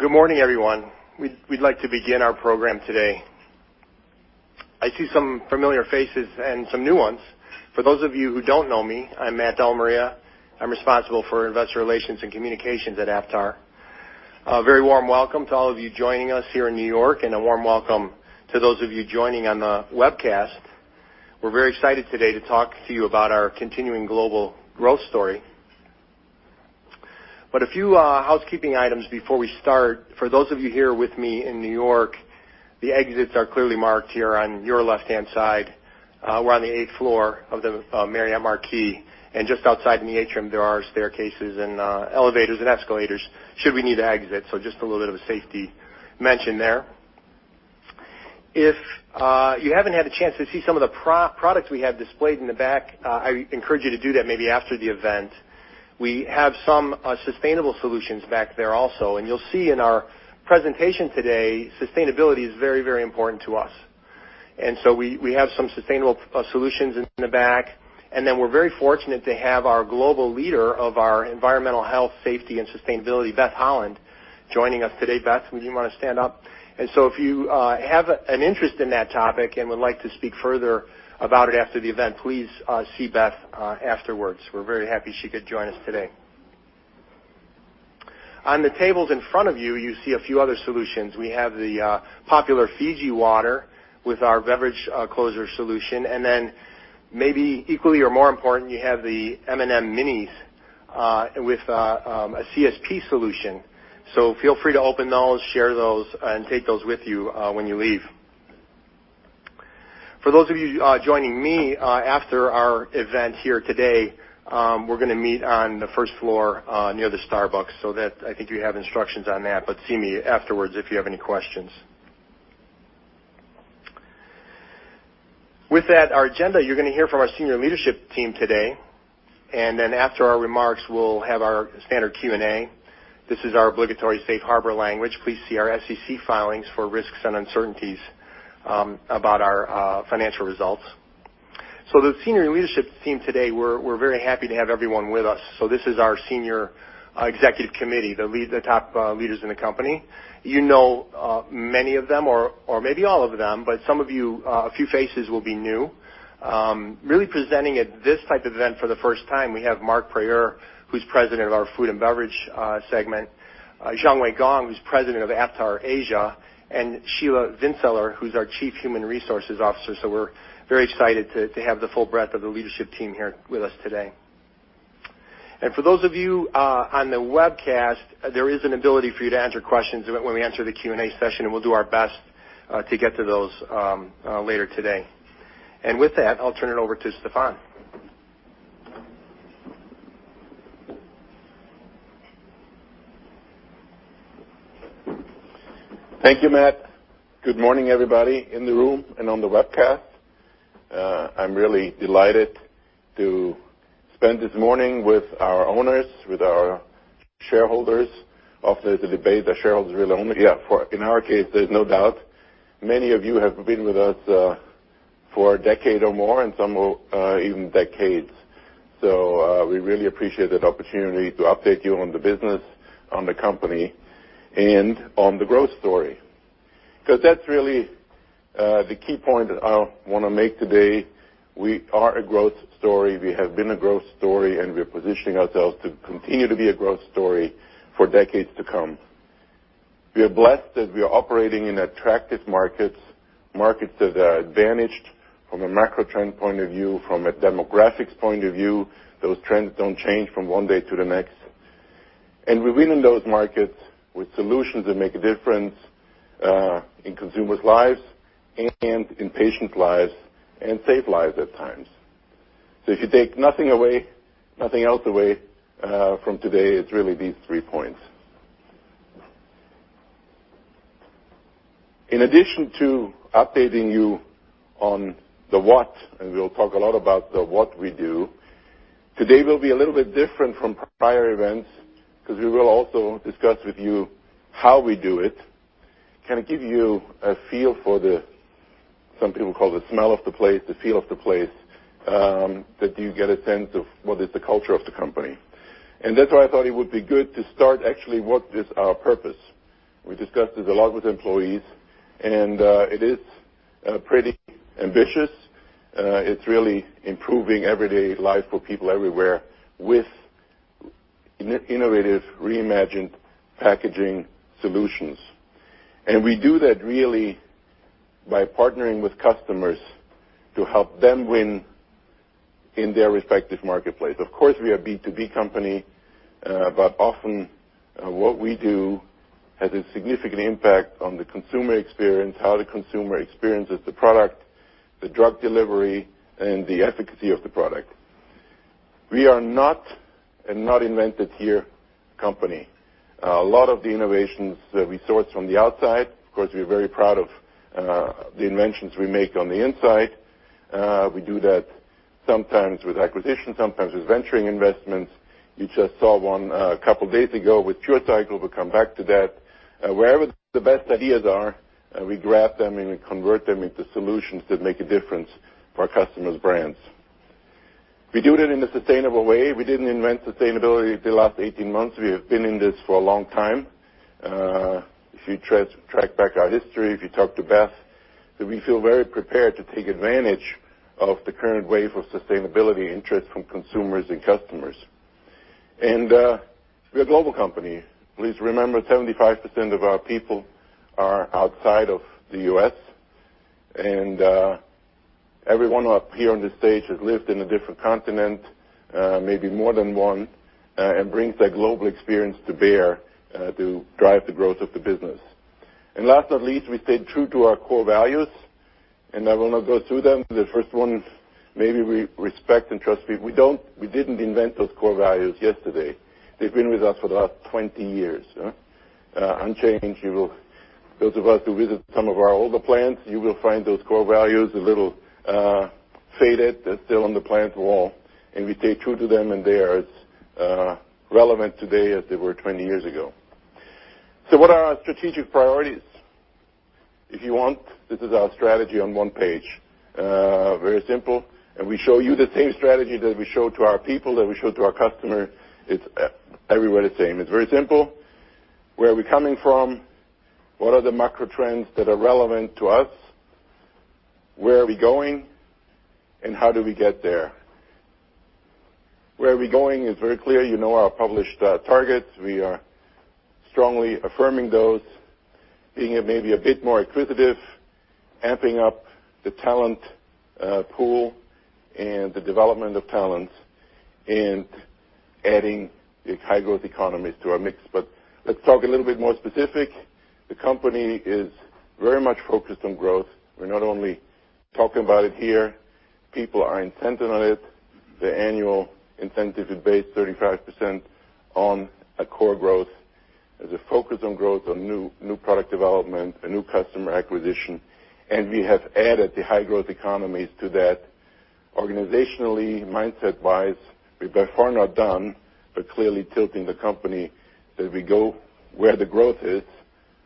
Good morning, everyone. We'd like to begin our program today. I see some familiar faces and some new ones. For those of you who don't know me, I'm Matt DellaMaria. I'm responsible for investor relations and communications at Aptar. A very warm welcome to all of you joining us here in New York, and a warm welcome to those of you joining on the webcast. We're very excited today to talk to you about our continuing global growth story. A few housekeeping items before we start. For those of you here with me in New York, the exits are clearly marked here on your left-hand side. We're on the eighth floor of the Marriott Marquis, and just outside in the atrium, there are staircases and elevators and escalators should we need to exit. Just a little bit of a safety mention there. If you haven't had a chance to see some of the products we have displayed in the back, I encourage you to do that maybe after the event. We have some sustainable solutions back there also, and you'll see in our presentation today, sustainability is very important to us. We have some sustainable solutions in the back, then we're very fortunate to have our Global Leader of our Environmental Health, Safety, and Sustainability, Beth Holland, joining us today. Beth, would you want to stand up? If you have an interest in that topic and would like to speak further about it after the event, please see Beth afterwards. We're very happy she could join us today. On the tables in front of you see a few other solutions. We have the popular Fiji Water with our beverage closure solution, and then maybe equally or more important, you have the M&M'S Minis, with a CSP solution. Feel free to open those, share those, and take those with you when you leave. For those of you joining me after our event here today, we're going to meet on the first floor, near the Starbucks. That, I think you have instructions on that, but see me afterwards if you have any questions. With that, our agenda, you're going to hear from our senior leadership team today. After our remarks, we'll have our standard Q&A. This is our obligatory safe harbor language. Please see our SEC filings for risks and uncertainties about our financial results. The senior leadership team today, we're very happy to have everyone with us. This is our senior executive committee, the top leaders in the company. You know many of them or maybe all of them, but some of you, a few faces will be new. Really presenting at this type of event for the first time, we have Marc Prieur, who's president of our food and beverage segment, Xiangwei Gong, who's president of Aptar Asia, and Shiela Vinczeller, who's our Chief Human Resources Officer. We're very excited to have the full breadth of the leadership team here with us today. For those of you on the webcast, there is an ability for you to answer questions when we answer the Q&A session, and we'll do our best to get to those later today. With that, I'll turn it over to Stephan. Thank you, Matt. Good morning, everybody in the room and on the webcast. I'm really delighted to spend this morning with our owners, with our shareholders. Often there's a debate, are shareholders really owners? Yeah, in our case, there's no doubt. Many of you have been with us for a decade or more and some even decades. We really appreciate that opportunity to update you on the business, on the company, and on the growth story. That's really the key point that I want to make today. We are a growth story, we have been a growth story, and we are positioning ourselves to continue to be a growth story for decades to come. We are blessed that we are operating in attractive markets that are advantaged from a macro trend point of view, from a demographics point of view. Those trends don't change from one day to the next. We win in those markets with solutions that make a difference in consumers' lives and in patients' lives, and save lives at times. If you take nothing else away from today, it's really these three points. In addition to updating you on the what, and we'll talk a lot about the what we do, today will be a little bit different from prior events because we will also discuss with you how we do it. Kind of give you a feel for the, some people call the smell of the place, the feel of the place, that you get a sense of what is the culture of the company. That's why I thought it would be good to start actually, what is our purpose? We discussed this a lot with employees, and it is pretty ambitious. It's really improving everyday life for people everywhere with innovative, reimagined packaging solutions. We do that really by partnering with customers to help them win in their respective marketplace. Of course, we are a B2B company, but often what we do has a significant impact on the consumer experience, how the consumer experiences the product, the drug delivery, and the efficacy of the product. We are not a not invented here company. A lot of the innovations we source from the outside. Of course, we're very proud of the inventions we make on the inside. We do that sometimes with acquisitions, sometimes with venturing investments. You just saw one a couple days ago with PureCycle. We'll come back to that. Wherever the best ideas are, we grab them, and we convert them into solutions that make a difference for our customers' brands. We do it in a sustainable way. We didn't invent sustainability the last 18 months. We have been in this for a long time. If you track back our history, if you talk to Beth, that we feel very prepared to take advantage of the current wave of sustainability interest from consumers and customers. We're a global company. Please remember, 75% of our people are outside of the U.S., and everyone up here on this stage has lived in a different continent, maybe more than one, and brings that global experience to bear to drive the growth of the business. Last not least, we stayed true to our core values, and I will not go through them. The first one is maybe we respect and trust people. We didn't invent those core values yesterday. They've been with us for the last 20 years, unchanged. Those of us who visit some of our older plants, you will find those core values a little faded. They're still on the plant wall, and we stay true to them, and they are as relevant today as they were 20 years ago. What are our strategic priorities? If you want, this is our strategy on one page. Very simple, we show you the same strategy that we show to our people, that we show to our customer. It's everywhere the same. It's very simple. Where are we coming from? What are the macro trends that are relevant to us? Where are we going, how do we get there? Where are we going is very clear. You know our published targets. We are strongly affirming those, being maybe a bit more acquisitive, amping up the talent pool and the development of talents, and adding the high-growth economies to our mix. Let's talk a little bit more specific. The company is very much focused on growth. We're not only talking about it here. People are incented on it. The annual incentive is based 35% on a core growth. There's a focus on growth, on new product development, and new customer acquisition, and we have added the high-growth economies to that. Organizationally, mindset-wise, we're by far not done, but clearly tilting the company that we go where the growth is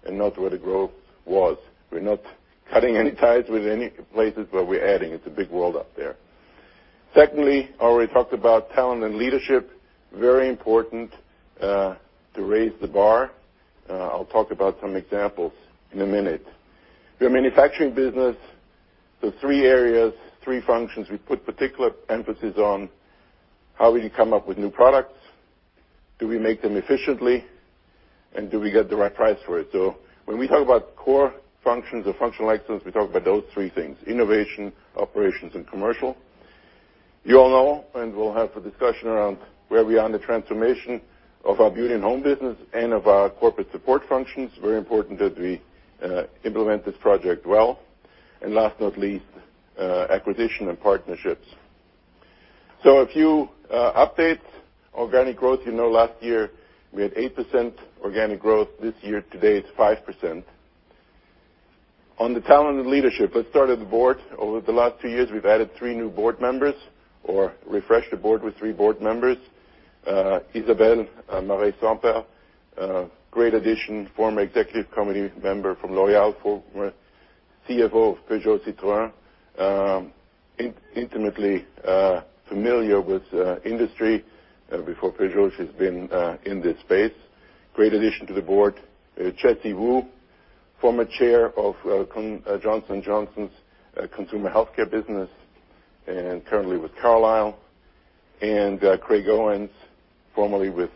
and not where the growth was. We're not cutting any ties with any places, but we're adding. It's a big world out there. Secondly, I already talked about talent and leadership, very important to raise the bar. I'll talk about some examples in a minute. We're a manufacturing business, three areas, three functions we put particular emphasis on. How will you come up with new products? Do we make them efficiently? Do we get the right price for it? When we talk about core functions or functional excellence, we talk about those three things, innovation, operations, and commercial. You all know, we'll have a discussion around where we are on the transformation of our Beauty + Home business and of our corporate support functions. Very important that we implement this project well. Last not least, acquisition and partnerships. A few updates. Organic growth, you know last year, we had 8% organic growth. This year to date, it's 5%. On the talent and leadership, let's start at the board. Over the last two years, we've added three new board members or refreshed the board with three board members. Isabel Marey-Semper, great addition, former executive committee member from L'Oréal, former CFO of Peugeot Citroën. Intimately familiar with industry. Before Peugeot, she's been in this space. Great addition to the board. Jesse Wu, former chair of Johnson & Johnson's Consumer Healthcare business and currently with Carlyle. Craig Owens, formerly with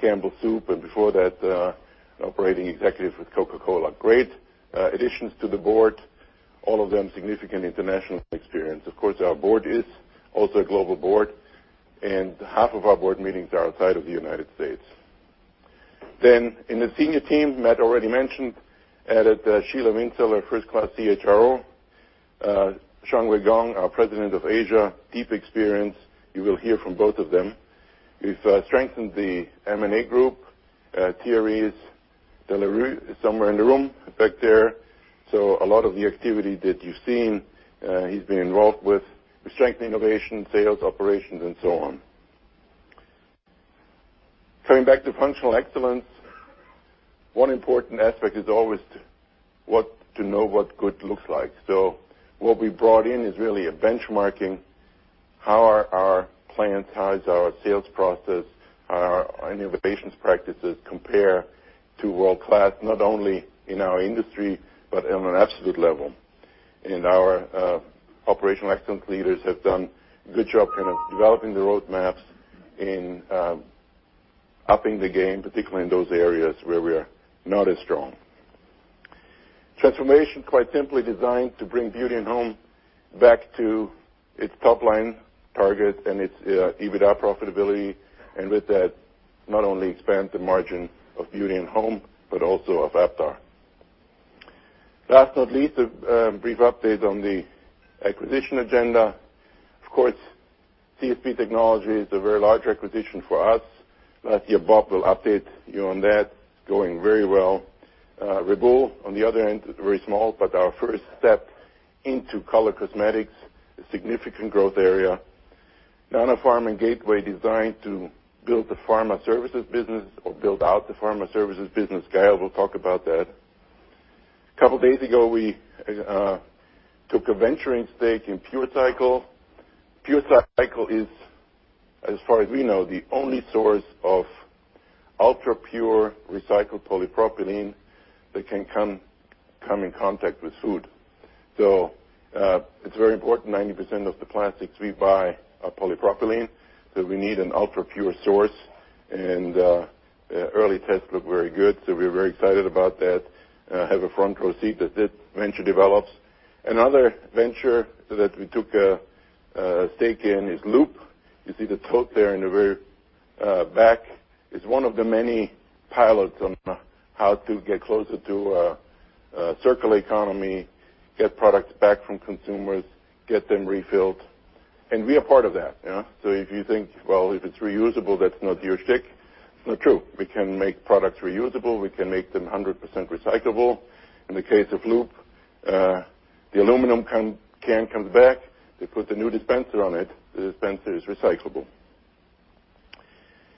Campbell Soup, and before that, operating executive with Coca-Cola. Great additions to the board, all of them significant international experience. Of course, our board is also a global board, and half of our board meetings are outside of the U.S. In the senior team, Matt already mentioned, added Shiela Vinczeller, a first-class CHRO. Xiangwei Gong, our president of Asia, deep experience. You will hear from both of them. We've strengthened the M&A group. Thierry is somewhere in the room, back there. A lot of the activity that you've seen, he's been involved with. We strengthened innovation, sales, operations, and so on. Coming back to functional excellence, one important aspect is always to know what good looks like. What we brought in is really a benchmarking. How are our plants, how is our sales process, our innovations practices compare to world-class, not only in our industry but on an absolute level? Our operational excellence leaders have done a good job developing the roadmaps in upping the game, particularly in those areas where we are not as strong. Transformation, quite simply designed to bring Aptar Beauty + Home back to its top-line target and its EBITDA profitability, and with that, not only expand the margin of Aptar Beauty + Home, but also of Aptar. Last not least, a brief update on the acquisition agenda. Of course, CSP Technologies is a very large acquisition for us. Matthew and Bob will update you on that. It's going very well. Reboul on the other end, very small, but our first step into color cosmetics, a significant growth area. Nanopharm and Gateway Analytical designed to build the pharma services business or build out the pharma services business. Gael will talk about that. A couple of days ago, we took a venturing stake in PureCycle Technologies. PureCycle Technologies is, as far as we know, the only source of ultra-pure recycled polypropylene that can come in contact with food. It's very important 90% of the plastics we buy are polypropylene, so we need an ultra-pure source. Early tests look very good, so we're very excited about that, have a front row seat as this venture develops. Another venture that we took a stake in is Loop. You see the tote there in the very back. It's one of the many pilots on how to get closer to a circular economy, get products back from consumers, get them refilled. We are part of that. If you think, well, if it's reusable, that's not your schtick. It's not true. We can make products reusable. We can make them 100% recyclable. In the case of Loop, the aluminum can comes back. They put the new dispenser on it. The dispenser is recyclable.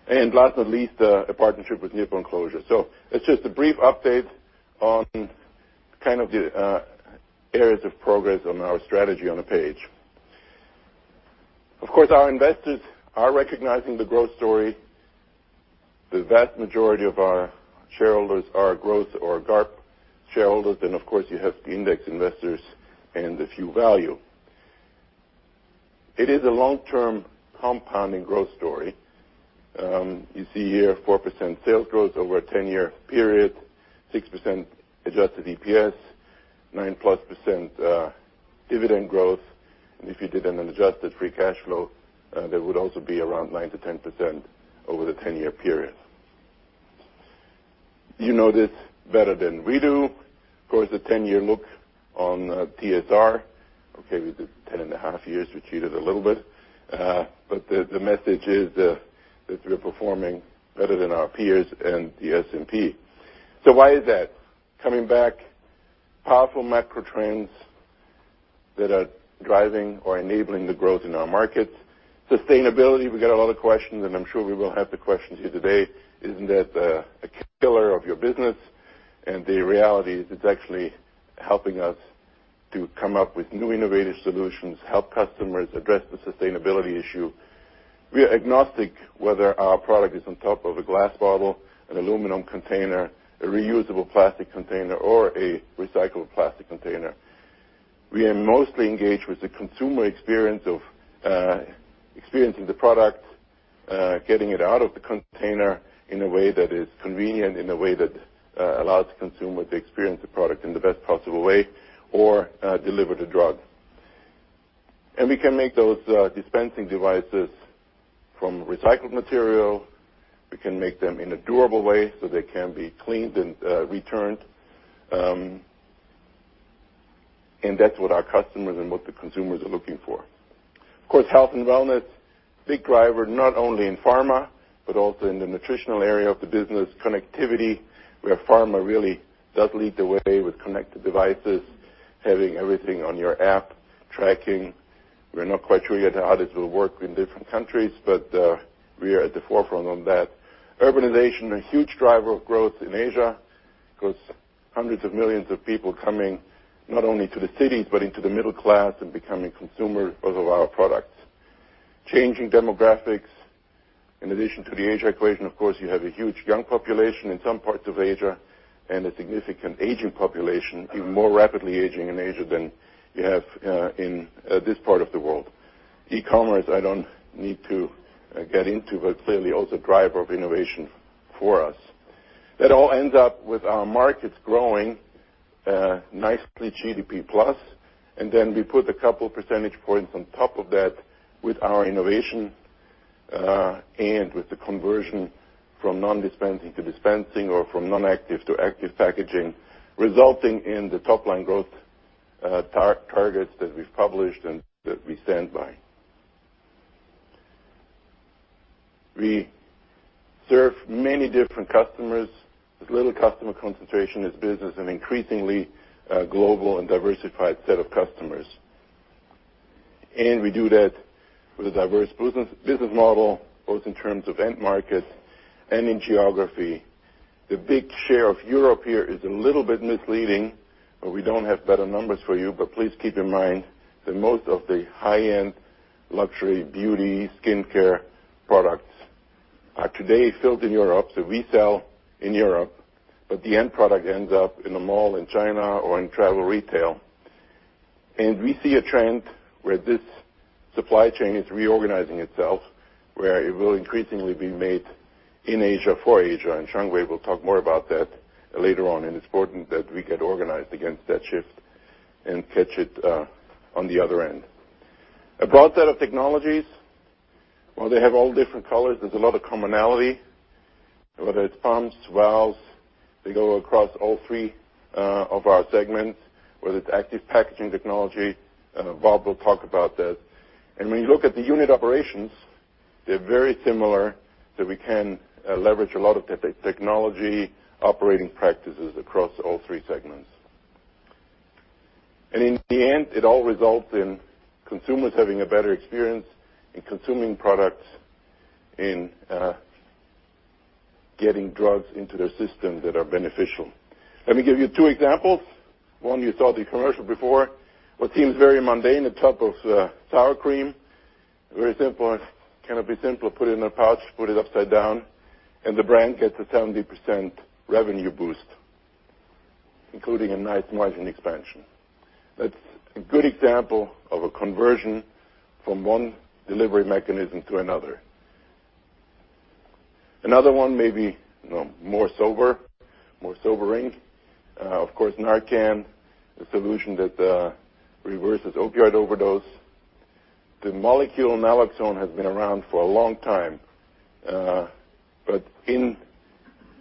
Last but not least, a partnership with Nippon Closures Co., Ltd. It's just a brief update on kind of the areas of progress on our strategy on a page. Of course, our investors are recognizing the growth story. The vast majority of our shareholders are growth or GARP shareholders, and of course, you have the index investors and a few value. It is a long-term compounding growth story. You see here 4% sales growth over a 10-year period, 6% adjusted EPS, 9-plus % dividend growth. If you did an adjusted free cash flow, that would also be around 9%-10% over the 10-year period. You know this better than we do. Of course, a 10-year look on TSR. Okay, we did 10 and a half years. We cheated a little bit. The message is that we are performing better than our peers and the S&P. Why is that? Coming back, powerful macro trends that are driving or enabling the growth in our markets. Sustainability, we get a lot of questions, and I'm sure we will have the questions here today. Isn't that a killer of your business? The reality is it's actually helping us to come up with new innovative solutions, help customers address the sustainability issue. We are agnostic whether our product is on top of a glass bottle, an aluminum container, a reusable plastic container, or a recycled plastic container. We are mostly engaged with the consumer experience of experiencing the product, getting it out of the container in a way that is convenient, in a way that allows the consumer to experience the product in the best possible way or deliver the drug. We can make those dispensing devices from recycled material. We can make them in a durable way so they can be cleaned and returned. That's what our customers and what the consumers are looking for. Of course, health and wellness, big driver, not only in pharma, but also in the nutritional area of the business. Connectivity, where Pharma really does lead the way with connected devices, having everything on your app, tracking. We're not quite sure yet how this will work in different countries, but we are at the forefront on that. Urbanization, a huge driver of growth in Asia because hundreds of millions of people coming not only to the cities but into the middle class and becoming consumers of our products. Changing demographics. In addition to the Asia equation, of course, you have a huge young population in some parts of Asia and a significant aging population, even more rapidly aging in Asia than you have in this part of the world. E-commerce, I don't need to get into, clearly also driver of innovation for us. That all ends up with our markets growing nicely GDP plus. We put a couple percentage points on top of that with our innovation and with the conversion from non-dispensing to dispensing or from non-active to active packaging, resulting in the top-line growth targets that we've published and that we stand by. We serve many different customers. As little customer concentration as business and increasingly global and diversified set of customers. We do that with a diverse business model, both in terms of end markets and in geography. The big share of Europe here is a little bit misleading. We don't have better numbers for you. Please keep in mind that most of the high-end luxury beauty, skincare products are today filled in Europe. We sell in Europe, but the end product ends up in a mall in China or in travel retail. We see a trend where this supply chain is reorganizing itself, where it will increasingly be made in Asia for Asia, Xiangwei will talk more about that later on, and it's important that we get organized against that shift and catch it on the other end. A broad set of technologies. While they have all different colors, there's a lot of commonality, whether it's pumps, valves, they go across all three of our segments, whether it's active packaging technology. Bob will talk about that. When you look at the unit operations, they're very similar that we can leverage a lot of the technology operating practices across all three segments. In the end, it all results in consumers having a better experience in consuming products, in getting drugs into their system that are beneficial. Let me give you two examples. One, you saw the commercial before, what seems very mundane, a tub of sour cream. Very simple. Cannot be simpler. Put it in a pouch, put it upside down, the brand gets a 70% revenue boost, including a nice margin expansion. That's a good example of a conversion from one delivery mechanism to another. Another one may be more sobering. Of course, NARCAN, the solution that reverses opioid overdose. The molecule naloxone has been around for a long time. In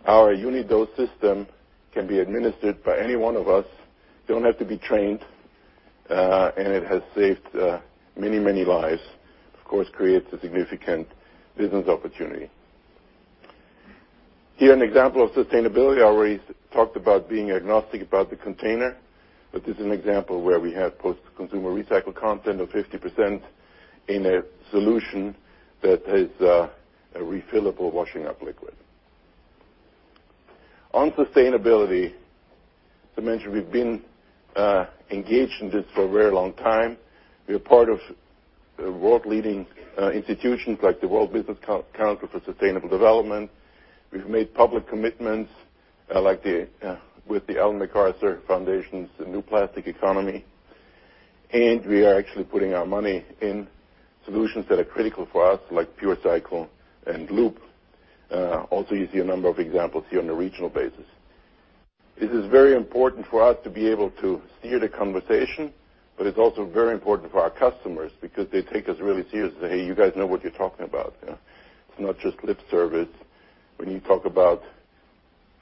our Unidose system, it can be administered by any one of us, don't have to be trained, and it has saved many, many lives. Of course, it creates a significant business opportunity. Here is an example of sustainability. I already talked about being agnostic about the container, but this is an example where we have post-consumer recycled content of 50% in a solution that is a refillable washing up liquid. On sustainability, as I mentioned, we've been engaged in this for a very long time. We are part of world-leading institutions like the World Business Council for Sustainable Development. We've made public commitments, like with the Ellen MacArthur Foundation's New Plastics Economy. We are actually putting our money in solutions that are critical for us, like PureCycle and Loop. Also, you see a number of examples here on a regional basis. It is very important for us to be able to steer the conversation, but it's also very important for our customers because they take us really seriously. "Hey, you guys know what you're talking about." It's not just lip service when you talk about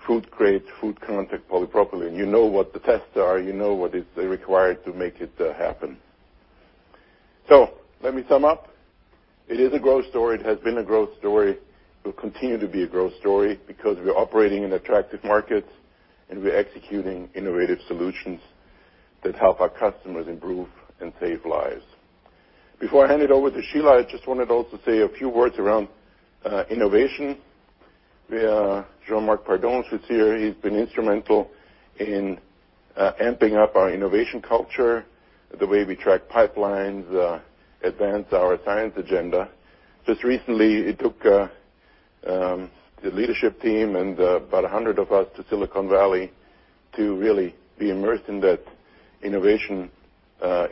food-grade, food-contact polypropylene. You know what the tests are. You know what is required to make it happen. Let me sum up. It is a growth story. It has been a growth story. It will continue to be a growth story because we're operating in attractive markets, and we're executing innovative solutions that help our customers improve and save lives. Before I hand it over to Shiela, I just wanted also to say a few words around innovation. Jean-Marc Pardonge, who's here, he's been instrumental in amping up our innovation culture, the way we track pipelines, advance our science agenda. Just recently, he took the leadership team and about 100 of us to Silicon Valley to really be immersed in that innovation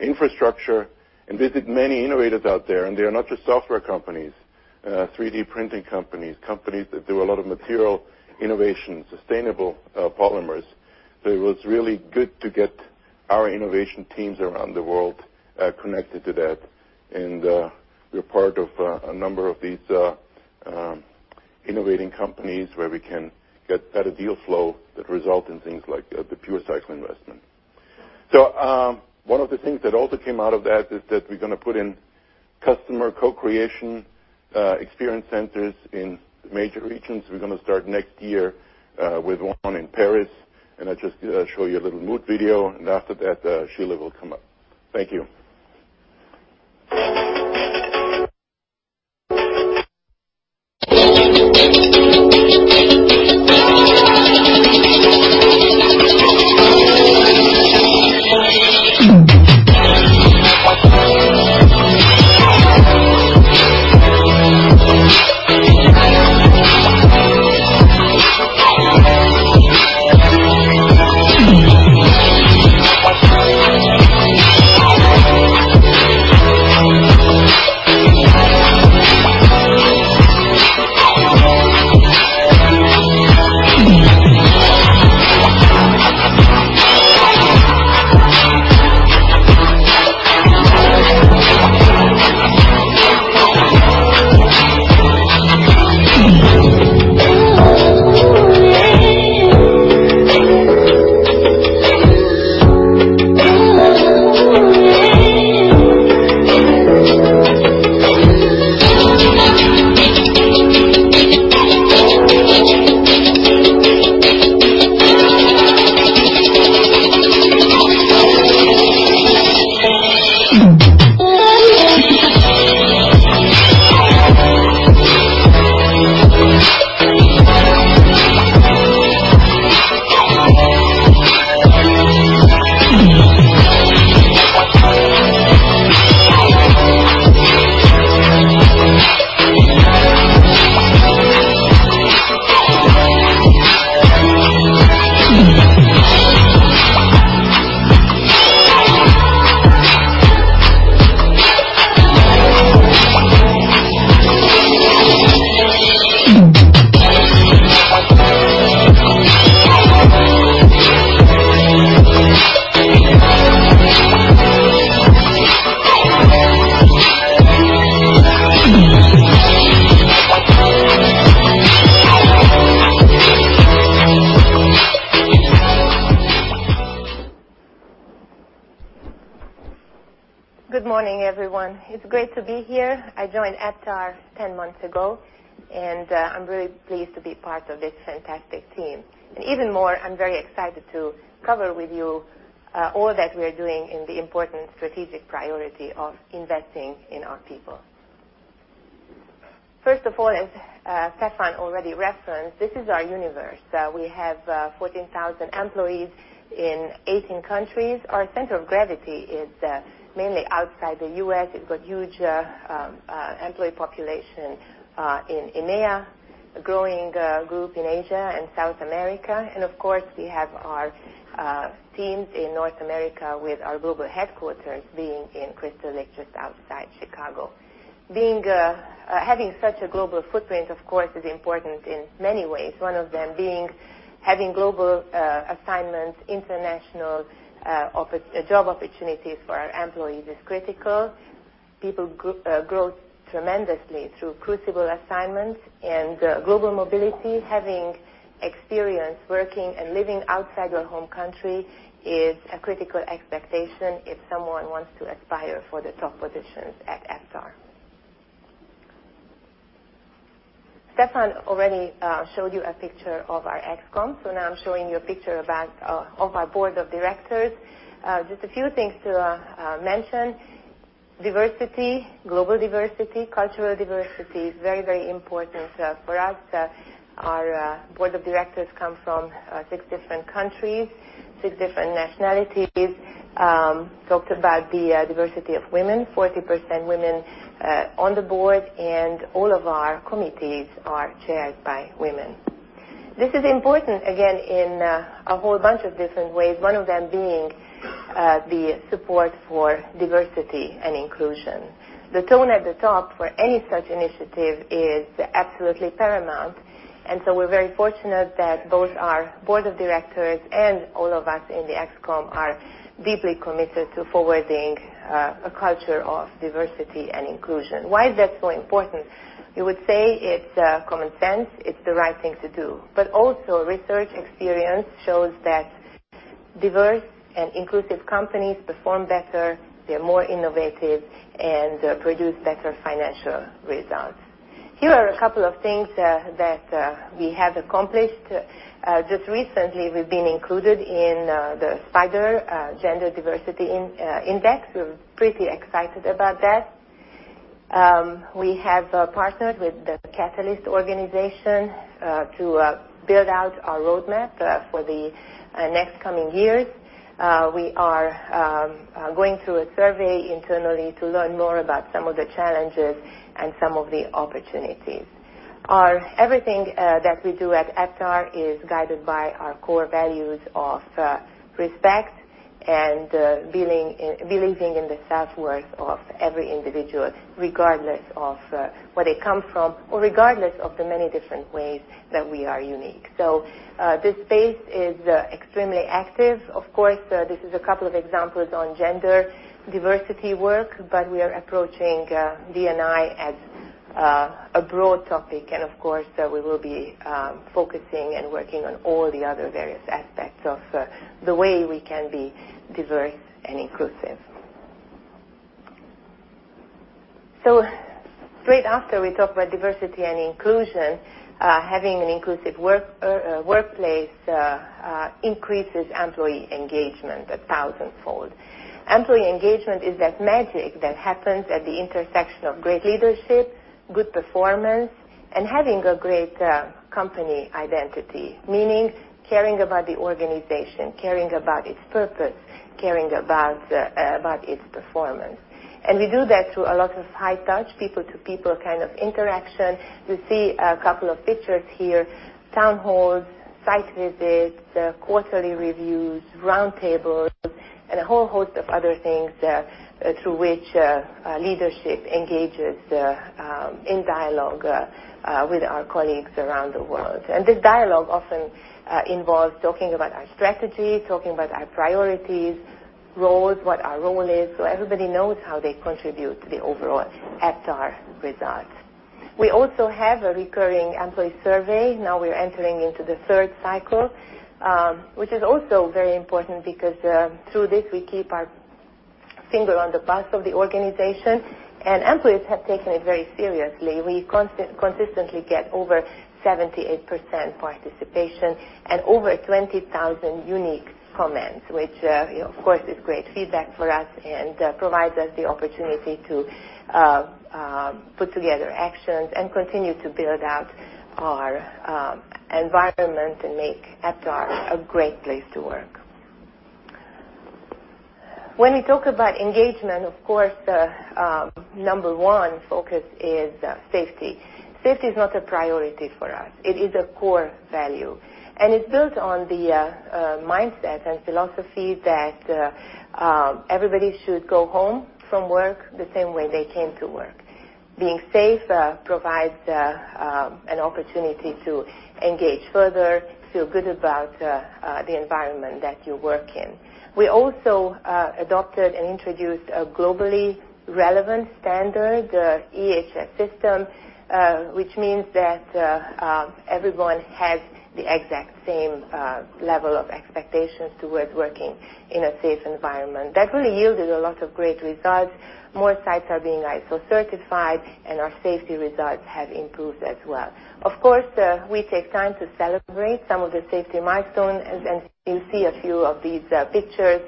infrastructure and visit many innovators out there. They are not just software companies, 3D printing companies that do a lot of material innovation, sustainable polymers. It was really good to get our innovation teams around the world connected to that. We're part of a number of these innovating companies where we can get better deal flow that result in things like the PureCycle investment. One of the things that also came out of that is that we're going to put in customer co-creation experience centers in major regions. We're going to start next year with one in Paris, and I'll just show you a little mood video, and after that, Shiela will come up. Thank you. Good morning, everyone. It's great to be here. I joined Aptar 10 months ago, and I'm very pleased to be part of this fantastic team. Even more, I'm very excited to cover with you all that we are doing in the important strategic priority of investing in our people. First of all, as Stephan already referenced, this is our universe. We have 14,000 employees in 18 countries. Our center of gravity is mainly outside the U.S. We've got huge employee population in EMEA, a growing group in Asia and South America, and of course, we have our teams in North America with our global headquarters being in Crystal Lake, just outside Chicago. Having such a global footprint, of course, is important in many ways. One of them being having global assignments, international job opportunities for our employees is critical. People grow tremendously through crucible assignments and global mobility. Having experience working and living outside your home country is a critical expectation if someone wants to aspire for the top positions at Aptar. Stephan already showed you a picture of our ex-com, so now I'm showing you a picture of our board of directors. Just a few things to mention. Diversity, global diversity, cultural diversity is very important for us. Our board of directors come from six different countries, six different nationalities. Talked about the diversity of women, 40% women on the board, and all of our committees are chaired by women. This is important, again, in a whole bunch of different ways, one of them being the support for diversity and inclusion. The tone at the top for any such initiative is absolutely paramount. We're very fortunate that both our Board of Directors and all of us in the ex-com are deeply committed to forwarding a culture of diversity and inclusion. Why is that so important? You would say it's common sense, it's the right thing to do. Also, research experience shows that diverse and inclusive companies perform better, they're more innovative, and produce better financial results. Here are a couple of things that we have accomplished. Just recently, we've been included in the S&P Gender Equality & Inclusion Equal Weight Index. We're pretty excited about that. We have partnered with the Catalyst organization to build out our roadmap for the next coming years. We are going through a survey internally to learn more about some of the challenges and some of the opportunities. Everything that we do at Aptar is guided by our core values of respect and believing in the self-worth of every individual, regardless of where they come from or regardless of the many different ways that we are unique. This space is extremely active. Of course, this is a couple of examples on gender diversity work, but we are approaching D&I as a broad topic. Of course, we will be focusing and working on all the other various aspects of the way we can be diverse and inclusive. Straight after we talk about diversity and inclusion, having an inclusive workplace increases employee engagement a thousandfold. Employee engagement is that magic that happens at the intersection of great leadership, good performance, and having a great company identity, meaning caring about the organization, caring about its purpose, caring about its performance. We do that through a lot of high touch, people-to-people interaction. You see a couple of pictures here, town halls, site visits, quarterly reviews, roundtables, and a whole host of other things through which leadership engages in dialogue with our colleagues around the world. This dialogue often involves talking about our strategy, talking about our priorities, roles, what our role is, so everybody knows how they contribute to the overall Aptar results. We also have a recurring employee survey. Now we are entering into the third cycle, which is also very important because through this, we keep our finger on the pulse of the organization, and employees have taken it very seriously. We consistently get over 78% participation and over 20,000 unique comments, which, of course, is great feedback for us and provides us the opportunity to put together actions and continue to build out our environment and make Aptar a great place to work. When we talk about engagement, of course, number 1 focus is safety. Safety is not a priority for us. It is a core value, and it's built on the mindset and philosophy that everybody should go home from work the same way they came to work. Being safe provides an opportunity to engage further, feel good about the environment that you work in. We also adopted and introduced a globally relevant standard, EHS system, which means that everyone has the exact same level of expectations towards working in a safe environment. That really yielded a lot of great results. More sites are being ISO certified, and our safety results have improved as well. Of course, we take time to celebrate some of the safety milestones, and you see a few of these pictures.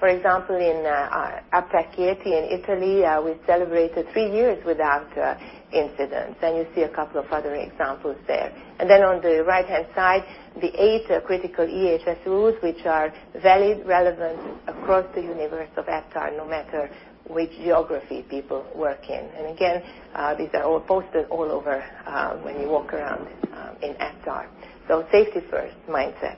For example, in our Aptar Chieti in Italy, we celebrated three years without incidents, and you see a couple of other examples there. On the right-hand side, the eight critical EHS rules which are valid, relevant across the universe of Aptar, no matter which geography people work in. Again, these are all posted all over when you walk around in Aptar. Safety first mindset.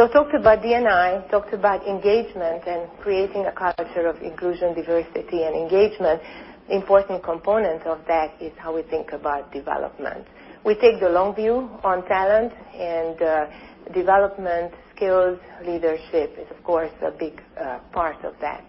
I talked about D&I, talked about engagement and creating a culture of inclusion, diversity, and engagement. Important component of that is how we think about development. We take the long view on talent and development skills. Leadership is, of course, a big part of that.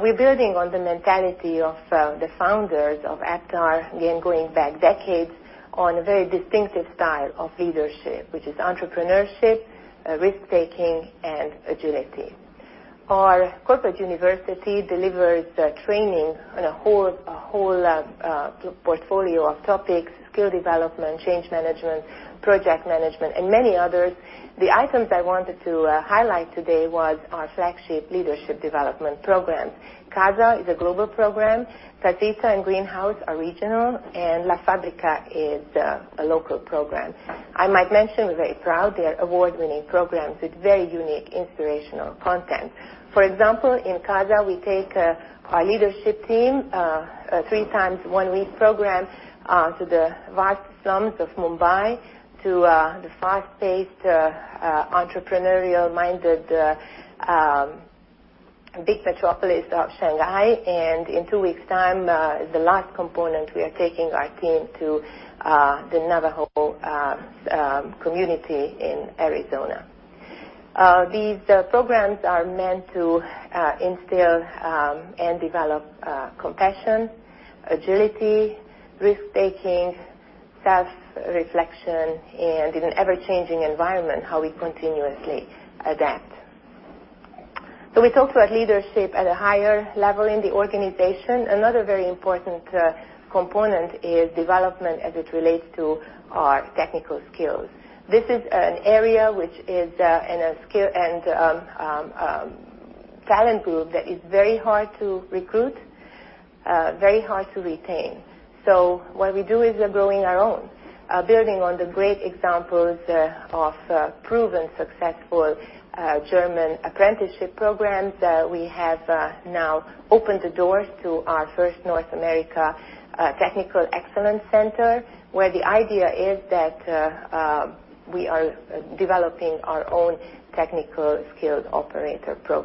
We're building on the mentality of the founders of Aptar, again, going back decades on a very distinctive style of leadership, which is entrepreneurship, risk-taking, and agility. Our corporate university delivers training on a whole portfolio of topics, skill development, change management, project management, and many others. The items I wanted to highlight today was our flagship leadership development programs. CASA is a global program. Platita and Greenhouse are regional, and La Fabrica is a local program. I might mention, we're very proud they're award-winning programs with very unique, inspirational content. For example, in CASA, we take our leadership team, three times one-week program, to the vast slums of Mumbai, to the fast-paced, entrepreneurial-minded, big metropolis of Shanghai. In two weeks' time, the last component, we are taking our team to the Navajo community in Arizona. These programs are meant to instill and develop compassion, agility, risk-taking, self-reflection, and in an ever-changing environment, how we continuously adapt. We talked about leadership at a higher level in the organization. Another very important component is development as it relates to our technical skills. This is an area which is in a skill and talent group that is very hard to recruit, very hard to retain. What we do is growing our own. Building on the great examples of proven successful German apprenticeship programs, we have now opened the doors to our first North America Technical Excellence Center, where the idea is that we are developing our own technical skilled operators through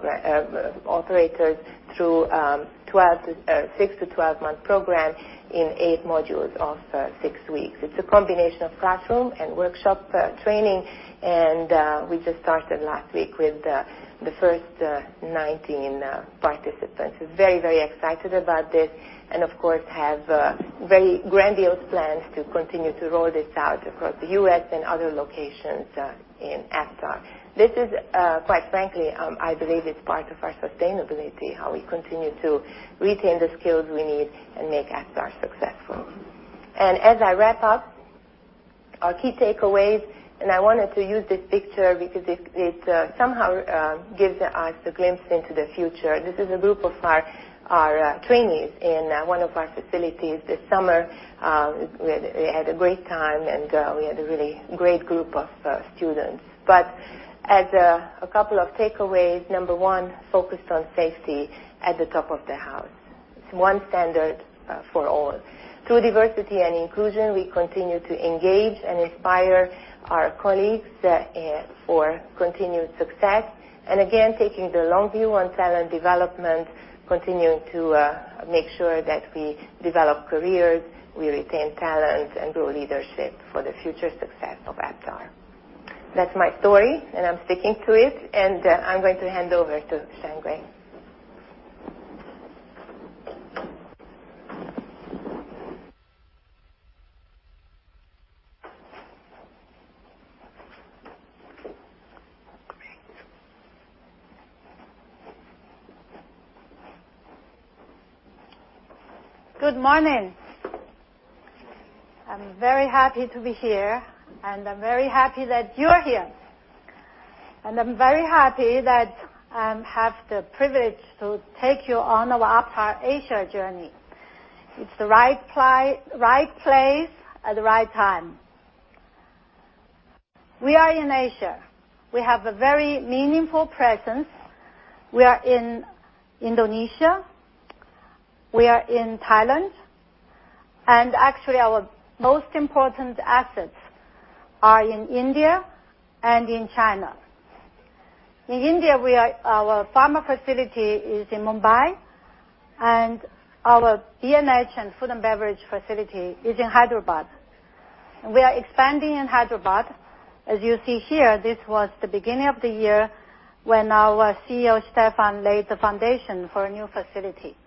6-12-month program in eight modules of six weeks. It's a combination of classroom and workshop training, and we just started last week with the first 19 participants. Very excited about this and of course, have very grandiose plans to continue to roll this out across the U.S. and other locations in Aptar. This is, quite frankly, I believe it's part of our sustainability, how we continue to retain the skills we need and make Aptar successful. As I wrap up, our key takeaways, I wanted to use this picture because it somehow gives us a glimpse into the future. This is a group of our trainees in one of our facilities this summer. We had a great time, and we had a really great group of students. As a couple of takeaways, number one, focused on safety at the top of the house. It's one standard for all. Through diversity and inclusion, we continue to engage and inspire our colleagues for continued success. Again, taking the long view on talent development, continuing to make sure that we develop careers, we retain talent, and grow leadership for the future success of Aptar. That's my story, and I'm sticking to it, and I'm going to hand over to Xiangwei. Great. Good morning. I'm very happy to be here, and I'm very happy that you're here. I'm very happy that I have the privilege to take you on our Aptar Asia journey. It's the right place at the right time. We are in Asia. We have a very meaningful presence. We are in Indonesia. We are in Thailand. Actually, our most important assets are in India and in China. In India, our Pharma facility is in Mumbai, and our B&H and food and beverage facility is in Hyderabad. We are expanding in Hyderabad. As you see here, this was the beginning of the year when our CEO, Stephan, laid the foundation for a new facility.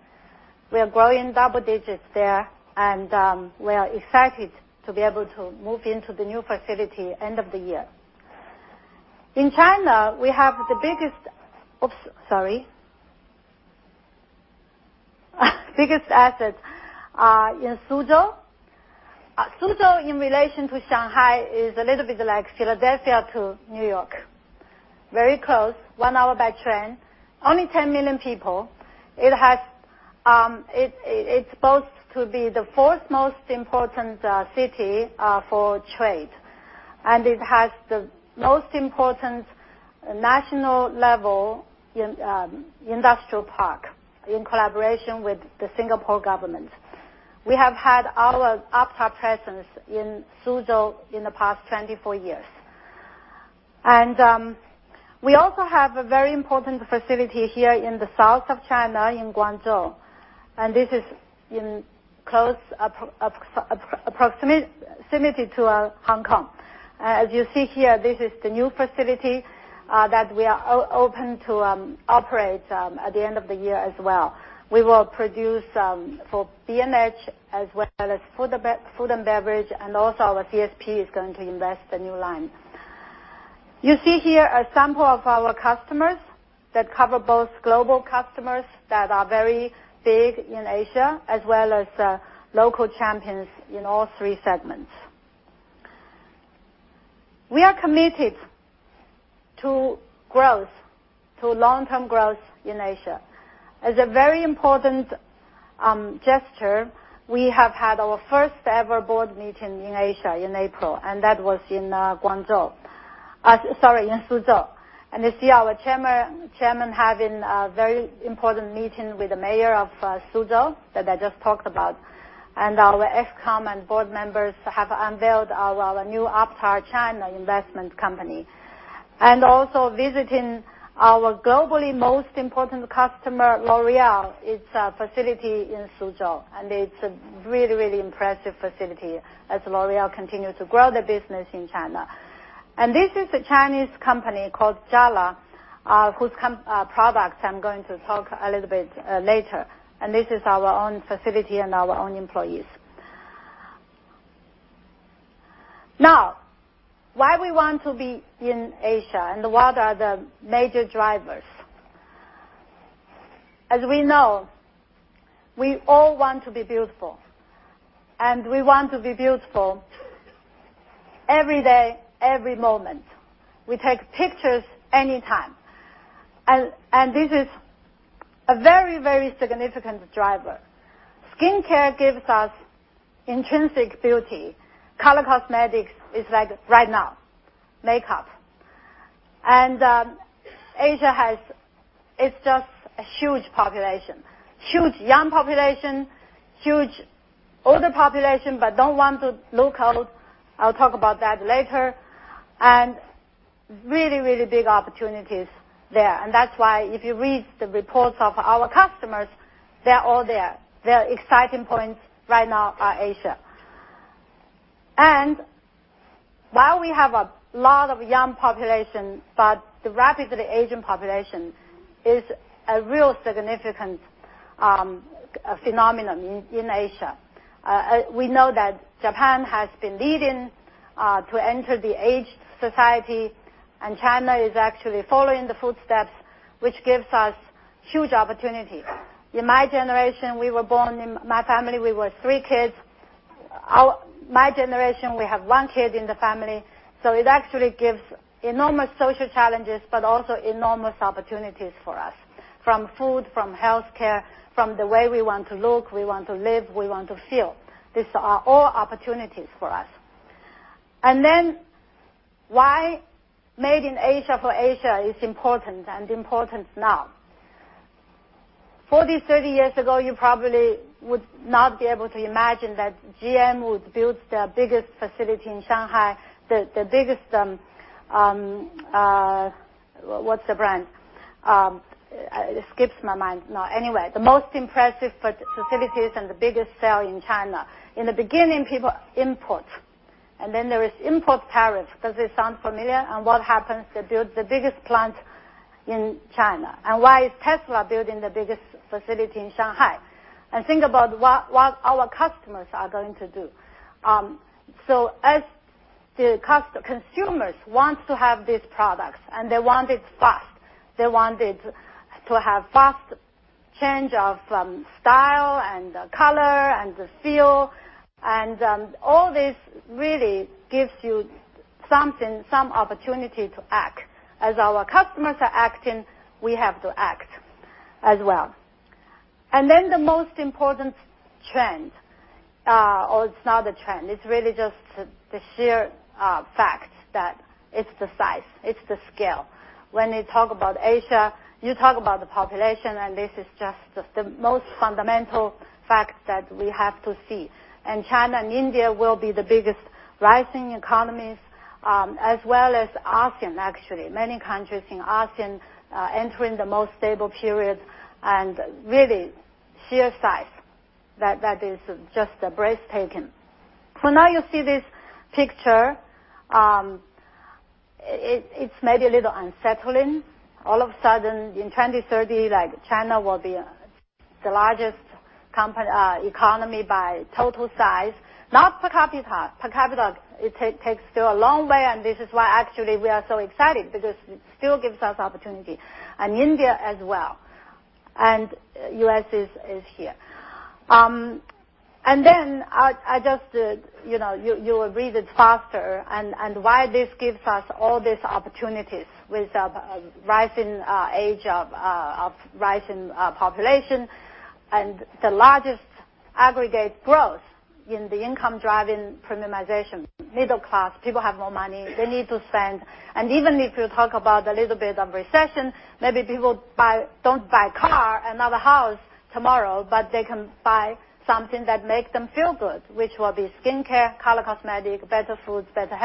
We are growing double digits there, and we are excited to be able to move into the new facility end of the year. In China, we have the biggest assets are in Suzhou. Suzhou in relation to Shanghai is a little bit like Philadelphia to New York. Very close, one hour by train. Only 10 million people. It boasts to be the fourth most important city for trade. It has the most important national-level industrial park in collaboration with the Singapore government. We have had our Aptar presence in Suzhou in the past 24 years. We also have a very important facility here in the south of China in Guangzhou, and this is in close proximity to Hong Kong. As you see here, this is the new facility that we are open to operate at the end of the year as well. We will produce for B&H as well as food and beverage, and also our CSP is going to invest a new line. You see here a sample of our customers that cover both global customers that are very big in Asia as well as local champions in all three segments. We are committed to long-term growth in Asia. As a very important gesture, we have had our first-ever board meeting in Asia in April, and that was in Guangzhou. Sorry, in Suzhou. You see our chairman having a very important meeting with the mayor of Suzhou that I just talked about. Our ex-com and board members have unveiled our new Aptar China investment company. Also visiting our globally most important customer, L'Oréal, its facility in Suzhou, and it's a really, really impressive facility as L'Oréal continues to grow their business in China. This is a Chinese company called Jala, whose products I'm going to talk a little bit later. This is our own facility and our own employees. Why we want to be in Asia and what are the major drivers? We all want to be beautiful, and we want to be beautiful every day, every moment. We take pictures anytime. This is a very significant driver. Skincare gives us intrinsic beauty. Color cosmetics is like right now, makeup. Asia has a huge population. Huge young population, huge older population, but don't want to look old. I'll talk about that later. Really big opportunities there. That's why if you read the reports of our customers, they're all there. The exciting points right now are Asia. While we have a lot of young population, but the rapidly aging population is a real significant phenomenon in Asia. We know that Japan has been leading to enter the aged society, and China is actually following the footsteps, which gives us huge opportunities. In my family, we were three kids. My generation, we have one kid in the family. It actually gives enormous social challenges, but also enormous opportunities for us. From food, from healthcare, from the way we want to look, we want to live, we want to feel. These are all opportunities for us. Why made in Asia for Asia is important and important now. 40, 30 years ago, you probably would not be able to imagine that GM would build their biggest facility in Shanghai. What's the brand? It skips my mind now. Anyway, the most impressive facilities and the biggest sale in China. In the beginning, people import, and then there is import tariff. Does this sound familiar? What happens? They build the biggest plant in China. Why is Tesla building the biggest facility in Shanghai? Think about what our customers are going to do. As the consumers want to have these products, and they want it fast. They want it to have fast change of style and color and feel. All this really gives you some opportunity to act. As our customers are acting, we have to act as well. The most important trend, or it's not a trend, it's really just the sheer fact that it's the size, it's the scale. When you talk about Asia, you talk about the population, this is just the most fundamental fact that we have to see. China and India will be the biggest rising economies, as well as ASEAN, actually. Many countries in ASEAN are entering the most stable period and really sheer size that is just breathtaking. Now you see this picture. It's maybe a little unsettling. All of a sudden, in 2030, China will be the largest economy by total size, not per capita. Per capita, it takes still a long way, and this is why actually we are so excited because it still gives us opportunity. India as well. U.S. is here. You will read it faster. This gives us all these opportunities with the rising age of rising population and the largest aggregate growth in the income-driving premiumization. Middle class. People have more money. They need to spend. Even if you talk about a little bit of recession, maybe people don't buy a car, another house tomorrow, but they can buy something that makes them feel good, which will be skincare, color cosmetic, better foods, better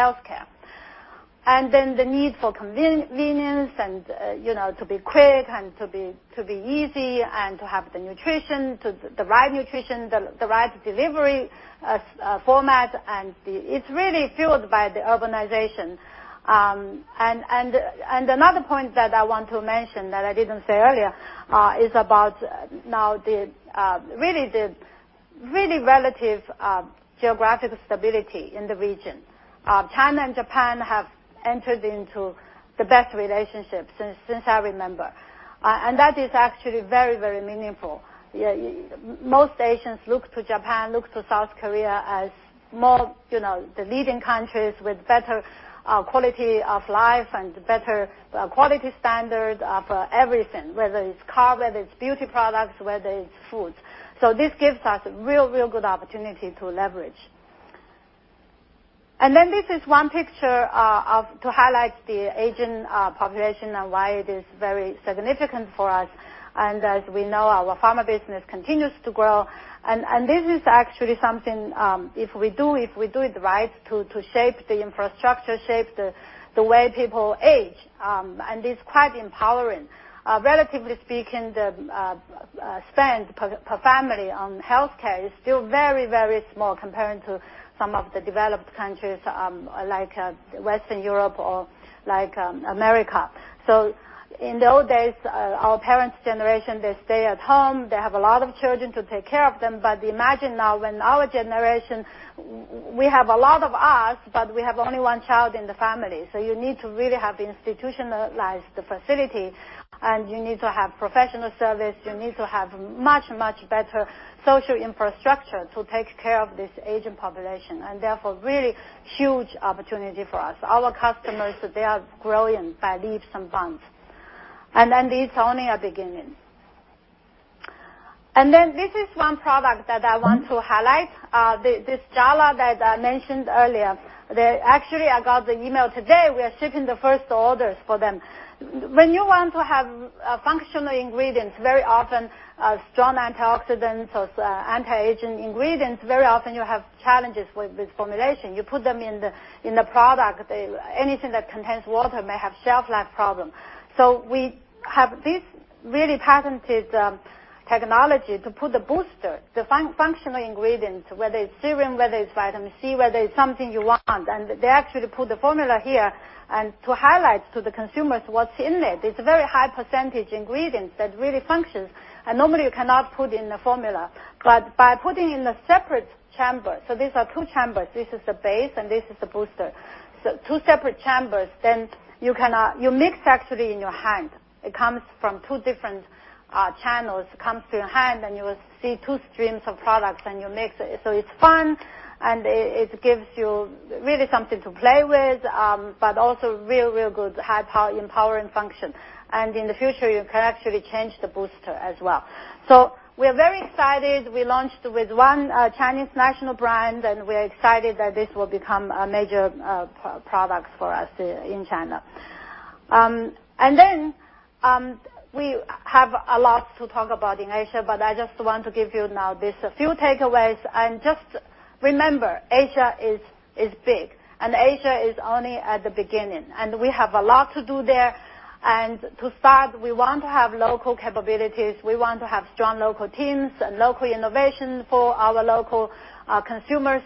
healthcare. The need for convenience and to be quick and to be easy and to have the right nutrition, the right delivery format, and it's really fueled by the urbanization. Another point that I want to mention that I didn't say earlier, is about now the really relative geographic stability in the region. China and Japan have entered into the best relationship since I remember. That is actually very, very meaningful. Most Asians look to Japan, look to South Korea as the leading countries with better quality of life and better quality standard for everything, whether it's car, whether it's beauty products, whether it's foods. This gives us real good opportunity to leverage. This is one picture to highlight the aging population and why it is very significant for us. As we know, our Pharma business continues to grow. This is actually something, if we do it right to shape the infrastructure, shape the way people age. It's quite empowering. Relatively speaking, the spend per family on healthcare is still very small compared to some of the developed countries, like Western Europe or like America. In the old days, our parents' generation, they stay at home. They have a lot of children to take care of them. Imagine now in our generation, we have a lot of us, but we have only one child in the family. You need to really have institutionalized the facility, and you need to have professional service. You need to have much better social infrastructure to take care of this aging population, and therefore, really huge opportunity for us. Our customers, they are growing by leaps and bounds. It's only a beginning. This is one product that I want to highlight. This Jala that I mentioned earlier. Actually, I got the email today. We are shipping the first orders for them. When you want to have functional ingredients, very often strong antioxidants or anti-aging ingredients, very often you have challenges with this formulation. You put them in the product. Anything that contains water may have shelf life problem. We have this really patented technology to put the booster, the functional ingredient, whether it's serum, whether it's vitamin C, whether it's something you want. They actually put the formula here and to highlight to the consumers what's in it. It's very high percentage ingredients that really functions. Normally you cannot put in the formula, but by putting in a separate chamber, these are two chambers. This is the base, and this is the booster. Two separate chambers. You mix actually in your hand. It comes from two different channels. It comes to your hand, and you will see two streams of products, and you mix it. It's fun, and it gives you really something to play with. Also real good high empowering function. In the future, you can actually change the booster as well. We're very excited. We launched with one Chinese national brand, and we're excited that this will become a major product for us in China. We have a lot to talk about in Asia, but I just want to give you now these few takeaways. Just remember, Asia is big, Asia is only at the beginning, and we have a lot to do there. To start, we want to have local capabilities. We want to have strong local teams and local innovation for our local consumers.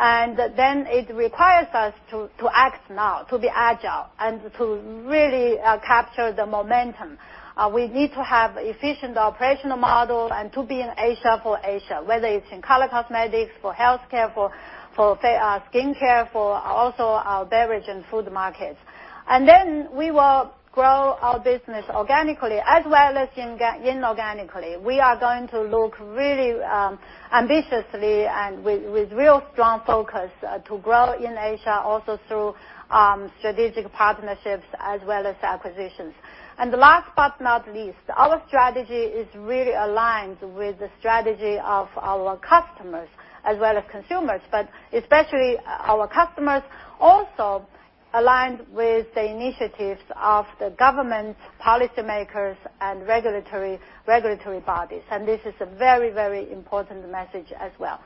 It requires us to act now, to be agile, and to really capture the momentum. We need to have efficient operational model and to be in Asia for Asia, whether it's in color cosmetics, for healthcare, for skincare, for also our beverage and food markets. We will grow our business organically as well as inorganically. We are going to look really ambitiously and with real strong focus to grow in Asia, also through strategic partnerships as well as acquisitions. Last but not least, our strategy is really aligned with the strategy of our customers as well as consumers, but especially our customers, also aligned with the initiatives of the government policymakers and regulatory bodies, and this is a very important message as well.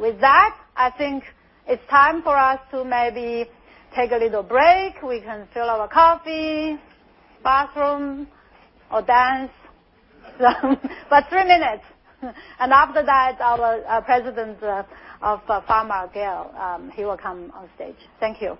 With that, I think it's time for us to maybe take a little break. We can fill our coffee, bathroom, or dance. Three minutes. After that, our President of Aptar Pharma, Gael, he will come on stage. Thank you.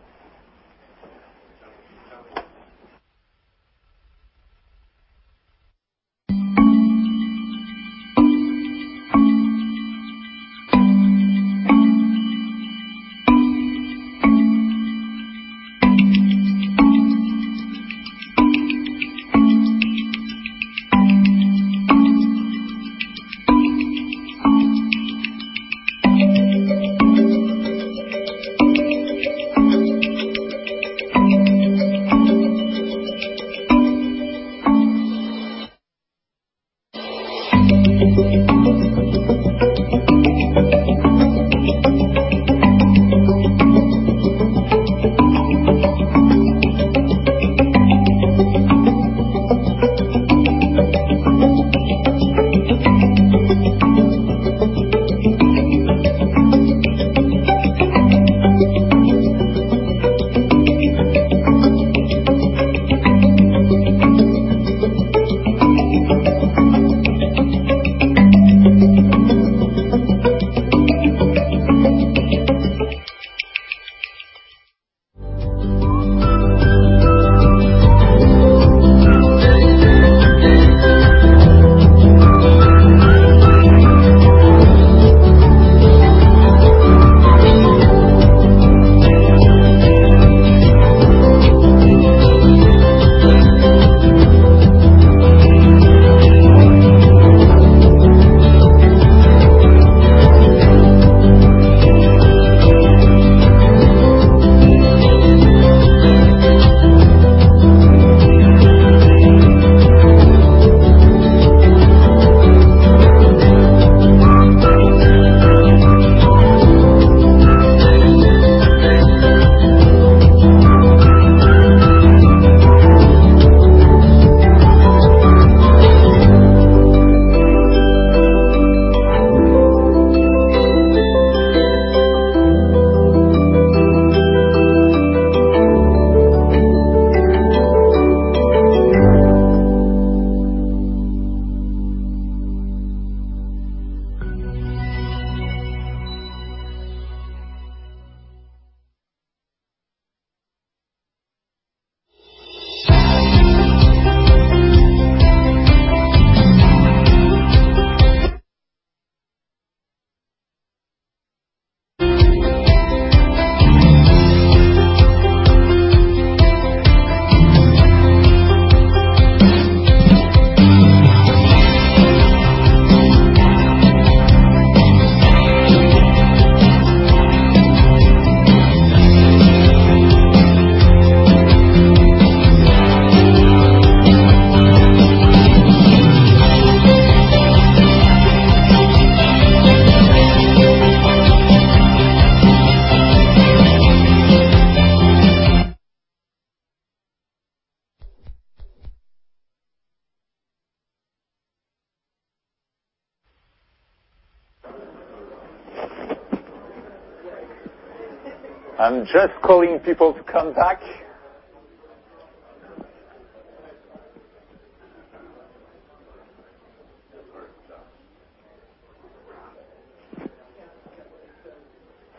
I'm just calling people to come back.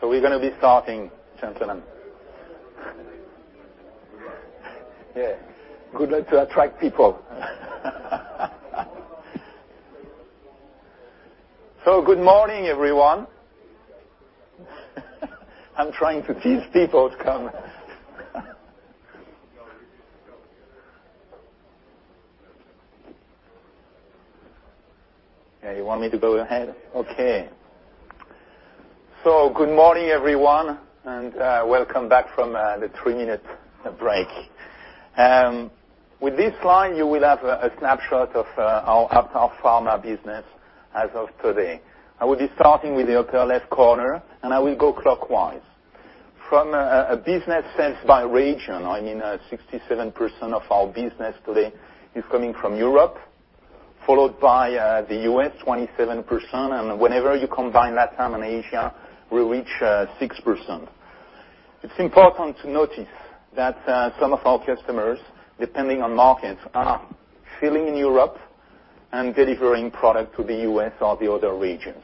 We're going to be starting, gentlemen. Yeah. Good luck to attract people. Good morning, everyone. I'm trying to tease people to come. You want me to go ahead? Okay. Good morning, everyone, and welcome back from the 3-minute break. With this slide, you will have a snapshot of our Pharma business as of today. I will be starting with the upper left corner, and I will go clockwise. From a business sense by region, 67% of our business today is coming from Europe, followed by the U.S., 27%, and whenever you combine LATAM and Asia, we reach 6%. It's important to notice that some of our customers, depending on markets, are filling in Europe and delivering product to the U.S. or the other regions.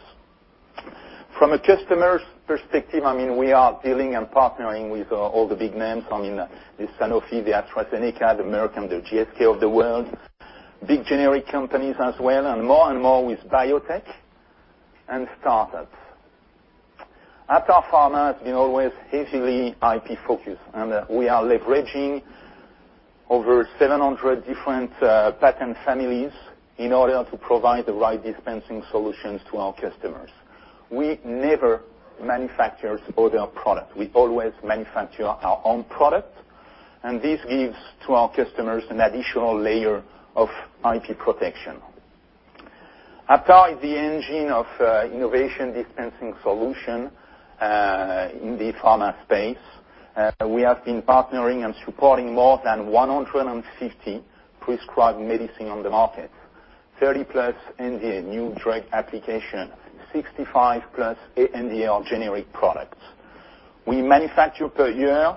From a customer's perspective, we are dealing and partnering with all the big names. The Sanofi, the AstraZeneca, the Amgen, the GSK of the world, big generic companies as well, and more and more with biotech and startups. Aptar Pharma has been always heavily IP-focused. We are leveraging over 700 different patent families in order to provide the right dispensing solutions to our customers. We never manufacture other products. We always manufacture our own product, and this gives to our customers an additional layer of IP protection. Aptar is the engine of innovation dispensing solution in the pharma space. We have been partnering and supporting more than 150 prescribed medicine on the market, 30-plus NDA, new drug application, 65-plus ANDA or generic products. We manufacture per year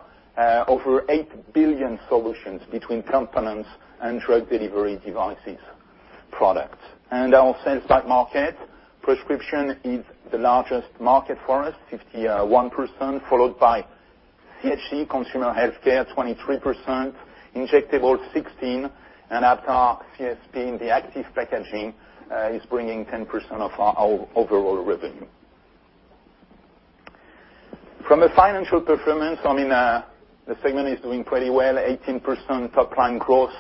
over 8 billion solutions between components and drug delivery devices. Our sales by market, prescription is the largest market for us, 51%, followed by CHC, consumer healthcare, 23%, injectable 16%, and Aptar CSP in the active packaging is bringing 10% of our overall revenue. From a financial performance, the segment is doing pretty well, 18% top-line growth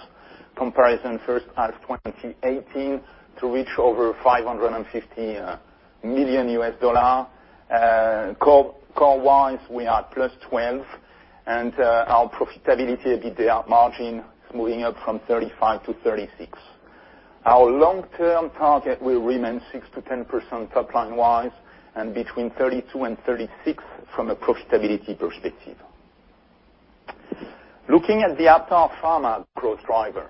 comparison first half of 2018 to reach over $550 million. Core-wise, we are +12%, and our profitability, EBITDA margin, is moving up from 35%-36%. Our long-term target will remain 6%-10% top-line-wise and between 32% and 36% from a profitability perspective. Looking at the Aptar Pharma growth drivers.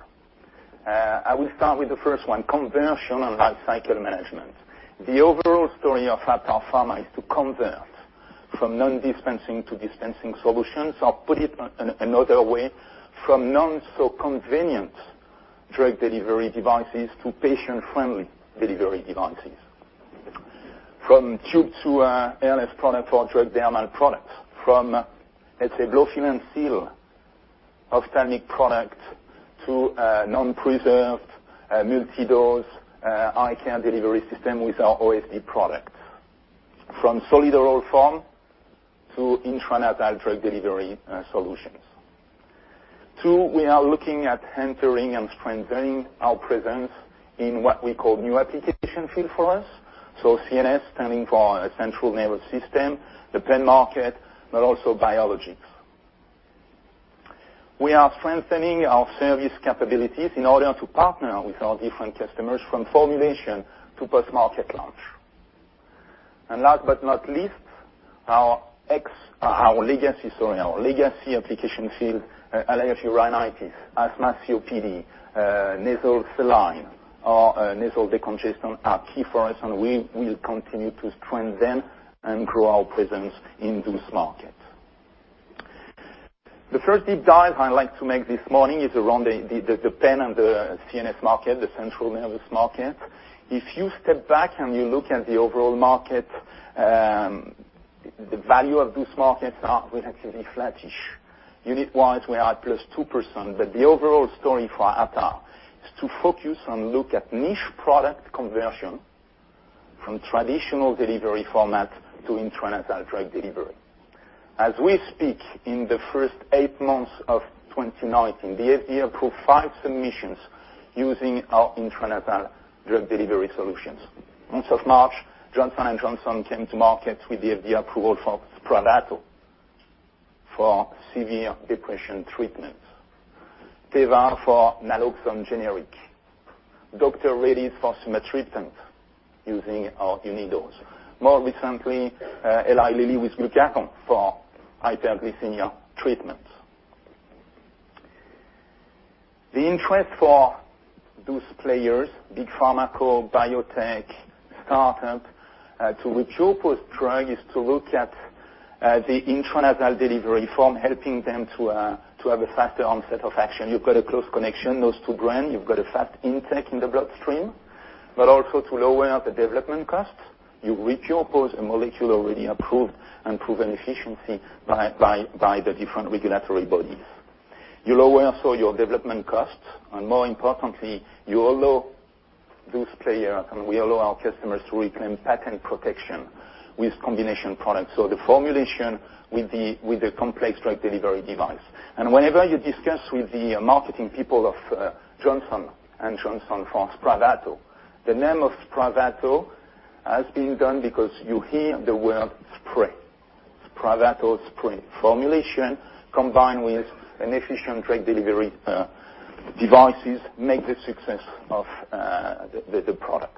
I will start with the first one, conversion and life cycle management. The overall story of Aptar Pharma is to convert from non-dispensing to dispensing solutions, or put it another way, from non-so-convenient drug delivery devices to patient-friendly delivery devices. From tube to a airless product or drug dermal product. From, let's say, blow-fill-and-seal ophthalmic product to a non-preserved, multi-dose, eye care delivery system with our OSD product. From solid oral form to intranasal drug delivery solutions. Two, we are looking at entering and strengthening our presence in what we call new application field for us. CNS, standing for central nervous system, the pen market, but also biologics. We are strengthening our service capabilities in order to partner with our different customers from formulation to post-market launch. Last but not least, our legacy application field, allergy rhinitis, asthma COPD, nasal saline or nasal decongestant are key for us, and we will continue to strengthen and grow our presence in those markets. The first deep dive I like to make this morning is around the pen and the CNS market, the central nervous market. If you step back and you look at the overall market, the value of those markets are relatively flattish. Unit wise, we are at plus 2%, but the overall story for Aptar is to focus and look at niche product conversion from traditional delivery format to intranasal drug delivery. As we speak, in the first eight months of 2019, the FDA approved five submissions using our intranasal drug delivery solutions. Month of March, Johnson & Johnson came to market with the FDA approval for SPRAVATO for severe depression treatment. Teva for naloxone generic. Dr. Reddy's for sumatriptan using our Unidose. More recently, Eli Lilly with glucagon for hyperglycemia treatments. The interest for those players, big pharma co, biotech, startup, to repurpose drug is to look at the intranasal delivery form, helping them to have a faster onset of action. You've got a close connection, those two brand. You've got a fast intake in the bloodstream, also to lower the development cost. You repurpose a molecule already approved and proven efficiency by the different regulatory bodies. You lower also your development cost, and more importantly, you allow those player, and we allow our customers to reclaim patent protection with combination products. The formulation with the complex drug delivery device. Whenever you discuss with the marketing people of Johnson & Johnson for SPRAVATO, the name of SPRAVATO has been done because you hear the word spray. SPRAVATO, spray. Formulation combined with an efficient drug delivery devices make the success of the product.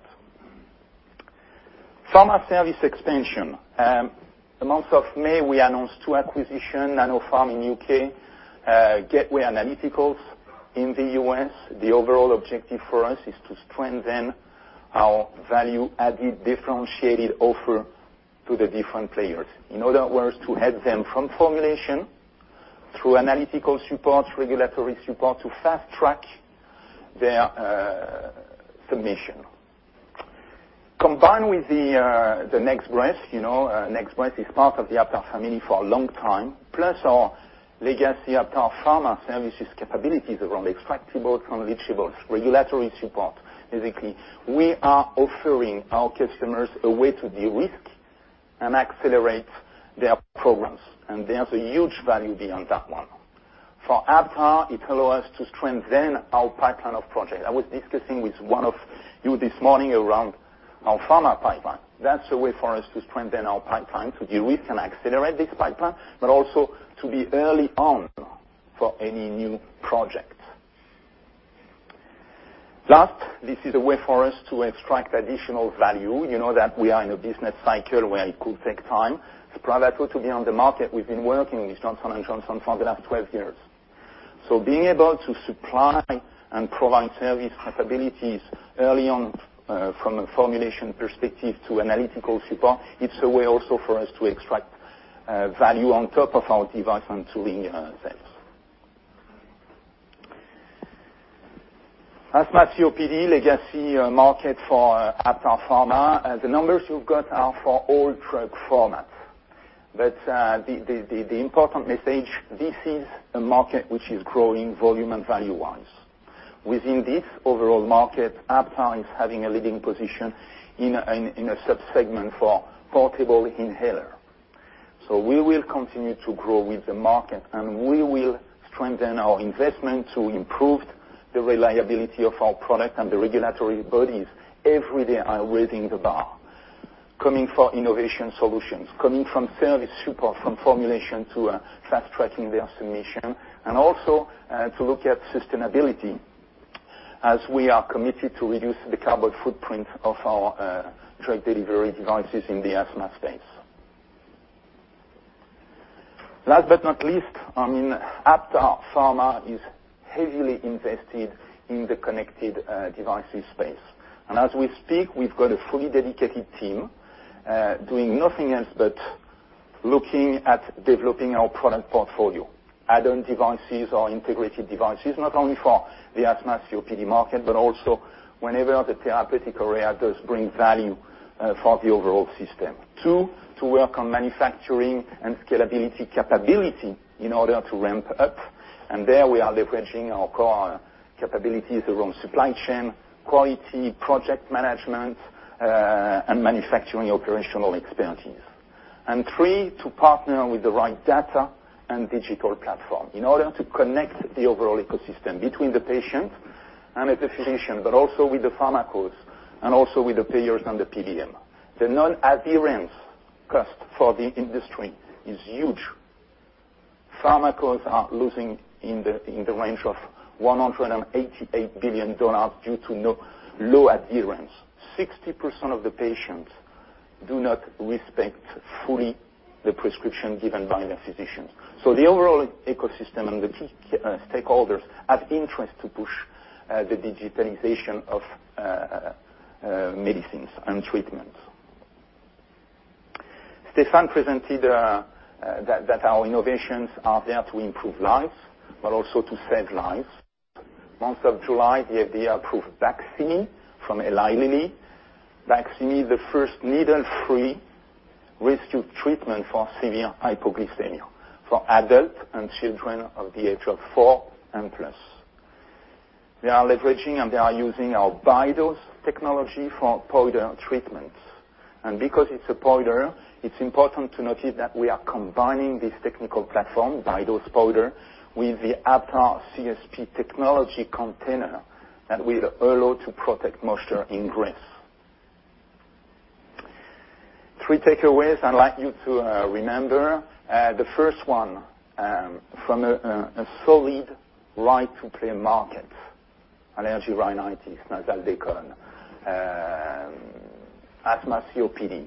Pharma service expansion. The month of May, we announced two acquisition, Nanopharm in the U.K., Gateway Analytical in the U.S. The overall objective for us is to strengthen our value added differentiated offer to the different players. In other words, to help them from formulation through analytical support, regulatory support to fast track their submission, combined with the Next Breath. Next Breath is part of the Aptar family for a long time, plus our legacy Aptar Pharma services capabilities around extractables and leachables, regulatory support. We are offering our customers a way to de-risk and accelerate their programs. There's a huge value beyond that one. For Aptar, it allow us to strengthen our pipeline of project. I was discussing with one of you this morning around our pharma pipeline. That's a way for us to strengthen our pipeline, to de-risk and accelerate this pipeline, but also to be early on for any new project. Last, this is a way for us to extract additional value. You know that we are in a business cycle where it could take time. SPRAVATO to be on the market, we've been working with Johnson & Johnson for the last 12 years. Being able to supply and provide service capabilities early on, from a formulation perspective to analytical support, it's a way also for us to extract value on top of our device and tooling sales. Asthma, COPD, legacy market for Aptar Pharma. The numbers you've got are for all drug formats. The important message, this is a market which is growing volume and value-wise. Within this overall market, Aptar is having a leading position in a sub-segment for portable inhaler. We will continue to grow with the market, and we will strengthen our investment to improve the reliability of our product and the regulatory bodies every day are raising the bar. Coming for innovation solutions, coming from service support, from formulation to fast-tracking their submission, and also to look at sustainability as we are committed to reduce the carbon footprint of our drug delivery devices in the asthma space. Last but not least, Aptar Pharma is heavily invested in the connected devices space. As we speak, we've got a fully dedicated team doing nothing else but looking at developing our product portfolio, add-on devices or integrated devices, not only for the asthma COPD market, but also whenever the therapeutic areas bring value for the overall system. Two, to work on manufacturing and scalability capability in order to ramp up. There we are leveraging our core capabilities around supply chain, quality, project management, and manufacturing operational expertise. Three, to partner with the right data and digital platform in order to connect the overall ecosystem between the patient and the physician, but also with the pharmaceuticals and also with the payers and the PBM. The non-adherence cost for the industry is huge. Pharmacos are losing in the range of $188 billion due to low adherence. 60% of the patients do not respect fully the prescription given by their physician. The overall ecosystem and the key stakeholders have interest to push the digitalization of medicines and treatments. Stephan presented that our innovations are there to improve lives, but also to save lives. Month of July, the FDA approved Baqsimi from Eli Lilly. Baqsimi, the first needle-free rescue treatment for severe hypoglycemia for adult and children of the age of four and plus. They are leveraging and they are using our Bidose technology for powder treatments. Because it's a powder, it's important to notice that we are combining this technical platform, Bidose powder, with the Aptar CSP Technologies container that will allow to protect moisture ingress. Three takeaways I'd like you to remember. The first one, from a solid right to play market, allergy, rhinitis, nasal decongestant, asthma, COPD.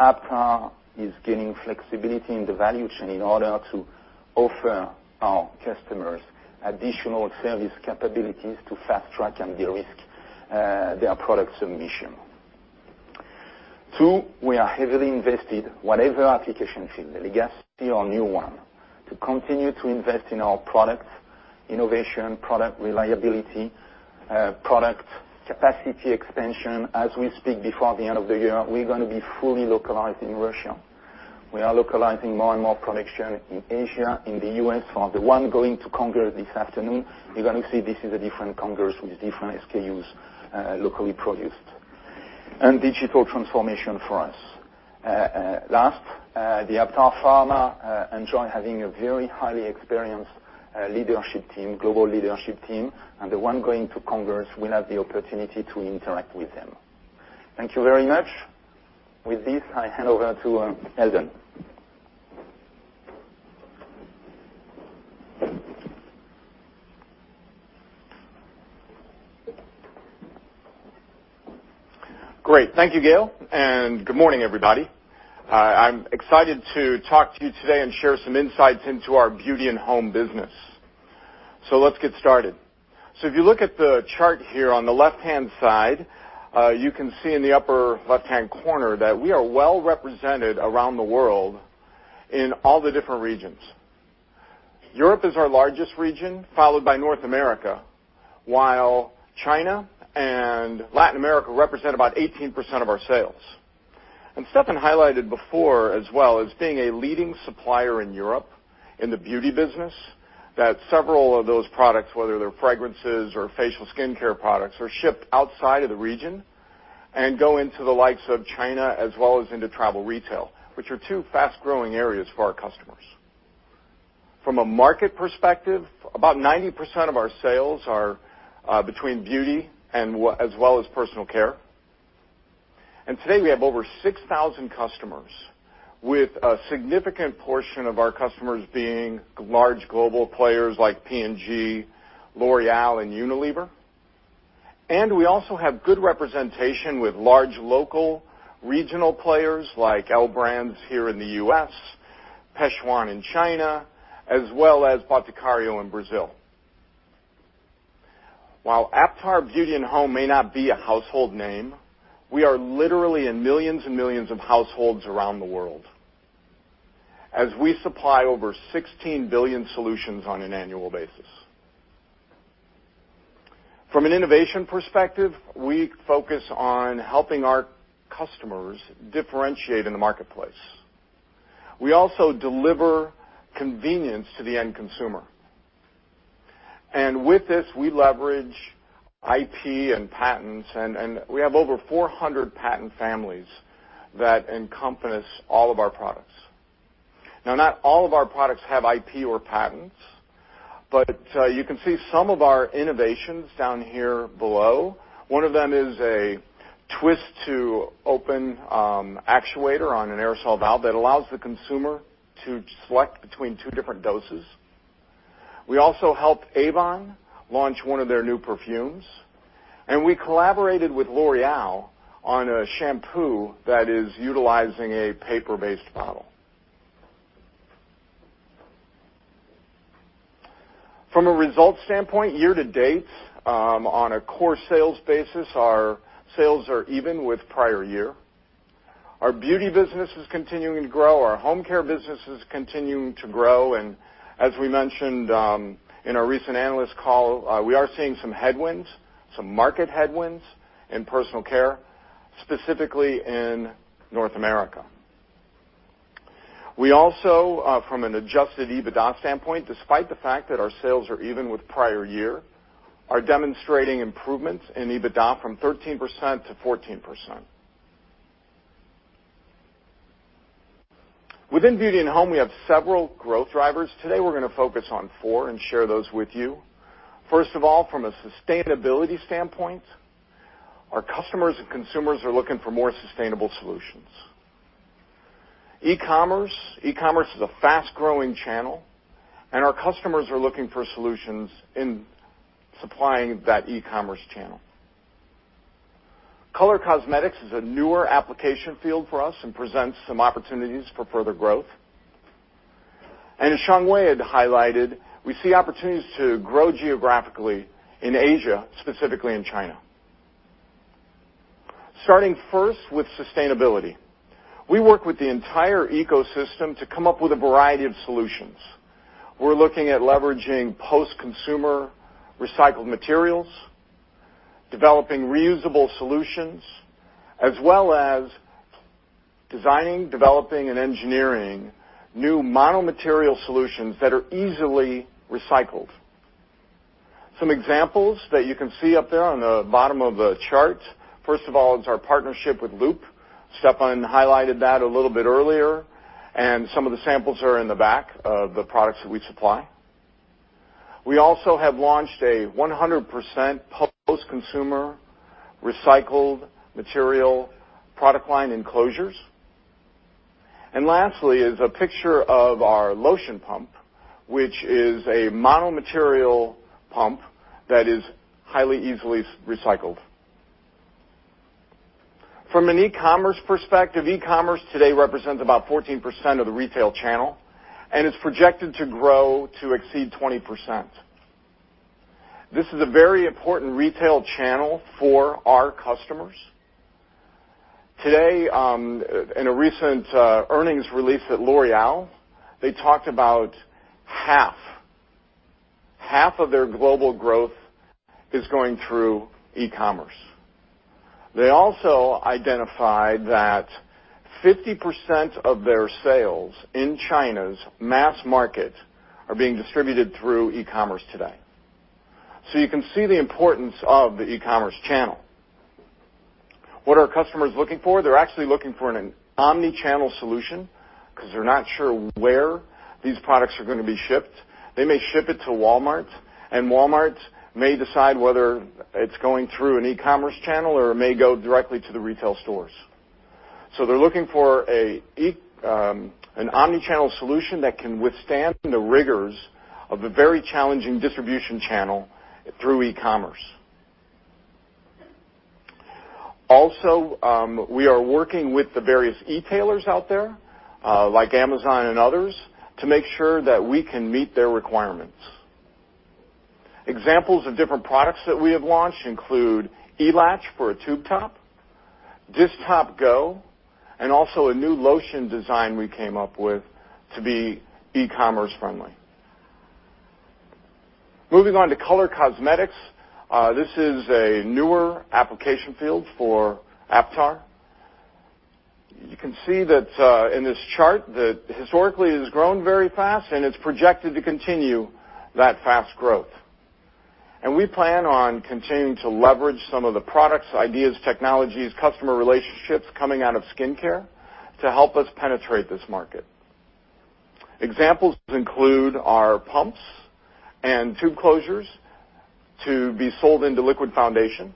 Aptar is gaining flexibility in the value chain in order to offer our customers additional service capabilities to fast-track and de-risk their product submission. Two, we are heavily invested, whatever application field, legacy or new one, to continue to invest in our products, innovation, product reliability, product capacity expansion. As we speak, before the end of the year, we're going to be fully localized in Russia. We are localizing more and more production in Asia, in the U.S. For the one going to Congress this afternoon, you're going to see this is a different Congress with different SKUs locally produced. Digital transformation for us. Last, Aptar Pharma enjoy having a very highly experienced leadership team, global leadership team, and the one going to Congress will have the opportunity to interact with them. Thank you very much. With this, I hand over to Eldon. Great. Thank you, Gael. Good morning, everybody. I'm excited to talk to you today and share some insights into our Beauty + Home business. Let's get started. If you look at the chart here on the left-hand side, you can see in the upper left-hand corner that we are well-represented around the world in all the different regions. Europe is our largest region, followed by North America, while China and Latin America represent about 18% of our sales. Stephan highlighted before as well as being a leading supplier in Europe in the Beauty business, that several of those products, whether they're fragrances or facial skincare products, are shipped outside of the region and go into the likes of China as well as into travel retail, which are two fast-growing areas for our customers. From a market perspective, about 90% of our sales are between beauty as well as personal care. Today we have over 6,000 customers, with a significant portion of our customers being large global players like P&G, L'Oréal, and Unilever. We also have good representation with large local regional players like L Brands here in the U.S., Pechoin in China, as well as Boticário in Brazil. While Aptar Beauty + Home may not be a household name, we are literally in millions and millions of households around the world, as we supply over 16 billion solutions on an annual basis. From an innovation perspective, we focus on helping our customers differentiate in the marketplace. We also deliver convenience to the end consumer. With this, we leverage IP and patents, and we have over 400 patent families that encompass all of our products. Now, not all of our products have IP or patents, but you can see some of our innovations down here below. One of them is a twist-to-open actuator on an aerosol valve that allows the consumer to select between two different doses. We also helped Avon launch one of their new perfumes, and we collaborated with L'Oréal on a shampoo that is utilizing a paper-based bottle. From a results standpoint, year-to-date, on a core sales basis, our sales are even with prior year. Our beauty business is continuing to grow. Our home care business is continuing to grow. As we mentioned in our recent analyst call, we are seeing some headwinds, some market headwinds in personal care, specifically in North America. We also, from an adjusted EBITDA standpoint, despite the fact that our sales are even with prior year, are demonstrating improvements in EBITDA from 13% to 14%. Within Beauty + Home, we have several growth drivers. Today, we're going to focus on four and share those with you. First of all, from a sustainability standpoint, our customers and consumers are looking for more sustainable solutions. E-commerce. E-commerce is a fast-growing channel, our customers are looking for solutions in supplying that e-commerce channel. Color cosmetics is a newer application field for us and presents some opportunities for further growth. As Xiangwei had highlighted, we see opportunities to grow geographically in Asia, specifically in China. Starting first with sustainability. We work with the entire ecosystem to come up with a variety of solutions. We're looking at leveraging post-consumer recycled materials, developing reusable solutions, as well as designing, developing, and engineering new mono-material solutions that are easily recycled. Some examples that you can see up there on the bottom of the chart. First of all is our partnership with Loop. Stephan highlighted that a little bit earlier, and some of the samples are in the back of the products that we supply. We also have launched a 100% post-consumer recycled material product line in closures. Lastly is a picture of our lotion pump, which is a mono-material pump that is highly easily recycled. From an e-commerce perspective, e-commerce today represents about 14% of the retail channel and is projected to grow to exceed 20%. This is a very important retail channel for our customers. Today, in a recent earnings release at L'Oréal, they talked about half of their global growth is going through e-commerce. They also identified that 50% of their sales in China's mass market are being distributed through e-commerce today. You can see the importance of the e-commerce channel. What are customers looking for? They're actually looking for an omni-channel solution because they're not sure where these products are going to be shipped. They may ship it to Walmart, and Walmart may decide whether it's going through an e-commerce channel or it may go directly to the retail stores. They're looking for an omni-channel solution that can withstand the rigors of a very challenging distribution channel through e-commerce. Also, we are working with the various e-tailers out there, like Amazon and others, to make sure that we can meet their requirements. Examples of different products that we have launched include E-Latch for a tube top, Disc Top Go, and also a new lotion design we came up with to be e-commerce friendly. Moving on to color cosmetics. This is a newer application field for Aptar. You can see that in this chart that historically it has grown very fast, and it's projected to continue that fast growth. We plan on continuing to leverage some of the products, ideas, technologies, customer relationships coming out of skincare to help us penetrate this market. Examples include our pumps and tube closures to be sold into liquid foundation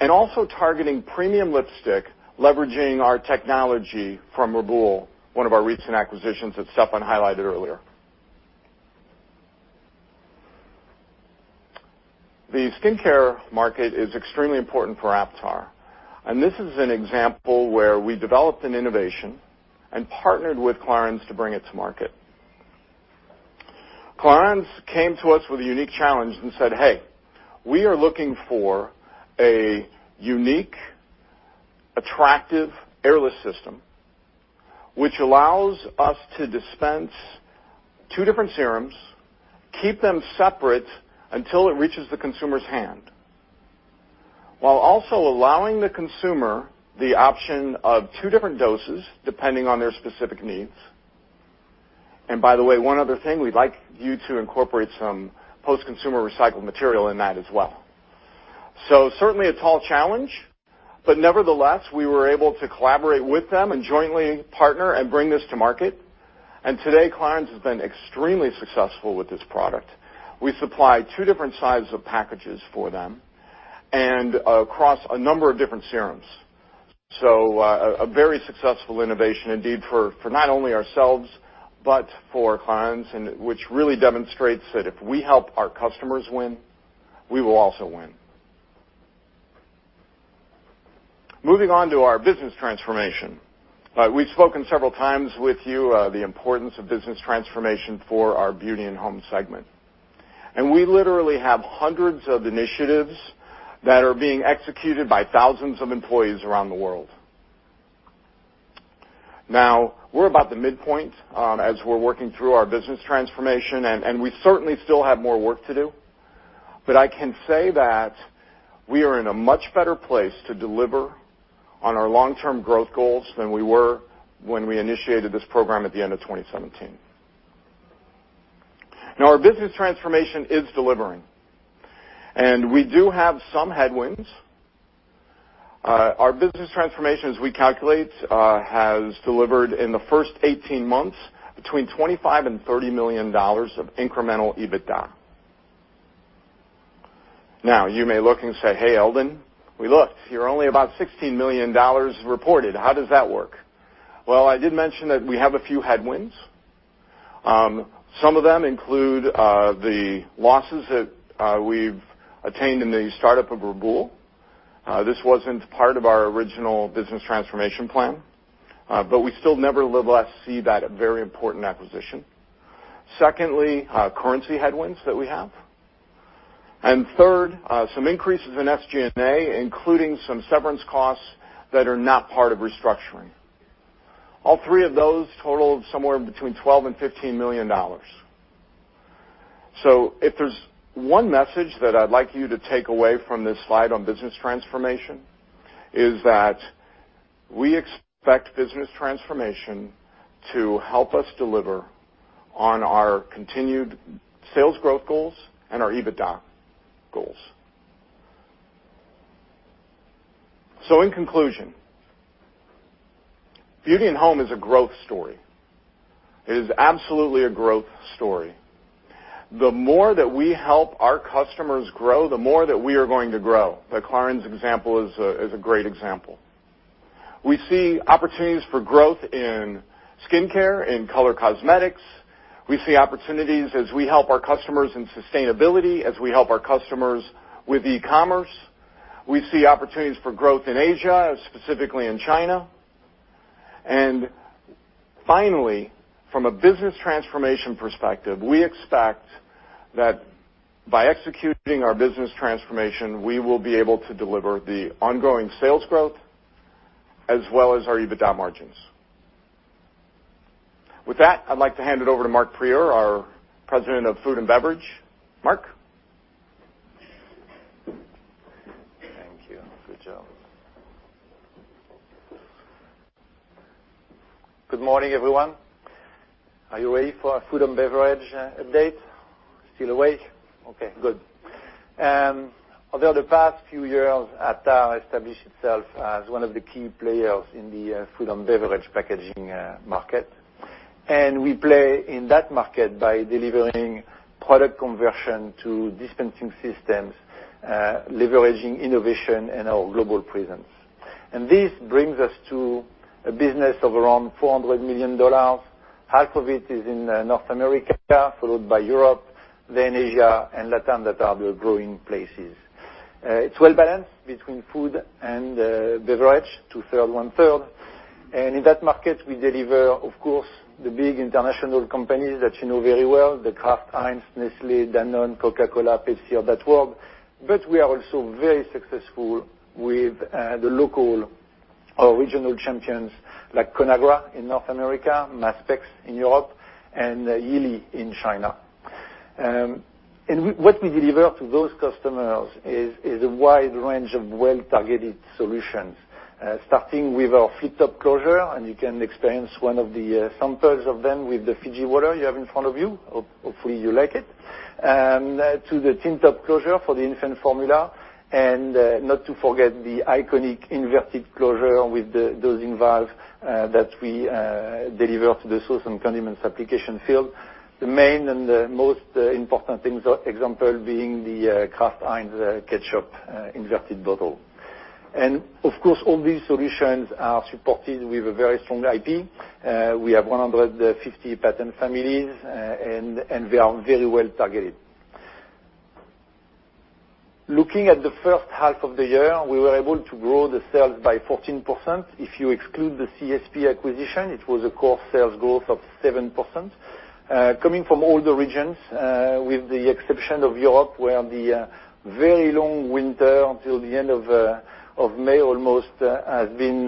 and also targeting premium lipstick, leveraging our technology from Reboul, one of our recent acquisitions that Stephan highlighted earlier. The skincare market is extremely important for Aptar. This is an example where we developed an innovation and partnered with Clarins to bring it to market. Clarins came to us with a unique challenge and said, "Hey, we are looking for a unique, attractive airless system which allows us to dispense two different serums, keep them separate until it reaches the consumer's hand, while also allowing the consumer the option of two different doses depending on their specific needs." By the way, one other thing, we'd like you to incorporate some post-consumer recycled material in that as well. Certainly a tall challenge, but nevertheless, we were able to collaborate with them and jointly partner and bring this to market. Today, Clarins has been extremely successful with this product. We supply two different sizes of packages for them and across a number of different serums. A very successful innovation indeed for not only ourselves, but for clients and which really demonstrates that if we help our customers win, we will also win. Moving on to our business transformation. We've spoken several times with you the importance of business transformation for our Beauty + Home segment. We literally have hundreds of initiatives that are being executed by thousands of employees around the world. We're about the midpoint as we're working through our business transformation, and we certainly still have more work to do, but I can say that we are in a much better place to deliver on our long-term growth goals than we were when we initiated this program at the end of 2017. Our business transformation is delivering. We do have some headwinds. Our business transformation, as we calculate, has delivered in the first 18 months between $25 million and $30 million of incremental EBITDA. You may look and say, "Hey, Eldon, we looked. You're only about $16 million reported. How does that work?" I did mention that we have a few headwinds. Some of them include the losses that we've attained in the startup of Reboul. This wasn't part of our original business transformation plan. We still nevertheless see that a very important acquisition. Secondly, currency headwinds that we have. Third, some increases in SG&A, including some severance costs that are not part of restructuring. All three of those total somewhere between $12 million and $15 million. If there's one message that I'd like you to take away from this slide on business transformation is that we expect business transformation to help us deliver on our continued sales growth goals and our EBITDA goals. In conclusion, Beauty and Home is a growth story. It is absolutely a growth story. The more that we help our customers grow, the more that we are going to grow. The Clarins example is a great example. We see opportunities for growth in skincare and color cosmetics. We see opportunities as we help our customers in sustainability, as we help our customers with e-commerce. We see opportunities for growth in Asia, specifically in China. Finally, from a business transformation perspective, we expect that by executing our business transformation, we will be able to deliver the ongoing sales growth as well as our EBITDA margins. With that, I'd like to hand it over to Marc Prieur, our President of Food and Beverage. Marc? Thank you. Good job. Good morning, everyone. Are you ready for our food and beverage update? Still awake? Okay, good. Over the past few years, Aptar established itself as one of the key players in the food and beverage packaging market. We play in that market by delivering product conversion to dispensing systems, leveraging innovation and our global presence. This brings us to a business of around $400 million. Half of it is in North America, followed by Europe, then Asia and Latin. That are the growing places. It's well-balanced between food and beverage, two-third, one-third. In that market, we deliver, of course, the big international companies that you know very well, the Kraft Heinz, Nestlé, Danone, Coca-Cola, Pepsi, of that world. But we are also very successful with the local or regional champions like Conagra in North America, Maspex in Europe, and Yili in China. What we deliver to those customers is a wide range of well-targeted solutions, starting with our Flip-Top closure, and you can experience one of the samples of them with the Fiji Water you have in front of you. Hopefully, you like it. To the tin top closure for the infant formula, and not to forget the iconic inverted closure with the dosing valve that we deliver to the sauce and condiments application field. The main and the most important example being the Kraft Heinz ketchup inverted bottle. Of course, all these solutions are supported with a very strong IP. We have 150 patent families, and we are very well targeted. Looking at the first half of the year, we were able to grow the sales by 14%. If you exclude the CSP acquisition, it was a core sales growth of 7%, coming from all the regions, with the exception of Europe, where the very long winter until the end of May almost, has been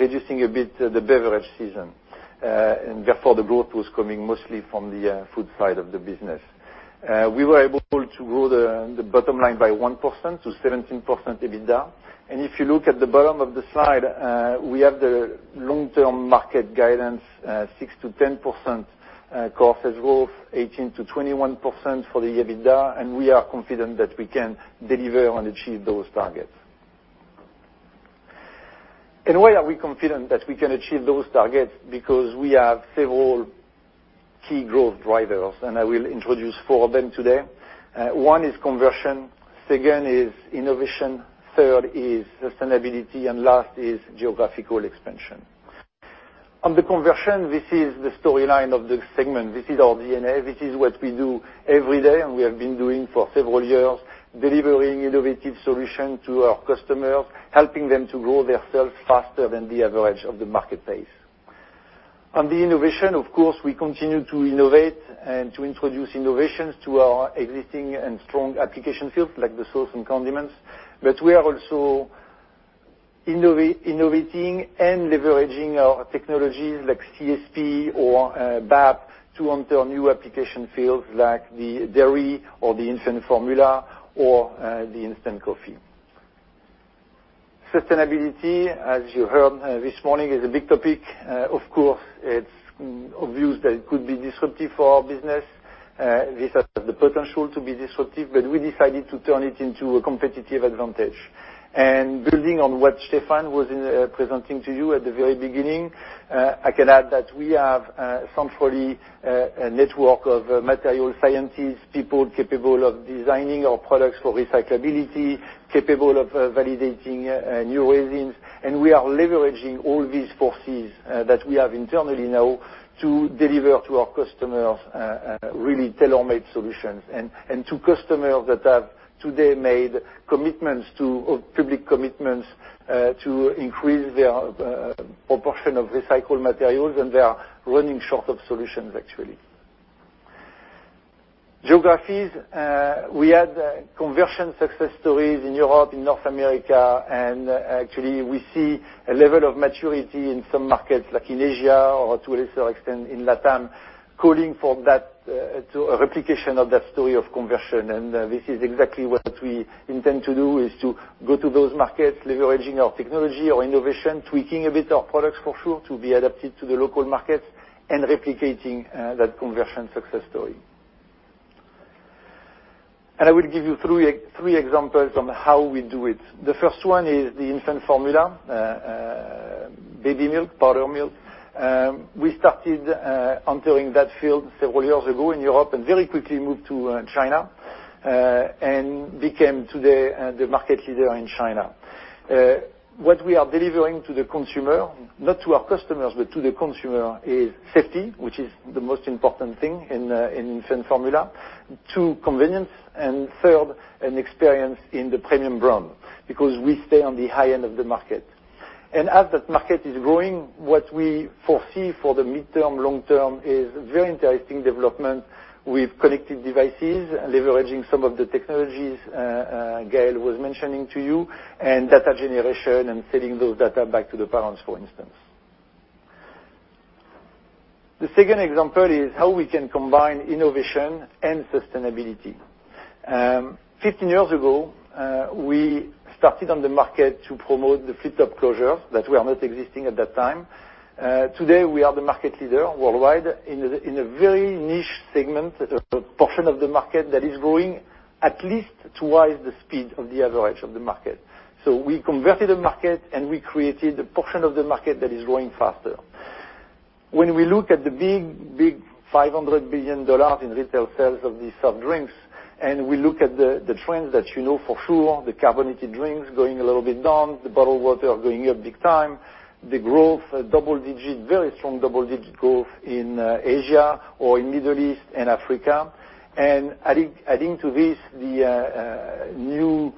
reducing a bit the beverage season. Therefore, the growth was coming mostly from the food side of the business. We were able to grow the bottom line by 1% to 17% EBITDA. If you look at the bottom of the slide, we have the long-term market guidance, 6%-10% core sales growth, 18%-21% for the EBITDA, and we are confident that we can deliver and achieve those targets. In a way, are we confident that we can achieve those targets because we have several key growth drivers, and I will introduce four of them today. One is conversion, second is innovation, third is sustainability, last is geographical expansion. On the conversion, this is the storyline of the segment. This is our DNA. This is what we do every day, we have been doing for several years, delivering innovative solutions to our customers, helping them to grow their sales faster than the average of the market pace. On the innovation, of course, we continue to innovate and to introduce innovations to our existing and strong application fields like the sauce and condiments. We are also innovating and leveraging our technologies like CSP or Bag-on-Valve to enter new application fields like the dairy or the infant formula or the instant coffee. Sustainability, as you heard this morning, is a big topic. Of course, it's obvious that it could be disruptive for our business. This has the potential to be disruptive, but we decided to turn it into a competitive advantage. Building on what Stephan was presenting to you at the very beginning, I can add that we have centrally, a network of material scientists, people capable of designing our products for recyclability, capable of validating new resins. We are leveraging all these forces that we have internally now to deliver to our customers really tailor-made solutions and to customers that have today made public commitments to increase their proportion of recycled materials, and they are running short of solutions, actually. Geographies. We had conversion success stories in Europe, in North America, and actually, we see a level of maturity in some markets, like in Asia or to a lesser extent in Latin, calling for a replication of that story of conversion. This is exactly what we intend to do, is to go to those markets, leveraging our technology, our innovation, tweaking a bit our products for sure, to be adapted to the local markets, replicating that conversion success story. I will give you three examples on how we do it. The first one is the infant formula, baby milk, powder milk. We started entering that field several years ago in Europe very quickly moved to China, became today, the market leader in China. What we are delivering to the consumer, not to our customers, but to the consumer, is safety, which is the most important thing in infant formula, two, convenience, third, an experience in the premium brand, because we stay on the high end of the market. As that market is growing, what we foresee for the midterm, long term is very interesting development with connected devices, leveraging some of the technologies Gael was mentioning to you, and data generation and sending those data back to the parents, for instance. The second example is how we can combine innovation and sustainability. 15 years ago, we started on the market to promote the Flip-Top closure that were not existing at that time. Today, we are the market leader worldwide in a very niche segment, a portion of the market that is growing at least 2 times the speed of the average of the market. We converted a market, and we created a portion of the market that is growing faster. When we look at the big $500 billion in retail sales of these soft drinks, and we look at the trends that you know for sure, the carbonated drinks going a little bit down, the bottled water going up big time, the growth, very strong double-digit growth in Asia or in Middle East and Africa. Adding to this, the new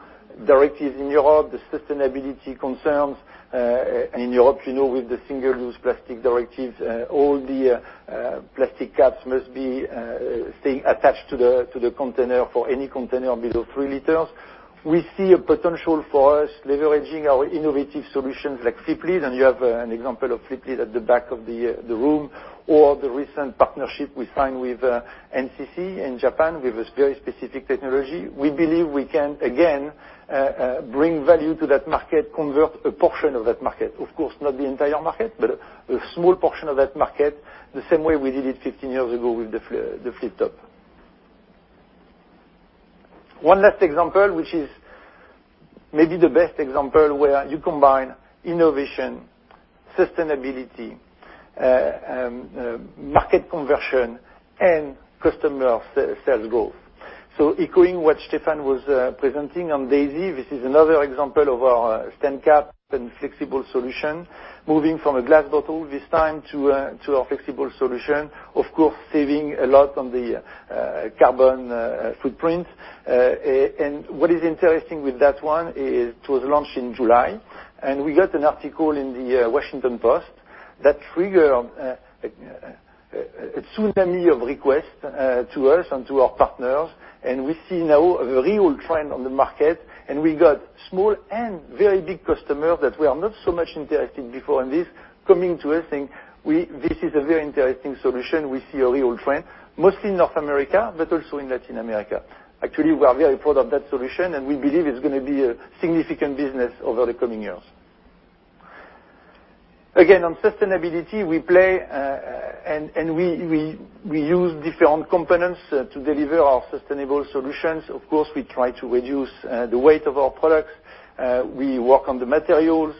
directives in Europe, the sustainability concerns, in Europe with the Single-Use Plastics Directive, all the plastic cups must be staying attached to the container for any container below 3 liters. We see a potential for us leveraging our innovative solutions like Flip-Top, you have an example of Flip-Top at the back of the room, or the recent partnership we signed with NCC in Japan with a very specific technology. We believe we can, again, bring value to that market, convert a portion of that market. Of course, not the entire market, but a small portion of that market, the same way we did it 15 years ago with the Flip-Top. One last example, which is maybe the best example where you combine innovation, sustainability, market conversion, and customer sales growth. Echoing what Stephan was presenting on Daisy. This is another example of our StandCap and flexible solution, moving from a glass bottle this time to a flexible solution, of course, saving a lot on the carbon footprint. And what is interesting with that one is it was launched in July, and we got an article in The Washington Post that triggered a tsunami of requests to us and to our partners. We see now a real trend on the market, and we got small and very big customers that were not so much interested before in this, coming to us saying, "This is a very interesting solution." We see a real trend, mostly in North America, but also in Latin America. Actually, we are very proud of that solution, and we believe it's going to be a significant business over the coming years. Again, on sustainability, we play, and we use different components to deliver our sustainable solutions. Of course, we try to reduce the weight of our products. We work on the materials.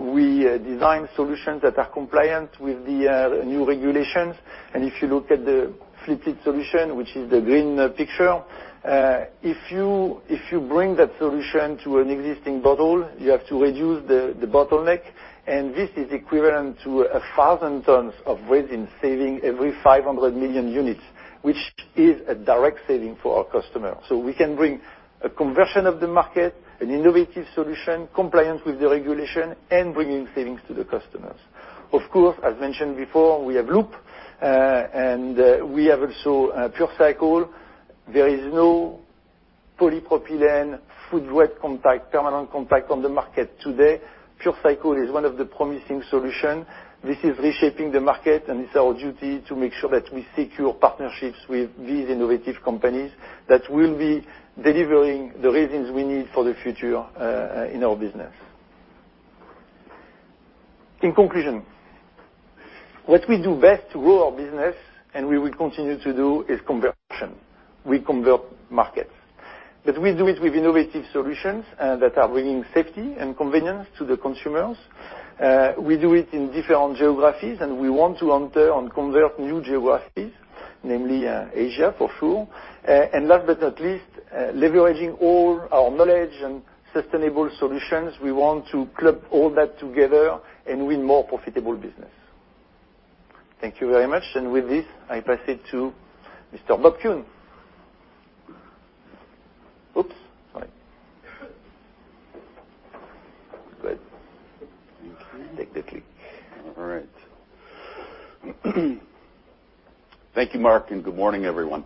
We design solutions that are compliant with the new regulations. If you look at the [Flip-It solution], which is the green picture. If you bring that solution to an existing bottle, you have to reduce the bottleneck. This is equivalent to 1,000 tons of resin saving every 500 million units, which is a direct saving for our customer. We can bring a conversion of the market, an innovative solution, compliance with the regulation, and bringing savings to the customers. Of course, as mentioned before, we have Loop. We have also PureCycle. There is no polypropylene food-grade contact, permanent contact on the market today. PureCycle is one of the promising solution. This is reshaping the market. It's our duty to make sure that we secure partnerships with these innovative companies that will be delivering the resins we need for the future in our business. In conclusion, what we do best to grow our business, and we will continue to do, is conversion. We convert markets. We do it with innovative solutions that are bringing safety and convenience to the consumers. We do it in different geographies, and we want to enter and convert new geographies, namely, Asia, for sure. Last but not least, leveraging all our knowledge and sustainable solutions. We want to club all that together and win more profitable business. Thank you very much. With this, I pass it to Mr. Bob Kuhn. Oops, sorry. Good. Thank you. Take the click. All right. Thank you, Marc. Good morning, everyone.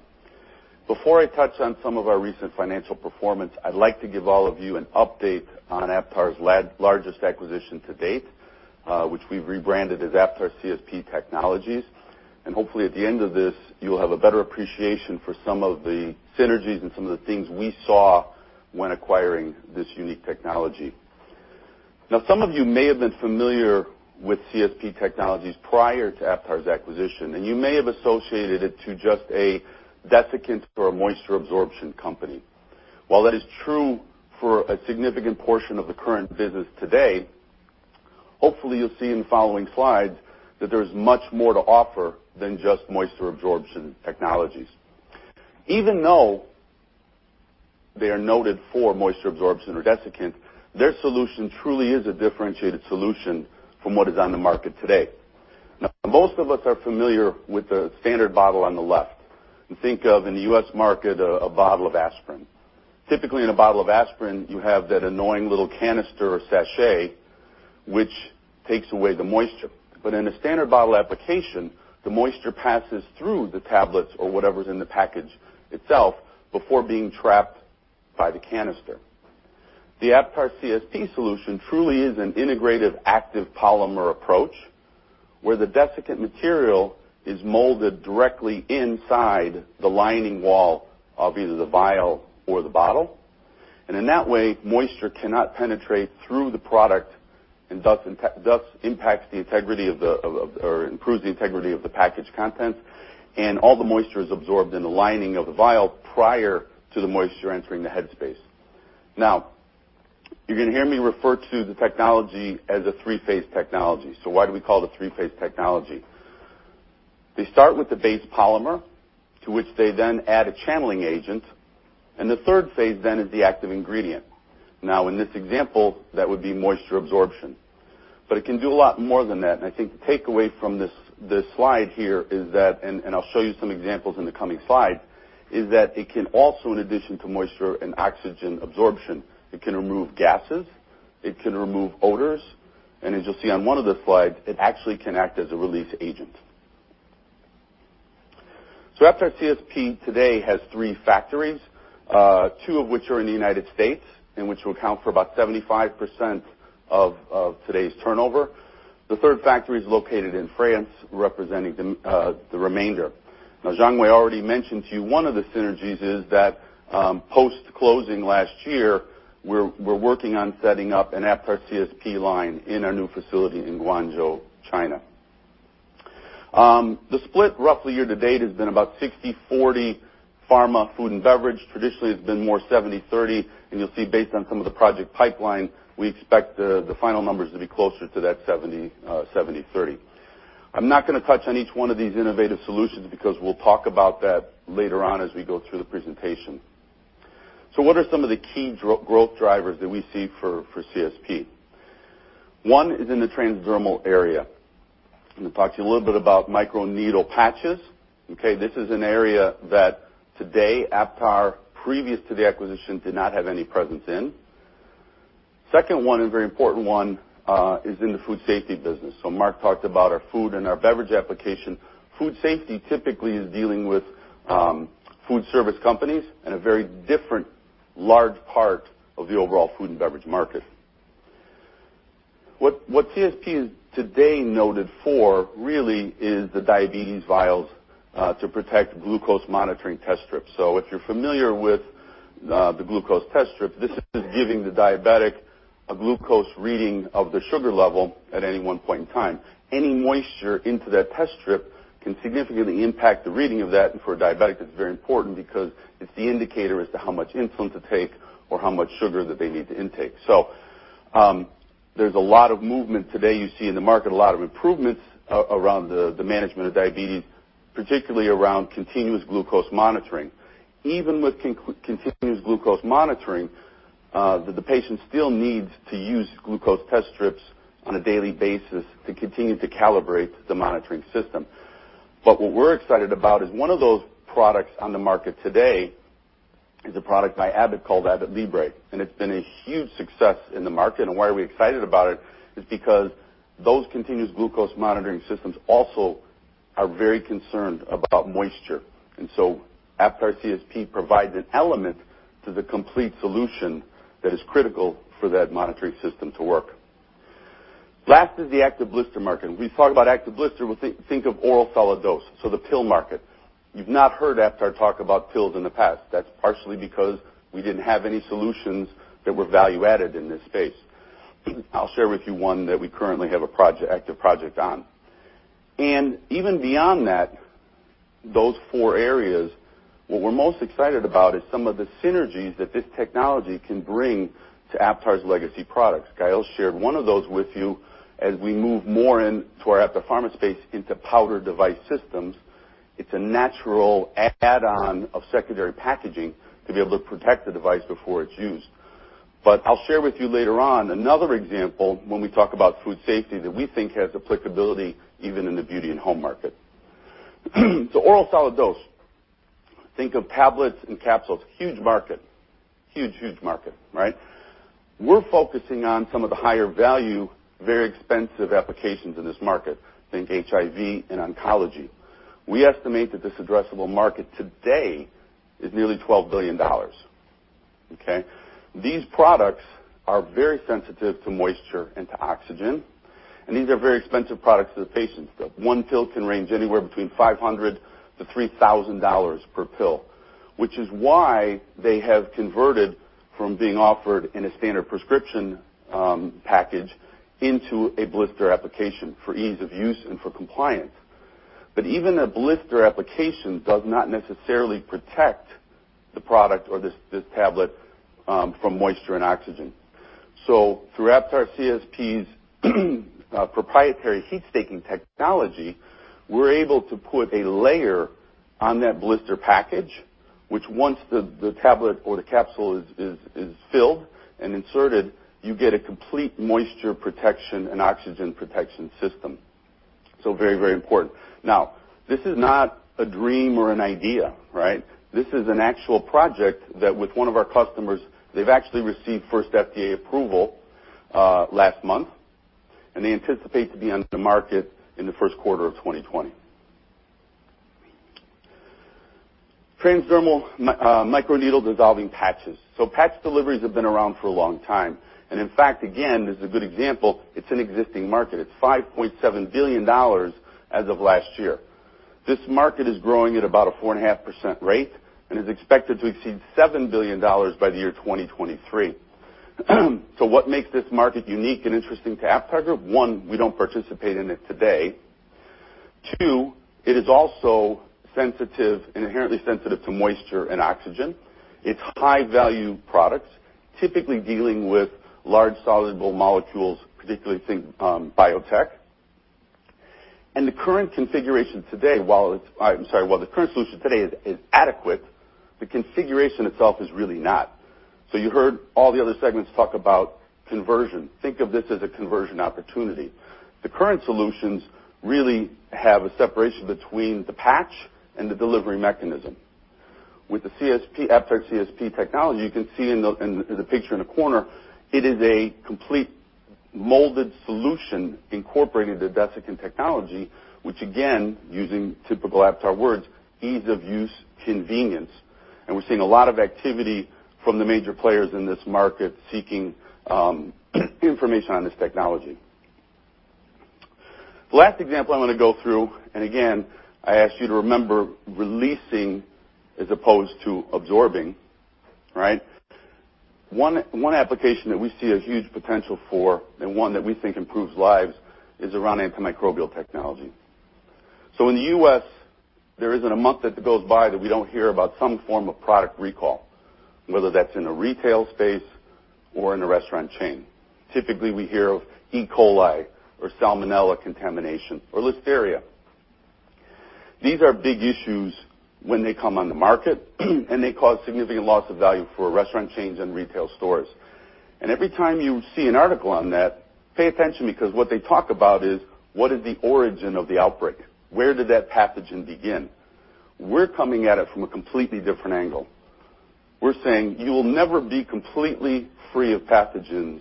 Before I touch on some of our recent financial performance, I'd like to give all of you an update on Aptar's largest acquisition to date, which we've rebranded as Aptar CSP Technologies. Hopefully, at the end of this, you'll have a better appreciation for some of the synergies and some of the things we saw when acquiring this unique technology. Now, some of you may have been familiar with CSP Technologies prior to Aptar's acquisition, and you may have associated it to just a desiccant or a moisture absorption company. While that is true for a significant portion of the current business today. Hopefully, you'll see in the following slides that there's much more to offer than just moisture absorption technologies. Even though they are noted for moisture absorption or desiccant, their solution truly is a differentiated solution from what is on the market today. Most of us are familiar with the standard bottle on the left. You think of, in the U.S. market, a bottle of aspirin. Typically, in a bottle of aspirin, you have that annoying little canister or sachet, which takes away the moisture. In a standard bottle application, the moisture passes through the tablets or whatever's in the package itself before being trapped by the canister. The Aptar CSP solution truly is an integrated active polymer approach, where the desiccant material is molded directly inside the lining wall of either the vial or the bottle. In that way, moisture cannot penetrate through the product, and thus improves the integrity of the package contents, and all the moisture is absorbed in the lining of the vial prior to the moisture entering the headspace. You're going to hear me refer to the technology as a 3-phase technology. Why do we call it a 3-phase technology? They start with the base polymer, to which they then add a channeling agent, and the third phase then is the active ingredient. In this example, that would be moisture absorption. It can do a lot more than that. I think the takeaway from this slide here, and I'll show you some examples in the coming slides, is that it can also, in addition to moisture and oxygen absorption, it can remove gases, it can remove odors. As you'll see on one of the slides, it actually can act as a release agent. Aptar CSP today has three factories. Two of which are in the United States, and which will account for about 75% of today's turnover. The third factory is located in France, representing the remainder. Now, Jean-Noël already mentioned to you, one of the synergies is that, post-closing last year, we're working on setting up an Aptar CSP line in our new facility in Guangzhou, China. The split roughly year-to-date has been about 60/40 pharma, food, and beverage. Traditionally, it's been more 70/30. You'll see based on some of the project pipeline, we expect the final numbers to be closer to that 70/30.I'm not going to touch on each one of these innovative solutions because we'll talk about that later on as we go through the presentation. What are some of the key growth drivers that we see for CSP? One is in the transdermal area. I'm going to talk to you a little bit about microneedle patches. This is an area that today, Aptar, previous to the acquisition, did not have any presence in. Second one, and very important one, is in the food safety business. Marc talked about our food and our beverage application. Food safety typically is dealing with food service companies and a very different large part of the overall food and beverage market. What CSP is today noted for really is the diabetes vials to protect glucose monitoring test strips. If you're familiar with the glucose test strip, this is giving the diabetic a glucose reading of their sugar level at any one point in time. Any moisture into that test strip can significantly impact the reading of that. For a diabetic, that's very important because it's the indicator as to how much insulin to take or how much sugar that they need to intake. There's a lot of movement today. You see in the market, a lot of improvements around the management of diabetes, particularly around continuous glucose monitoring. Even with continuous glucose monitoring, the patient still needs to use glucose test strips on a daily basis to continue to calibrate the monitoring system. What we're excited about is one of those products on the market today is a product by Abbott called FreeStyle Libre, it's been a huge success in the market. Why are we excited about it is because those continuous glucose monitoring systems also are very concerned about moisture. Aptar CSP provides an element to the complete solution that is critical for that monitoring system to work. Last is the active blister market. When we talk about active blister, we think of oral solid dose. The pill market. You've not heard Aptar talk about pills in the past. That's partially because we didn't have any solutions that were value-added in this space. I'll share with you one that we currently have an active project on. Even beyond that, those four areas, what we're most excited about is some of the synergies that this technology can bring to Aptar's legacy products. Gael shared one of those with you as we move more into our Aptar Pharma space into powder device systems. It's a natural add-on of secondary packaging to be able to protect the device before it's used. I'll share with you later on another example when we talk about food safety that we think has applicability even in the Beauty + Home market. Oral solid dose, think of tablets and capsules. Huge market. Huge market, right. We're focusing on some of the higher value, very expensive applications in this market. Think HIV and oncology. We estimate that this addressable market today is nearly $12 billion. Okay. These products are very sensitive to moisture and to oxygen, and these are very expensive products to the patients. One pill can range anywhere between $500 to $3,000 per pill, which is why they have converted from being offered in a standard prescription package into a blister application for ease of use and for compliance. Even a blister application does not necessarily protect the product or this tablet from moisture and oxygen. Through Aptar CSP's proprietary heat staking technology, we're able to put a layer on that blister package, which once the tablet or the capsule is filled and inserted, you get a complete moisture protection and oxygen protection system. Very important. Now, this is not a dream or an idea, right? This is an actual project that with one of our customers, they've actually received first FDA approval last month, and they anticipate to be on the market in the first quarter of 2020. Transdermal microneedle dissolving patches. Patch deliveries have been around for a long time, and in fact, again, this is a good example. It's an existing market. It's $5.7 billion as of last year. This market is growing at about a 4.5% rate and is expected to exceed $7 billion by the year 2023. What makes this market unique and interesting to AptarGroup? One, we don't participate in it today. Two, it is also sensitive, inherently sensitive to moisture and oxygen. It is high-value products, typically dealing with large soluble molecules, particularly think biotech. The current configuration today, while the current solution today is adequate, the configuration itself is really not. You heard all the other segments talk about conversion. Think of this as a conversion opportunity. The current solutions really have a separation between the patch and the delivery mechanism. With the Aptar CSP Technologies, you can see in the picture in the corner, it is a complete molded solution incorporating the desiccant technology, which again, using typical Aptar words, ease of use, convenience. We are seeing a lot of activity from the major players in this market seeking information on this technology. The last example I want to go through, and again, I ask you to remember releasing as opposed to absorbing, right? One application that we see a huge potential for and one that we think improves lives is around antimicrobial technology. In the U.S., there isn't a month that goes by that we don't hear about some form of product recall, whether that's in a retail space or in a restaurant chain. Typically, we hear of E. coli or salmonella contamination or listeria. These are big issues when they come on the market, and they cause significant loss of value for restaurant chains and retail stores. Every time you see an article on that, pay attention because what they talk about is what is the origin of the outbreak? Where did that pathogen begin? We're coming at it from a completely different angle. We're saying you will never be completely free of pathogens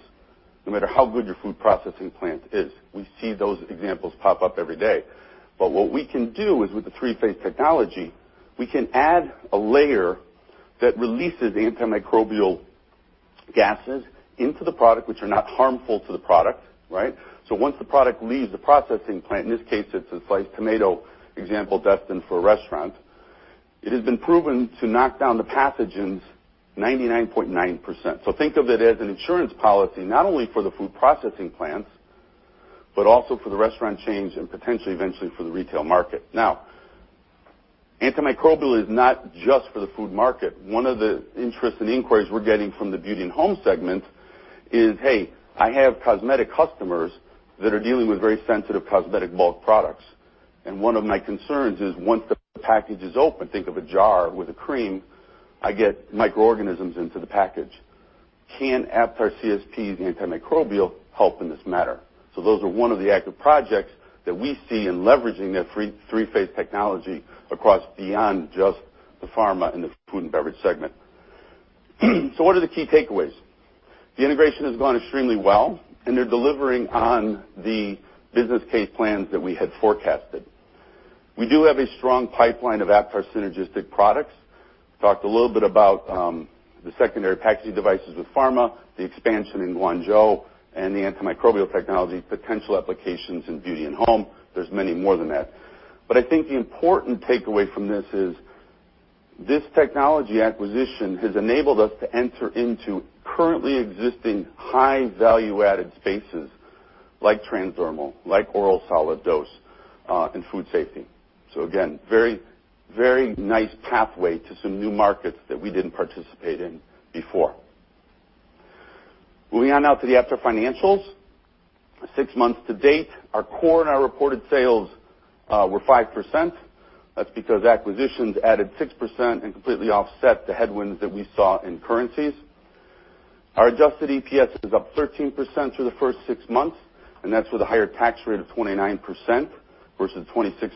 no matter how good your food processing plant is. We see those examples pop up every day. What we can do is with the three-phase technology, we can add a layer that releases antimicrobial gases into the product, which are not harmful to the product, right? Once the product leaves the processing plant, in this case it's a sliced tomato example destined for a restaurant, it has been proven to knock down the pathogens 99.9%. Think of it as an insurance policy, not only for the food processing plants, but also for the restaurant chains and potentially eventually for the retail market. Antimicrobial is not just for the food market. One of the interests and inquiries we're getting from the Beauty + Home segment is, "Hey, I have cosmetic customers that are dealing with very sensitive cosmetic bulk products. One of my concerns is once the package is open, think of a jar with a cream, I get microorganisms into the package. Can Aptar CSP's antimicrobial help in this matter?" Those are one of the active projects that we see in leveraging their three-phase technology across beyond just the Pharma and the food and beverage segment. What are the key takeaways? The integration has gone extremely well, and they're delivering on the business case plans that we had forecasted. We do have a strong pipeline of Aptar Synergistic products. Talked a little bit about the secondary packaging devices with Pharma, the expansion in Guangzhou, and the antimicrobial technology potential applications in Beauty + Home. There's many more than that. I think the important takeaway from this is, this technology acquisition has enabled us to enter into currently existing high value-added spaces like transdermal, like oral solid dose, and food safety. Again, very nice pathway to some new markets that we didn't participate in before. Moving on now to the Aptar financials. Six months to date, our core and our reported sales were 5%. That's because acquisitions added 6% and completely offset the headwinds that we saw in currencies. Our adjusted EPS is up 13% for the first six months, and that's with a higher tax rate of 29% versus 26%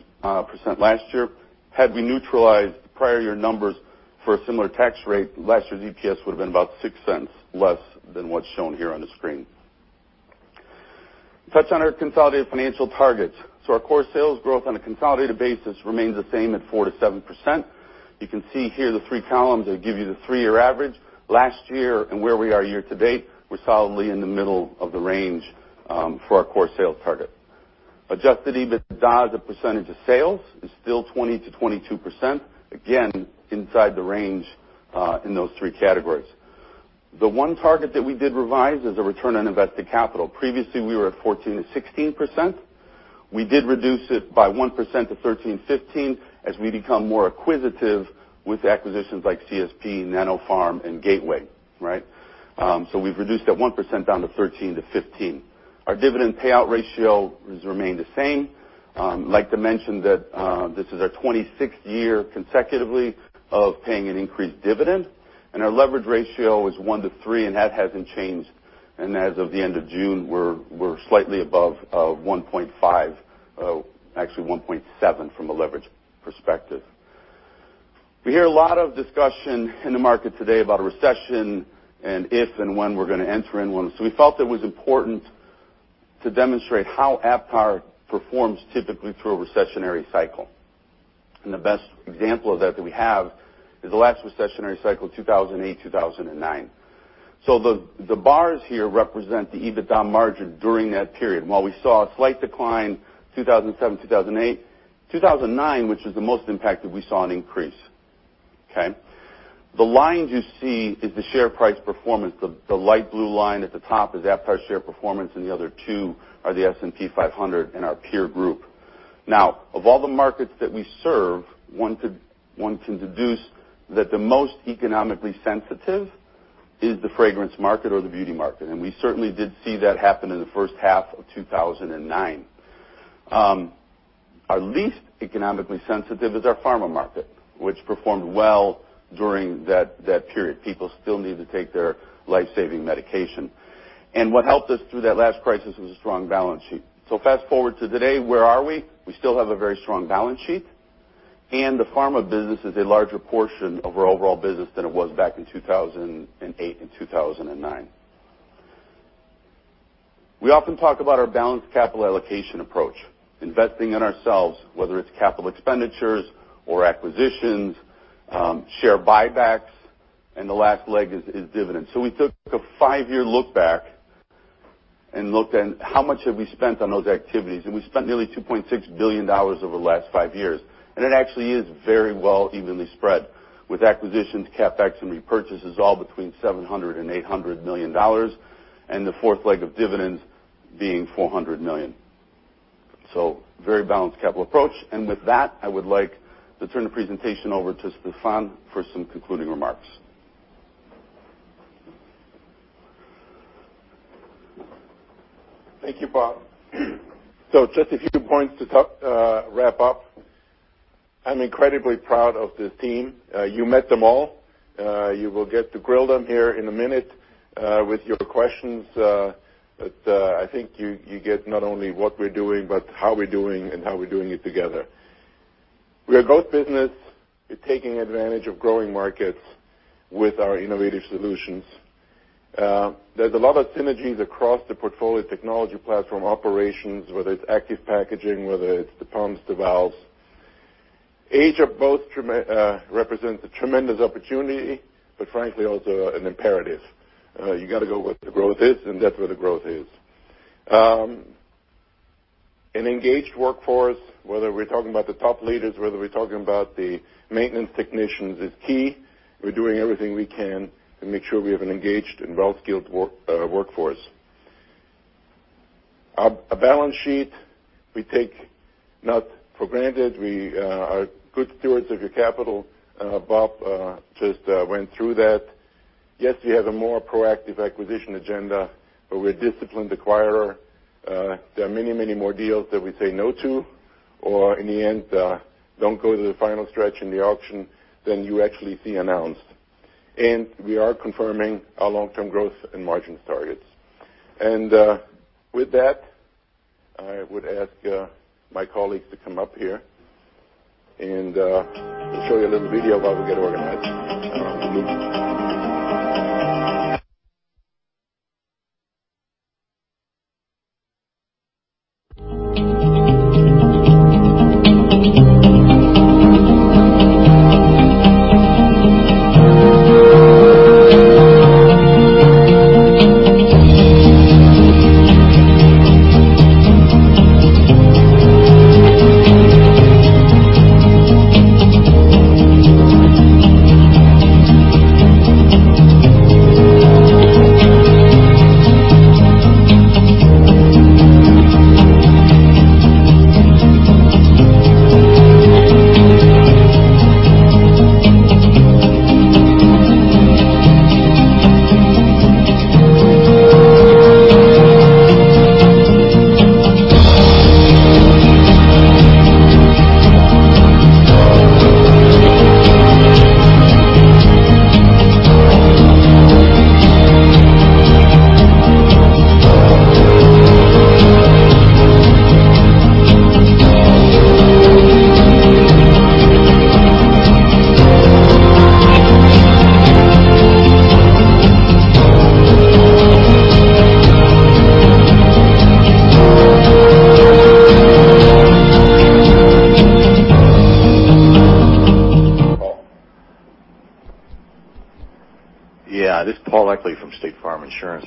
last year. Had we neutralized prior year numbers for a similar tax rate, last year's EPS would've been about $0.06 less than what's shown here on the screen. Touch on our consolidated financial targets. Our core sales growth on a consolidated basis remains the same at 4%-7%. You can see here the three columns that give you the three-year average. Last year and where we are year to date, we're solidly in the middle of the range, for our core sales target. Adjusted EBITDA as a percentage of sales is still 20%-22%. Again, inside the range in those three categories. The one target that we did revise is the return on invested capital. Previously, we were at 14%-16%. We did reduce it by 1% to 13.15% as we become more acquisitive with acquisitions like CSP, Nanopharm, and Gateway, right? We've reduced that 1% down to 13%-15%. Our dividend payout ratio has remained the same. Like to mention that this is our 26th year consecutively of paying an increased dividend. Our leverage ratio is one to three, and that hasn't changed. As of the end of June, we're slightly above 1.5, actually 1.7 from a leverage perspective. We hear a lot of discussion in the market today about a recession and if and when we're gonna enter in one. We felt it was important to demonstrate how Aptar performs typically through a recessionary cycle. The best example of that that we have is the last recessionary cycle, 2008, 2009. The bars here represent the EBITDA margin during that period. While we saw a slight decline 2007, 2008, 2009, which is the most impacted, we saw an increase. Okay. The lines you see is the share price performance. The light blue line at the top is Aptar share performance, and the other two are the S&P 500 and our peer group. Of all the markets that we serve, one can deduce that the most economically sensitive is the fragrance market or the beauty market, and we certainly did see that happen in the first half of 2009. Our least economically sensitive is our Pharma market, which performed well during that period. People still need to take their life-saving medication. What helped us through that last crisis was a strong balance sheet. Fast-forward to today, where are we? We still have a very strong balance sheet. The Pharma business is a larger portion of our overall business than it was back in 2008 and 2009. We often talk about our balanced capital allocation approach, investing in ourselves, whether it's capital expenditures or acquisitions, share buybacks, and the last leg is dividends. We took a 5-year look back and looked at how much have we spent on those activities. We spent nearly $2.6 billion over the last 5 years. It actually is very well evenly spread with acquisitions, CapEx, and repurchases all between $700 million and $800 million, and the fourth leg of dividends being $400 million. Very balanced capital approach. With that, I would like to turn the presentation over to Stephan for some concluding remarks. Thank you, Bob. Just a few points to wrap up. I'm incredibly proud of this team. You met them all. You will get to grill them here in a minute with your questions. I think you get not only what we're doing, but how we're doing and how we're doing it together. We are a growth business taking advantage of growing markets with our innovative solutions. There's a lot of synergies across the portfolio technology platform operations, whether it's active packaging, whether it's the pumps, the valves. Asia both represents a tremendous opportunity, but frankly also an imperative. You got to go where the growth is, and that's where the growth is. An engaged workforce, whether we're talking about the top leaders, whether we're talking about the maintenance technicians, is key. We're doing everything we can to make sure we have an engaged and well-skilled workforce. Our balance sheet, we take not for granted. We are good stewards of your capital. Bob just went through that. Yes, we have a more proactive acquisition agenda, but we're a disciplined acquirer. There are many more deals that we say no to, or in the end, don't go to the final stretch in the auction than you actually see announced. We are confirming our long-term growth and margins targets. With that, I would ask my colleagues to come up here and show you a little video while we get organized. Yeah, this is Paul Eckley from State Farm Insurance.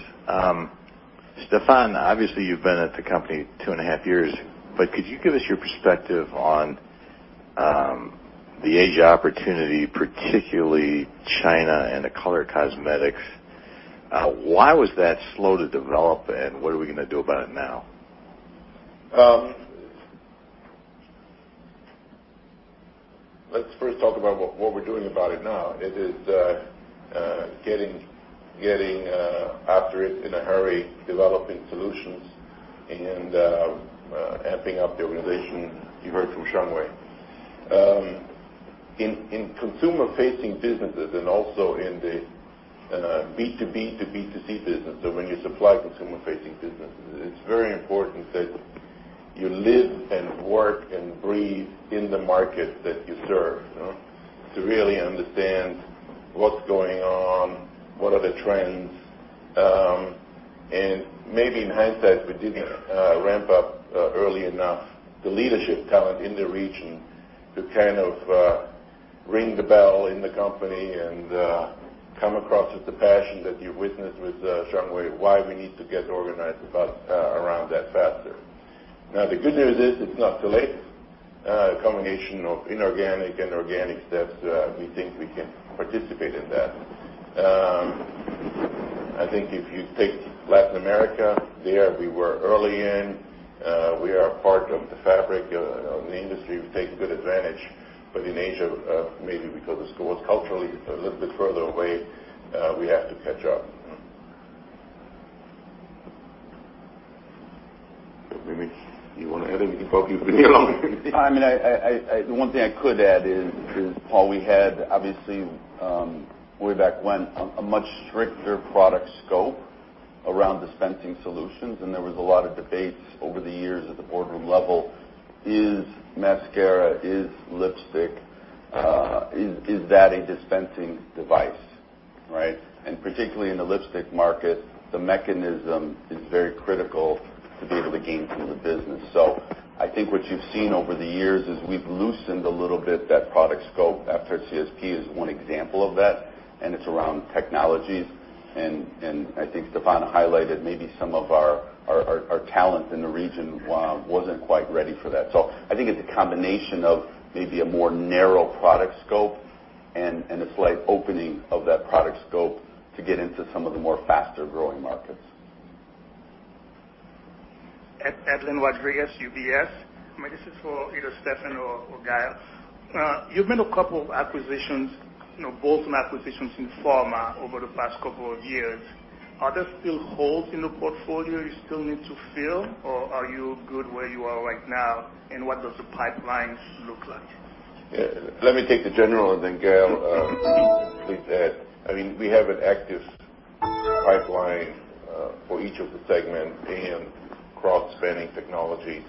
Stephan, obviously you've been at the company two and a half years, could you give us your perspective on the Asia opportunity, particularly China and the color cosmetics. Why was that slow to develop, what are we going to do about it now? Let's first talk about what we're doing about it now. It is getting after it in a hurry, developing solutions, and amping up the organization. You heard from Xiangwei. In consumer-facing businesses and also in the B2B to B2C business, so when you supply consumer-facing businesses, it's very important that you live and work and breathe in the market that you serve to really understand what's going on, what are the trends. Maybe in hindsight, we didn't ramp up early enough the leadership talent in the region to kind of ring the bell in the company and come across with the passion that you've witnessed with Xiangwei, why we need to get organized around that faster. The good news is it's not too late. A combination of inorganic and organic steps, we think we can participate in that. I think if you take Latin America, there we were early in. We are a part of the fabric of the industry. We've taken good advantage. In Asia, maybe because it was culturally a little bit further away, we have to catch up. Maybe you want to add anything. Paul, you've been here longer. The one thing I could add is, Paul, we had obviously, way back when, a much stricter product scope around dispensing solutions, and there was a lot of debates over the years at the boardroom level. Is mascara, is lipstick, is that a dispensing device, right? Particularly in the lipstick market, the mechanism is very critical to be able to gain share of the business. I think what you've seen over the years is we've loosened a little bit that product scope. Aptar CSP is one example of that, and it's around technologies. I think Stephan highlighted maybe some of our talent in the region wasn't quite ready for that. I think it's a combination of maybe a more narrow product scope A slight opening of that product scope to get into some of the more faster-growing markets. Eldon Rodriguez, UBS. This is for either Stephan or Gael. You've made a couple of acquisitions, both in acquisitions in pharma over the past couple of years. Are there still holes in the portfolio you still need to fill, or are you good where you are right now? What does the pipelines look like? Let me take the general and then Gael can complete that. We have an active pipeline for each of the segments and cross-spanning technologies,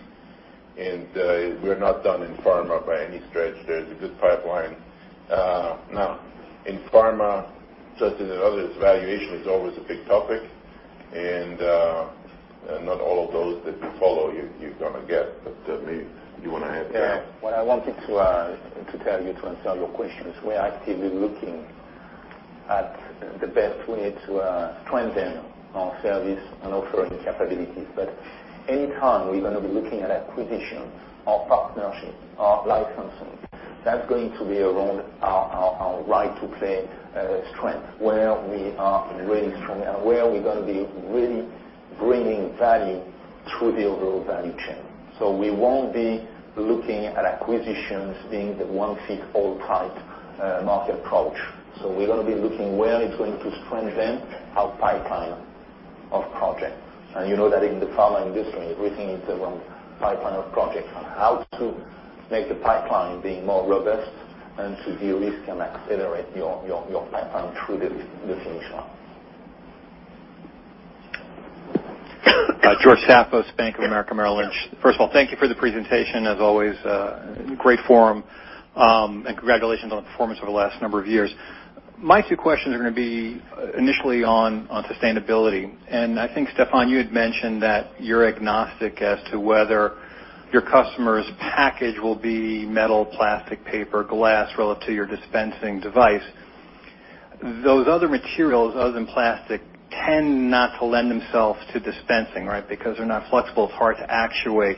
and we're not done in pharma by any stretch. There is a good pipeline. Now in pharma, just as in others, valuation is always a big topic, and not all of those that you follow you're going to get, but maybe you want to add to that. Gael. What I wanted to tell you to answer your questions, we're actively looking at the best way to strengthen our service and offering capabilities. Any time we're going to be looking at acquisition or partnership or licensing, that's going to be around our right to play strength, where we are really strong and where we're going to be really bringing value through the overall value chain. We won't be looking at acquisitions being the one-fit-all-type market approach. We're going to be looking where it's going to strengthen our pipeline of projects. You know that in the pharma industry, everything is around pipeline of projects and how to make the pipeline be more robust and to de-risk and accelerate your pipeline through the finish line. George Staphos, Bank of America Merrill Lynch. First of all, thank you for the presentation. As always, great forum, and congratulations on the performance over the last number of years. My two questions are going to be initially on sustainability. I think, Stephan, you had mentioned that you're agnostic as to whether your customer's package will be metal, plastic, paper, glass, relative to your dispensing device. Those other materials other than plastic tend not to lend themselves to dispensing, because they're not flexible, it's hard to actuate.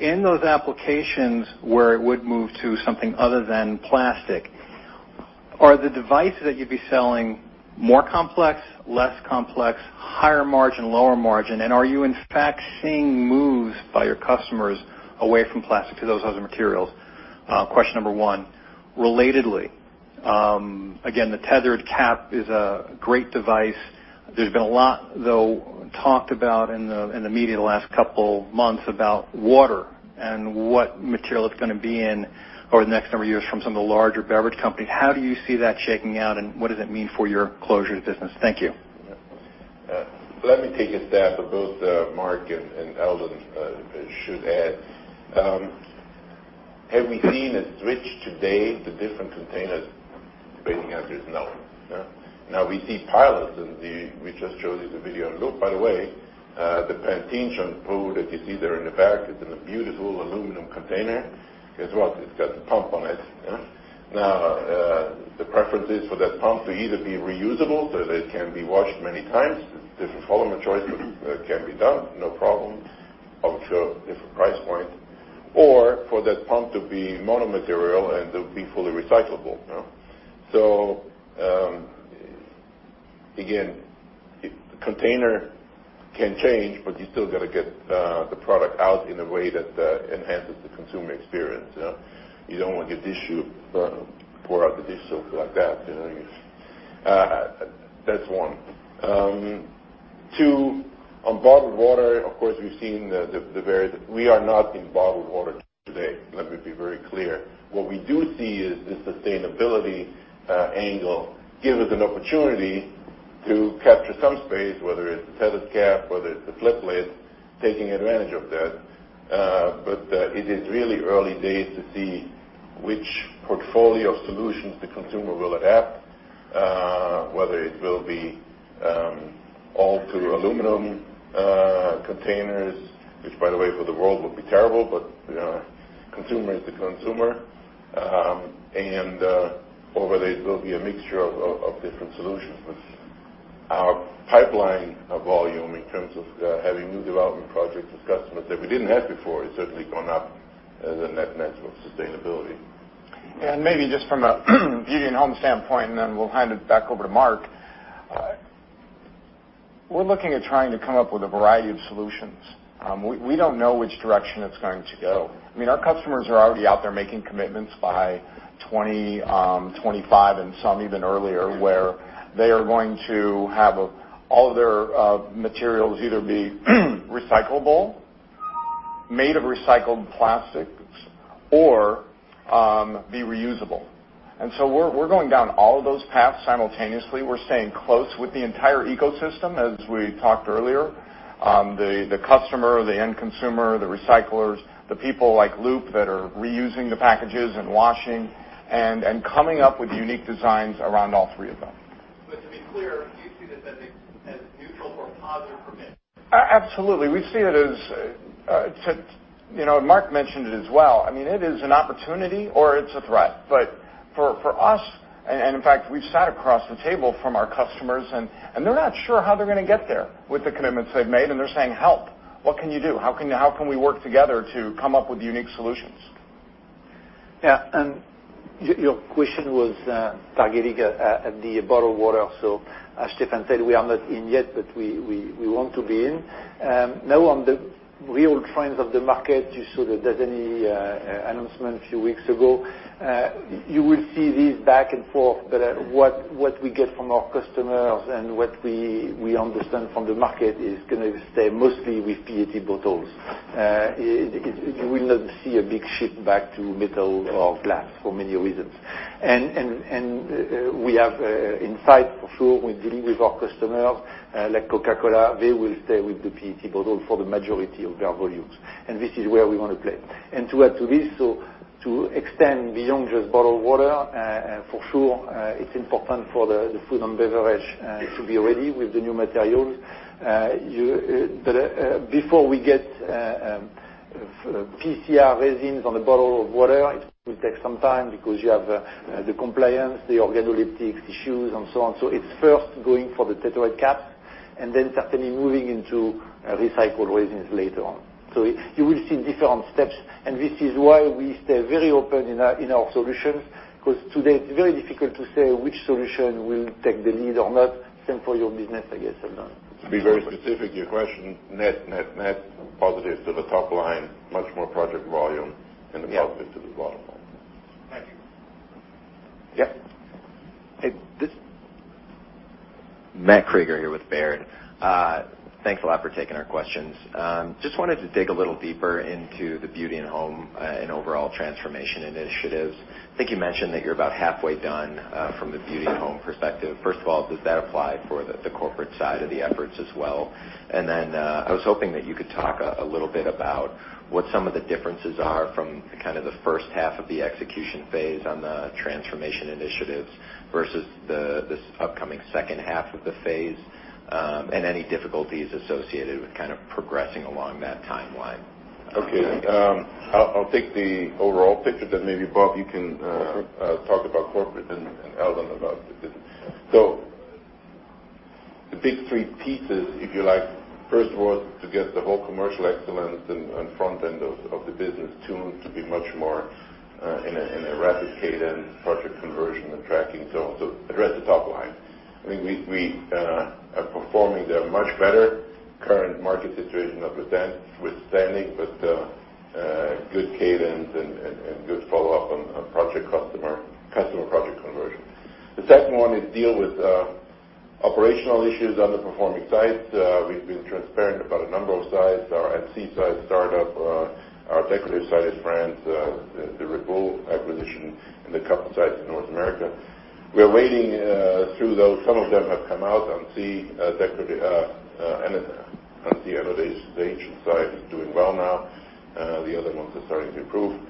In those applications where it would move to something other than plastic, are the devices that you'd be selling more complex, less complex, higher margin, lower margin? Are you in fact seeing moves by your customers away from plastic to those other materials? Question number one. Relatedly, again, the tethered cap is a great device. There's been a lot, though, talked about in the media the last couple months about water and what material it's going to be in over the next number of years from some of the larger beverage companies. How do you see that shaking out, and what does it mean for your closures business? Thank you. Let me take a stab at both Marc and Eldon, should add. Have we seen a switch today to different containers? The answer is no. We see pilots and we just showed you the video on Loop. By the way, the Pantene shampoo that you see there in the back is in a beautiful aluminum container. Guess what? It's got a pump on it. The preference is for that pump to either be reusable, so that it can be washed many times. Different polymer choices can be done, no problem. Different price point. For that pump to be mono material and to be fully recyclable. Again, the container can change, but you still got to get the product out in a way that enhances the consumer experience. You don't want to get tissue, pour out the dish soap like that. That's one. Two, on bottled water, of course, we've seen the various-- We are not in bottled water today. Let me be very clear. What we do see is the sustainability angle gives us an opportunity to capture some space, whether it's the tethered cap, whether it's the flip lid, taking advantage of that. It is really early days to see which portfolio of solutions the consumer will adopt, whether it will be all to aluminum containers, which, by the way, for the world would be terrible, the consumer is the consumer. Over there, it will be a mixture of different solutions. Our pipeline of volume in terms of having new development projects with customers that we didn't have before, has certainly gone up in that matter of sustainability. Maybe just from a Beauty + Home standpoint, then we'll hand it back over to Marc. We're looking at trying to come up with a variety of solutions. We don't know which direction it's going to go. Our customers are already out there making commitments by 2025 and some even earlier, where they are going to have all of their materials either be recyclable, made of recycled plastics, or be reusable. We're going down all of those paths simultaneously. We're staying close with the entire ecosystem, as we talked earlier. The customer, the end consumer, the recyclers, the people like Loop that are reusing the packages and washing, and coming up with unique designs around all three of them. To be clear, do you see this as neutral or positive for business? Absolutely. We see it as Marc mentioned it as well. It is an opportunity or it's a threat. For us, and in fact, we've sat across the table from our customers, and they're not sure how they're going to get there with the commitments they've made, and they're saying, "Help. What can you do? How can we work together to come up with unique solutions? Yeah. Your question was targeting the bottled water. As Stephan said, we are not in yet, but we want to be in. On the real trends of the market, you saw the Danone announcement a few weeks ago. You will see these back and forth, but what we get from our customers and what we understand from the market is going to stay mostly with PET bottles. You will not see a big shift back to metal or glass for many reasons. We have insight for sure. We deliver with our customers, like Coca-Cola. They will stay with the PET bottle for the majority of their volumes, and this is where we want to play. To add to this, so to extend beyond just bottled water, for sure, it's important for the food and beverage to be ready with the new materials. Before we get PCR resins on a bottle of water, it will take some time because you have the compliance, the organoleptics issues, and so on. It's first going for the Tetra Pak cap, and then certainly moving into recycled resins later on. You will see different steps, and this is why we stay very open in our solutions, because today it's very difficult to say which solution will take the lead or not. Same for your business, I guess, Eldon. To be very specific to your question, net, net positives to the top line, much more project volume and the positives to the bottom line. Thank you. Yeah. Hey. Matt Krueger here with Baird. Thanks a lot for taking our questions. Just wanted to dig a little deeper into the Beauty + Home and overall transformation initiatives. I think you mentioned that you're about halfway done from the Beauty + Home perspective. First of all, does that apply for the corporate side of the efforts as well? I was hoping that you could talk a little bit about what some of the differences are from the first half of the execution phase on the transformation initiatives versus this upcoming second half of the phase, and any difficulties associated with progressing along that timeline. Okay. I'll take the overall picture, then maybe, Bob, you can talk about corporate and Eldon about the business. The big three pieces, if you like, first was to get the whole commercial excellence and front end of the business tuned to be much more in a rapid cadence, project conversion, and tracking. Address the top line. I think we are performing there much better. Current market situation notwithstanding, good cadence and good follow-up on customer project conversion. The second one is deal with operational issues, underperforming sites. We've been transparent about a number of sites. Our N.C. site startup, our decorative site in France, the Ripoll acquisition, and a couple sites in North America. We are wading through those. Some of them have come out on the other stage inside is doing well now. The other ones are starting to improve.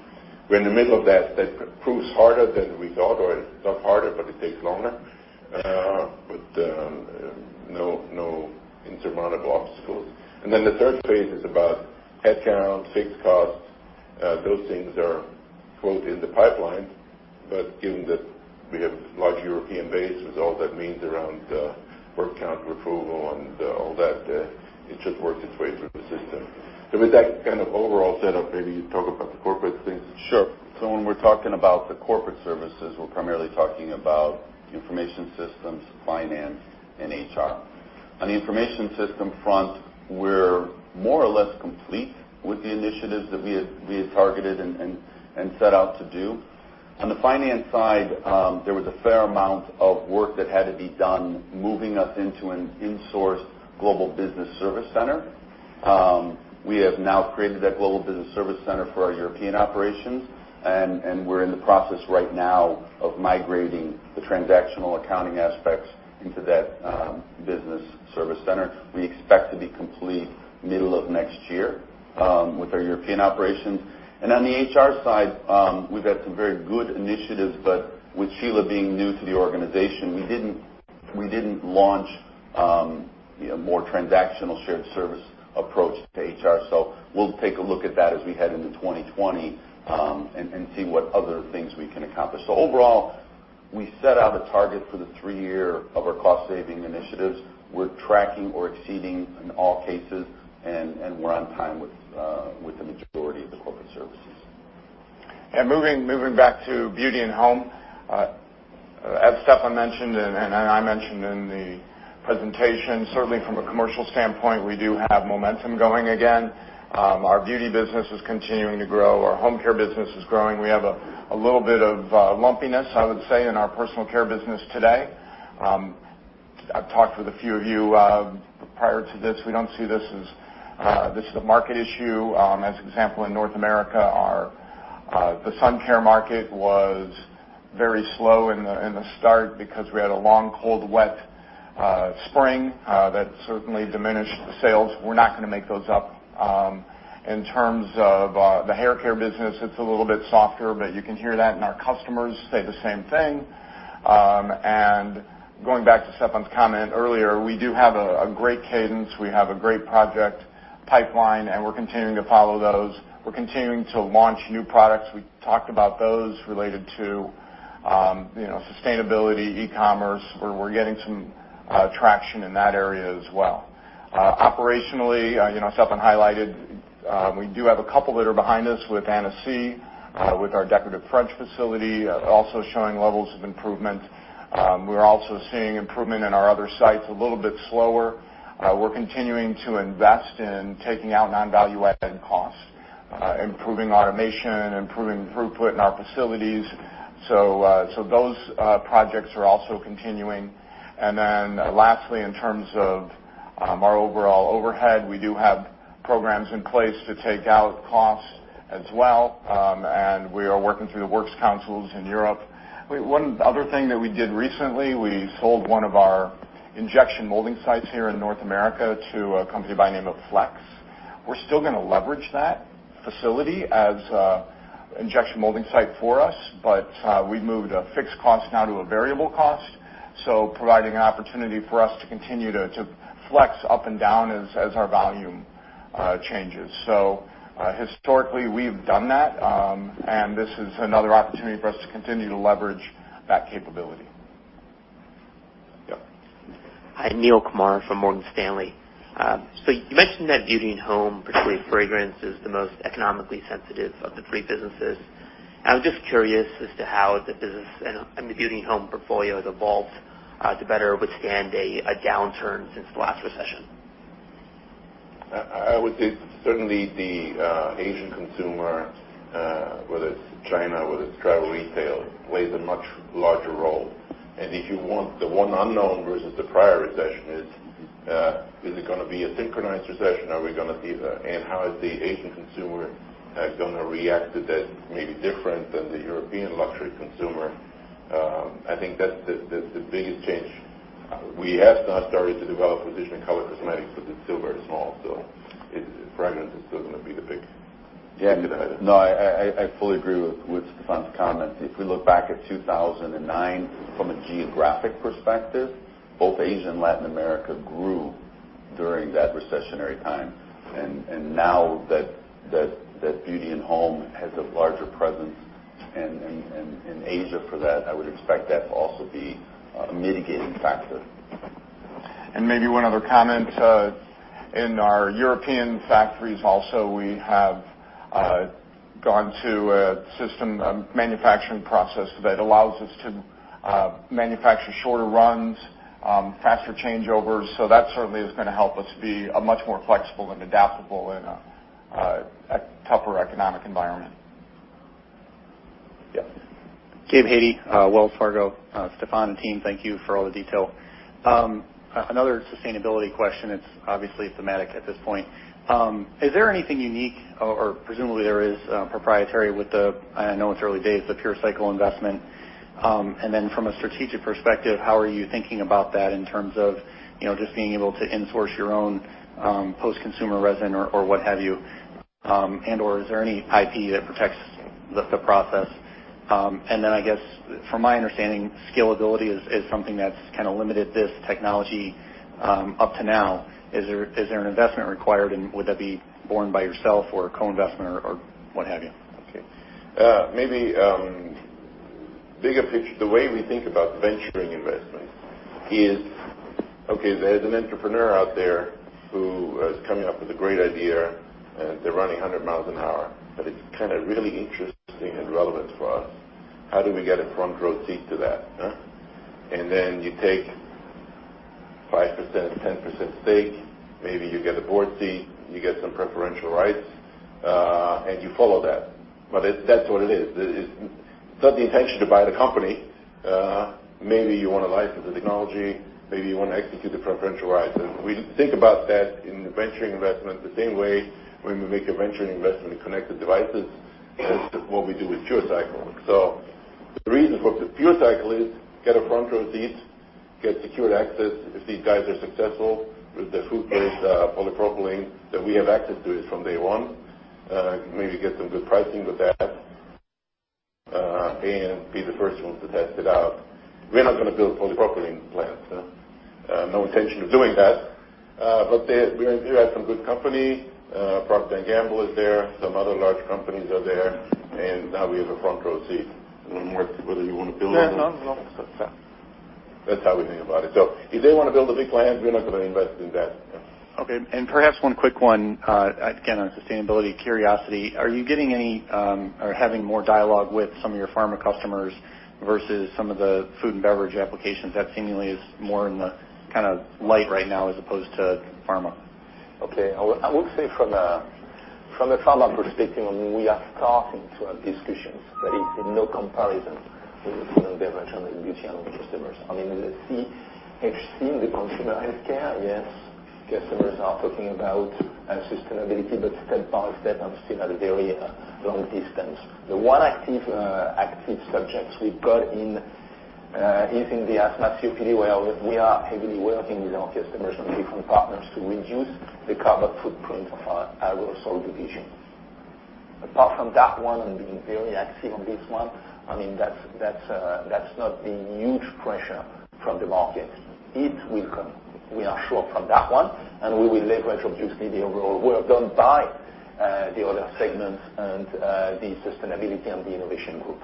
We're in the middle of that. That proves harder than we thought, or it's not harder, but it takes longer. No insurmountable obstacles. Then the third phase is about headcount, fixed costs. Those things are quote in the pipeline, but given that we have large European base with all that means around headcount approval and all that, it should work its way through the system. With that kind of overall setup, maybe you talk about the corporate things. When we're talking about the corporate services, we're primarily talking about information systems, finance, and HR. On the information system front, we're more or less complete with the initiatives that we had targeted and set out to do. On the finance side, there was a fair amount of work that had to be done moving us into an insourced global business service center. We have now created that global business service center for our European operations, and we're in the process right now of migrating the transactional accounting aspects into that business service center. We expect to be complete middle of next year with our European operations. On the HR side, we've had some very good initiatives, but with Shiela being new to the organization, we didn't launch a more transactional shared service approach to HR. We'll take a look at that as we head into 2020 and see what other things we can accomplish. Overall, we set out a target for the three year of our cost saving initiatives. We're tracking or exceeding in all cases, and we're on time with the majority of the corporate services. Moving back to Beauty + Home. As Stephan mentioned, and I mentioned in the presentation, certainly from a commercial standpoint, we do have momentum going again. Our Beauty business is continuing to grow. Our Home Care business is growing. We have a little bit of lumpiness, I would say, in our Personal Care business today. I've talked with a few of you prior to this. We don't see this as a market issue. As an example, in North America, the sun care market was very slow in the start because we had a long, cold, wet spring that certainly diminished the sales. We're not going to make those up. In terms of the hair care business, it's a little bit softer, but you can hear that and our customers say the same thing. Going back to Stephan's comment earlier, we do have a great cadence. We have a great project pipeline, and we're continuing to follow those. We're continuing to launch new products. We talked about those related to sustainability, e-commerce, where we're getting some. Traction in that area as well. Operationally, Stephan highlighted, we do have a couple that are behind us with Annecy, with our decorative French facility also showing levels of improvement. We're also seeing improvement in our other sites a little bit slower. We're continuing to invest in taking out non-value-added costs, improving automation, improving throughput in our facilities. Those projects are also continuing. Lastly, in terms of our overall overhead, we do have programs in place to take out costs as well. We are working through the works councils in Europe. One other thing that we did recently, we sold one of our injection molding sites here in North America to a company by the name of Flex. We're still going to leverage that facility as an injection molding site for us, but we've moved a fixed cost now to a variable cost, providing an opportunity for us to continue to flex up and down as our volume changes. Historically, we've done that, and this is another opportunity for us to continue to leverage that capability. Yep. Hi, Neel Kumar from Morgan Stanley. You mentioned that Beauty + Home, particularly fragrance, is the most economically sensitive of the three businesses. I was just curious as to how the business and the Beauty + Home portfolio has evolved to better withstand a downturn since the last recession. I would say certainly the Asian consumer, whether it's China, whether it's travel retail, plays a much larger role. If you want, the one unknown versus the prior recession is it going to be a synchronized recession? Are we going to see that? How is the Asian consumer going to react to that maybe different than the European luxury consumer? I think that's the biggest change. We have now started to develop a position in color cosmetics, but it's still very small, so fragrance is still going to be the big indicator. No, I fully agree with Stephan's comment. If we look back at 2009 from a geographic perspective, both Asia and Latin America grew during that recessionary time. Now that Beauty + Home has a larger presence in Asia for that, I would expect that to also be a mitigating factor. Maybe one other comment. In our European factories also, we have gone to a system manufacturing process that allows us to manufacture shorter runs, faster changeovers. That certainly is going to help us be much more flexible and adaptable in a tougher economic environment. Yep. Gabe Hajde, Wells Fargo. Stephan, team, thank you for all the detail. Another sustainability question, it's obviously thematic at this point. Is there anything unique, or presumably there is, proprietary with the, I know it's early days, the PureCycle investment? From a strategic perspective, how are you thinking about that in terms of just being able to in-source your own post-consumer resin or what have you, and/or is there any IP that protects the process? I guess from my understanding, scalability is something that's kind of limited this technology up to now. Is there an investment required, and would that be borne by yourself or a co-investment or what have you? Maybe bigger picture. The way we think about venturing investments is, there's an entrepreneur out there who is coming up with a great idea, and they're running 100 miles an hour, but it's kind of really interesting and relevant for us. How do we get a front-row seat to that? You take 5%, 10% stake. Maybe you get a board seat, you get some preferential rights, and you follow that. That's what it is. It's not the intention to buy the company. Maybe you want to license the technology. Maybe you want to execute the preferential rights. We think about that in the venturing investment the same way we make a venturing investment in connected devices as what we do with PureCycle. The reason for PureCycle is get a front-row seat, get secured access. If these guys are successful with the food-grade polypropylene, we have access to it from day one. Maybe get some good pricing with that, be the first ones to test it out. We're not going to build a polypropylene plant. No intention of doing that. We do have some good company. Procter & Gamble is there. Some other large companies are there, now we have a front-row seat. Yeah, no. that's how we think about it. If they want to build a big plant, we're not going to invest in that. Okay, perhaps one quick one, again, on sustainability curiosity. Are you getting any or having more dialogue with some of your pharma customers versus some of the food and beverage applications? That seemingly is more in the light right now as opposed to pharma. Okay. I would say from a Pharma perspective, we are starting to have discussions, but in no comparison with the food and beverage and the Beauty + Home customers. In the consumer healthcare, yes, customers are talking about sustainability, but step by step and still at a very long distance. The one active subjects we've got is in the asthma COPD, where we are heavily working with our customers and different partners to reduce the carbon footprint of our aerosol division. Apart from that one and being very active on this one, that's not the huge pressure from the market. It will come. We are sure from that one. We will leverage, obviously, the overall work done by the other segments and the sustainability and the innovation group.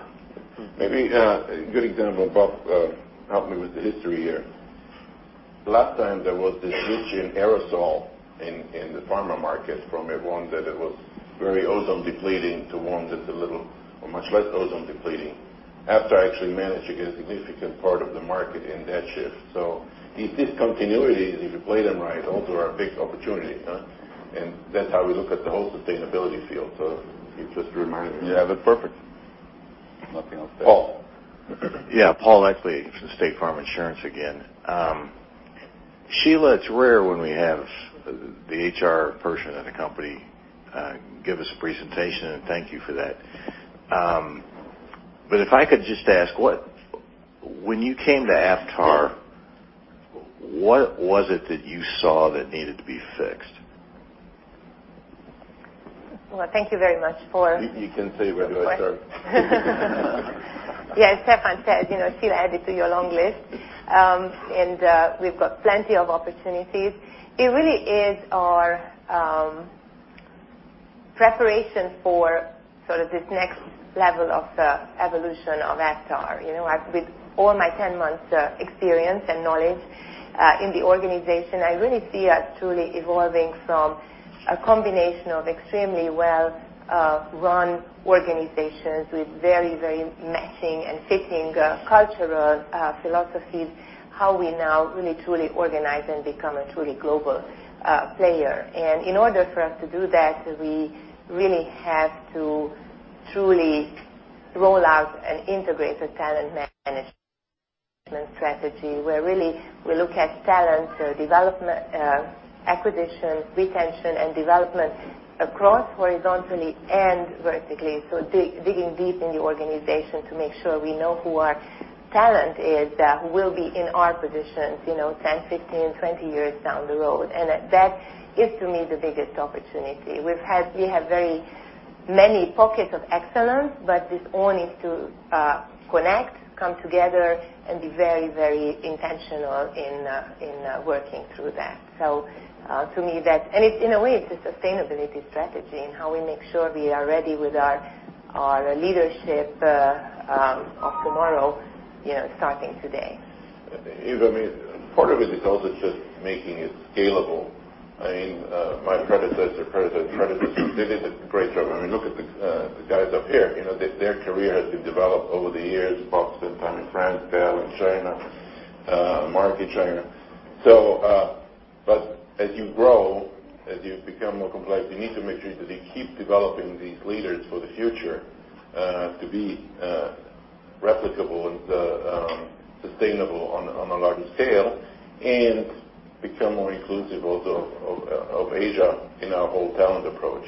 Maybe a good example, Bob helped me with the history here. Last time there was this switch in aerosol in the pharma market from everyone that it was very ozone depleting to one that's a little or much less ozone depleting. Aptar actually managed to get a significant part of the market in that shift. These discontinuities, if you play them right, also are a big opportunity. That's how we look at the whole sustainability field. It's just a reminder. You have it perfect. Nothing else there. Paul. Yeah. Paul Eckley from State Farm Insurance again. Shiela, it's rare when we have the HR person at a company give us a presentation, and thank you for that. If I could just ask, when you came to Aptar, what was it that you saw that needed to be fixed? Well, thank you very much, Paul. You can say, "Where do I start? Yeah, as Stephan said, Shiela added to your long list. We've got plenty of opportunities. It really is our preparation for sort of this next level of the evolution of Aptar. With all my 10 months of experience and knowledge in the organization, I really see us truly evolving from a combination of extremely well-run organizations with very matching and fitting cultural philosophies, how we now really truly organize and become a truly global player. In order for us to do that, we really have to truly roll out an integrated talent management strategy, where really we look at talent development, acquisition, retention, and development across horizontally and vertically. Digging deep in the organization to make sure we know who our talent is, who will be in our positions 10, 15, 20 years down the road. That is, to me, the biggest opportunity. We have very many pockets of excellence, this all needs to connect, come together, and be very intentional in working through that. To me in a way, it's a sustainability strategy and how we make sure we are ready with our leadership of tomorrow starting today. Part of it is also just making it scalable. My predecessor did a great job. Look at the guys up here. Their career has been developed over the years, Bob, spent time in France, Gael in China, Marc in China. As you grow, as you become more complex, you need to make sure that you keep developing these leaders for the future to be replicable and sustainable on a larger scale, and become more inclusive also of Asia in our whole talent approach.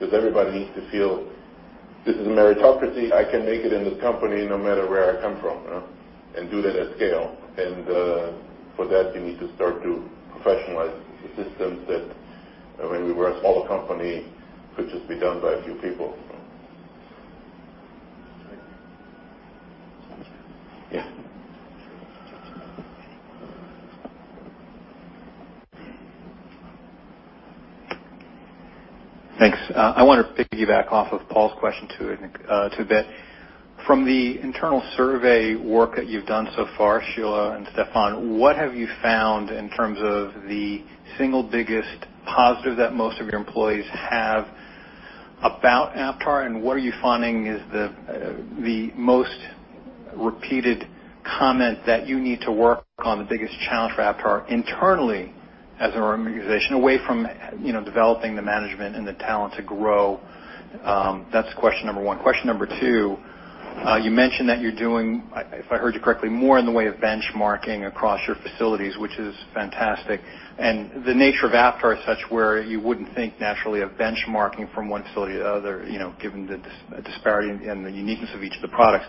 Everybody needs to feel this is a meritocracy, I can make it in this company no matter where I come from, and do that at scale. For that, you need to start to professionalize the systems that when we were a smaller company, could just be done by a few people. Yeah. Thanks. I want to piggyback off of Paul's question too a bit. From the internal survey work that you've done so far, Shiela and Stephan, what have you found in terms of the single biggest positive that most of your employees have about Aptar? What are you finding is the most repeated comment that you need to work on, the biggest challenge for Aptar internally as an organization, away from developing the management and the talent to grow? That's question number 1. Question number 2, you mentioned that you're doing, if I heard you correctly, more in the way of benchmarking across your facilities, which is fantastic. The nature of Aptar is such where you wouldn't think naturally of benchmarking from one facility to the other, given the disparity and the uniqueness of each of the products.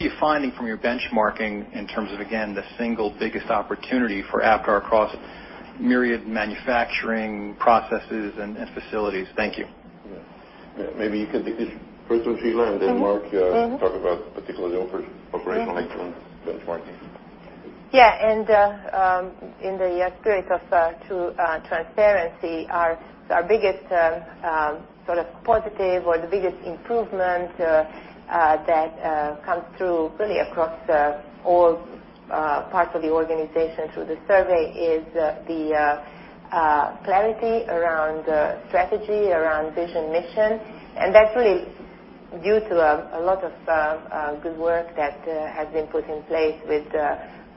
What are you finding from your benchmarking in terms of, again, the single biggest opportunity for Aptar across myriad manufacturing processes and facilities? Thank you. Maybe you can take this first one, Shiela. Then Marc talk about particularly the operational excellence benchmarking. Yeah. In the spirit of true transparency, our biggest sort of positive or the biggest improvement that comes through really across all parts of the organization through the survey is the clarity around strategy, around vision, mission. That's really due to a lot of good work that has been put in place with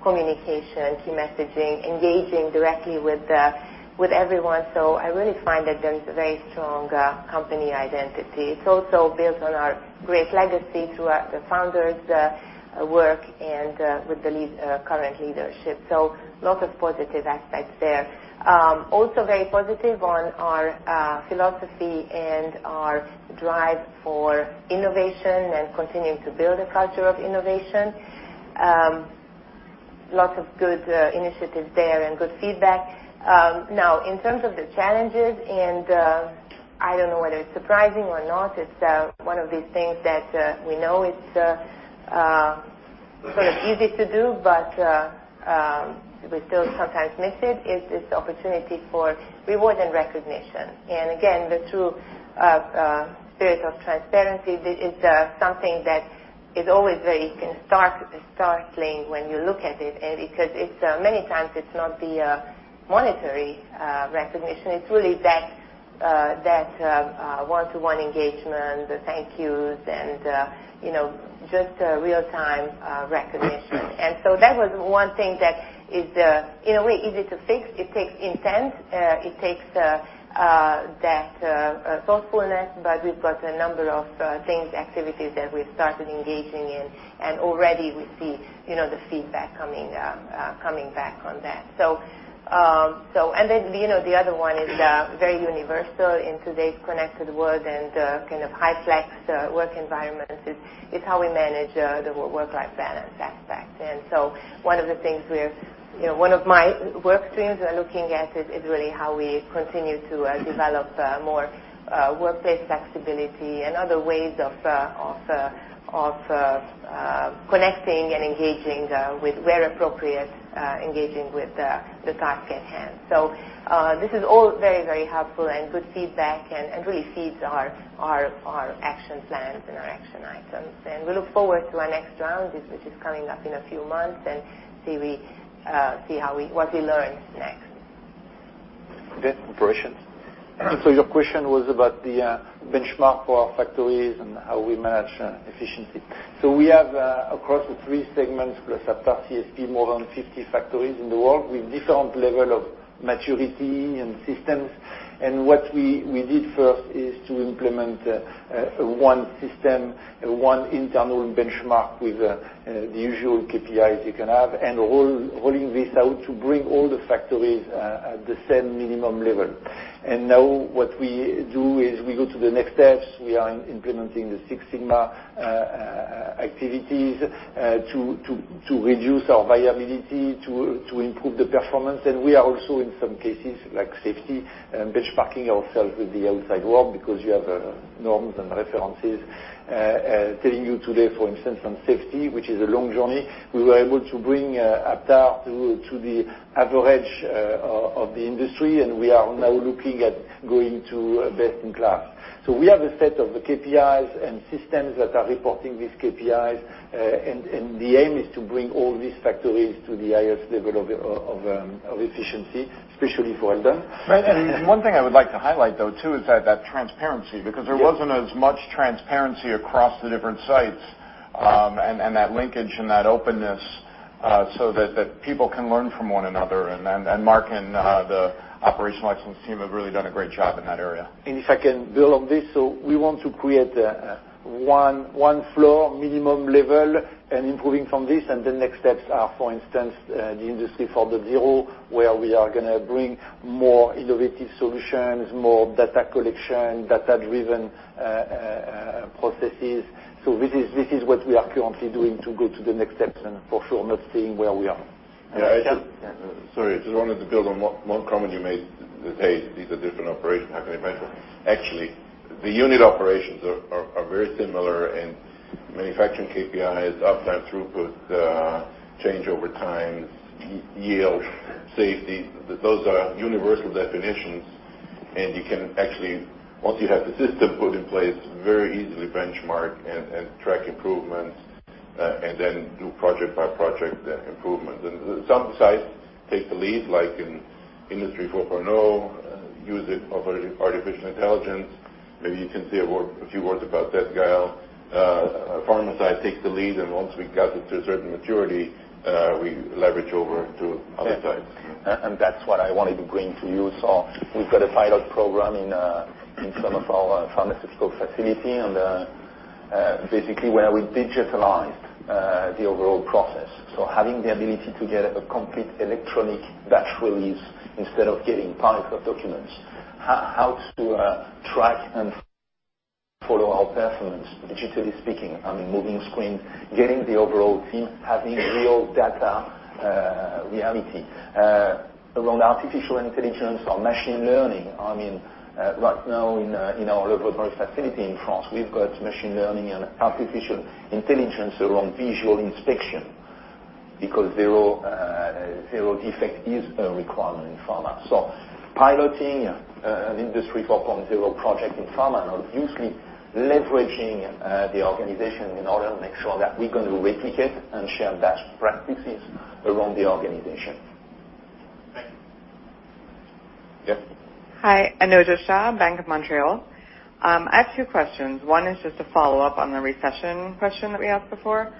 communication, key messaging, engaging directly with everyone. I really find that there's a very strong company identity. It's also built on our great legacy throughout the founder's work and with the current leadership. Lots of positive aspects there. Also very positive on our philosophy and our drive for innovation and continuing to build a culture of innovation. Lots of good initiatives there and good feedback. In terms of the challenges, and I don't know whether it's surprising or not, it's one of these things that we know it's sort of easy to do, but we still sometimes miss it, is this opportunity for reward and recognition. Again, the true spirit of transparency is something that is always very startling when you look at it. Because many times it's not the monetary recognition, it's really that one-to-one engagement, the thank yous and just real-time recognition. That was one thing that is, in a way, easy to fix. It takes intent, it takes that thoughtfulness. We've got a number of things, activities that we've started engaging in, and already we see the feedback coming back on that. The other one is very universal in today's connected world and kind of hyflex work environment, is how we manage the work-life balance aspect. One of my work streams we're looking at is really how we continue to develop more workplace flexibility and other ways of connecting and engaging with, where appropriate, engaging with the task at hand. This is all very, very helpful and good feedback and really feeds our action plans and our action items. We look forward to our next round, which is coming up in a few months, and see what we learn next. Yes, operations. Your question was about the benchmark for our factories and how we manage efficiency. We have, across the three segments plus Aptar CSP, more than 50 factories in the world with different level of maturity and systems. What we did first is to implement one system, one internal benchmark with the usual KPIs you can have, and rolling this out to bring all the factories at the same minimum level. Now what we do is we go to the next steps. We are implementing the Six Sigma activities to reduce our variability, to improve the performance. We are also, in some cases, like safety, benchmarking ourselves with the outside world because you have norms and references telling you today, for instance, on safety, which is a long journey, we were able to bring Aptar to the average of the industry, and we are now looking at going to best in class. We have a set of KPIs and systems that are reporting these KPIs, and the aim is to bring all these factories to the highest level of efficiency, especially for Eldon. One thing I would like to highlight, though, too, is that transparency, because there wasn't as much transparency across the different sites, and that linkage and that openness, so that people can learn from one another. Marc and the operational excellence team have really done a great job in that area. If I can build on this, we want to create one floor minimum level and improving from this. The next steps are, for instance, the Industry 4.0, where we are going to bring more innovative solutions, more data collection, data-driven processes. This is what we are currently doing to go to the next steps and for sure not staying where we are. Yeah. Sorry. Just wanted to build on one comment you made that, hey, these are different operations. How can they benchmark? Actually, the unit operations are very similar in manufacturing KPIs, uptime throughput, change over time, yield, safety. Those are universal definitions. You can actually, once you have the system put in place, very easily benchmark and track improvements, and then do project-by-project improvements. Some sites take the lead, like in Industry 4.0, using artificial intelligence. Maybe you can say a few words about that, Gael. Aptar Pharma takes the lead, and once we got it to a certain maturity, we leverage over to other sites. Yes. That's what I wanted to bring to you. We've got a pilot program in some of our Aptar Pharma facility, and basically where we digitalized the overall process. Having the ability to get a complete electronic batch release instead of getting piles of documents. How to track and follow our performance digitally speaking, I mean, moving screens, getting the overall team, having real data reality. Around artificial intelligence or machine learning, right now in our laboratory facility in France, we've got machine learning and artificial intelligence around visual inspection because zero defect is a requirement in Aptar Pharma. Piloting an Industry 4.0 project in Aptar Pharma, and obviously leveraging the organization in order to make sure that we're going to replicate and share best practices around the organization. Yes. Hi, Anojja Shah, Bank of Montreal. I have two questions. One is just a follow-up on the recession question that we asked before.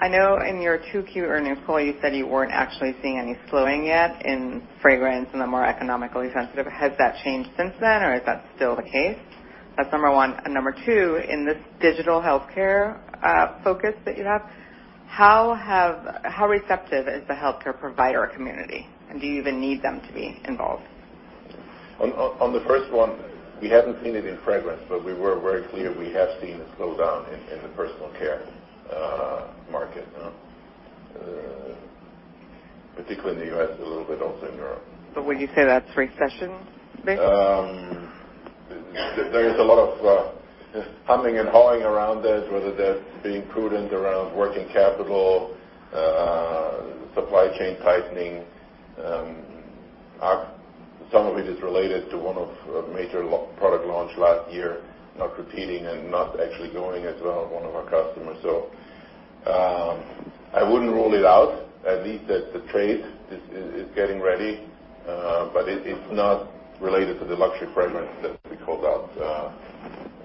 I know in your 2Q earnings call, you said you weren't actually seeing any slowing yet in fragrance and the more economically sensitive. Has that changed since then or is that still the case? That's number one. Number two, in this digital healthcare focus that you have, how receptive is the healthcare provider community, and do you even need them to be involved? On the first one, we haven't seen it in fragrance, but we were very clear we have seen a slowdown in the personal care market. Yeah. Particularly in the U.S., a little bit also in Europe. Would you say that's recession-based? There is a lot of humming and hawing around it, whether that's being prudent around working capital, supply chain tightening. Some of it is related to one of major product launch last year, not repeating and not actually going as well at one of our customers. I wouldn't rule it out, at least that the trade is getting ready. It's not related to the luxury fragrance that we called out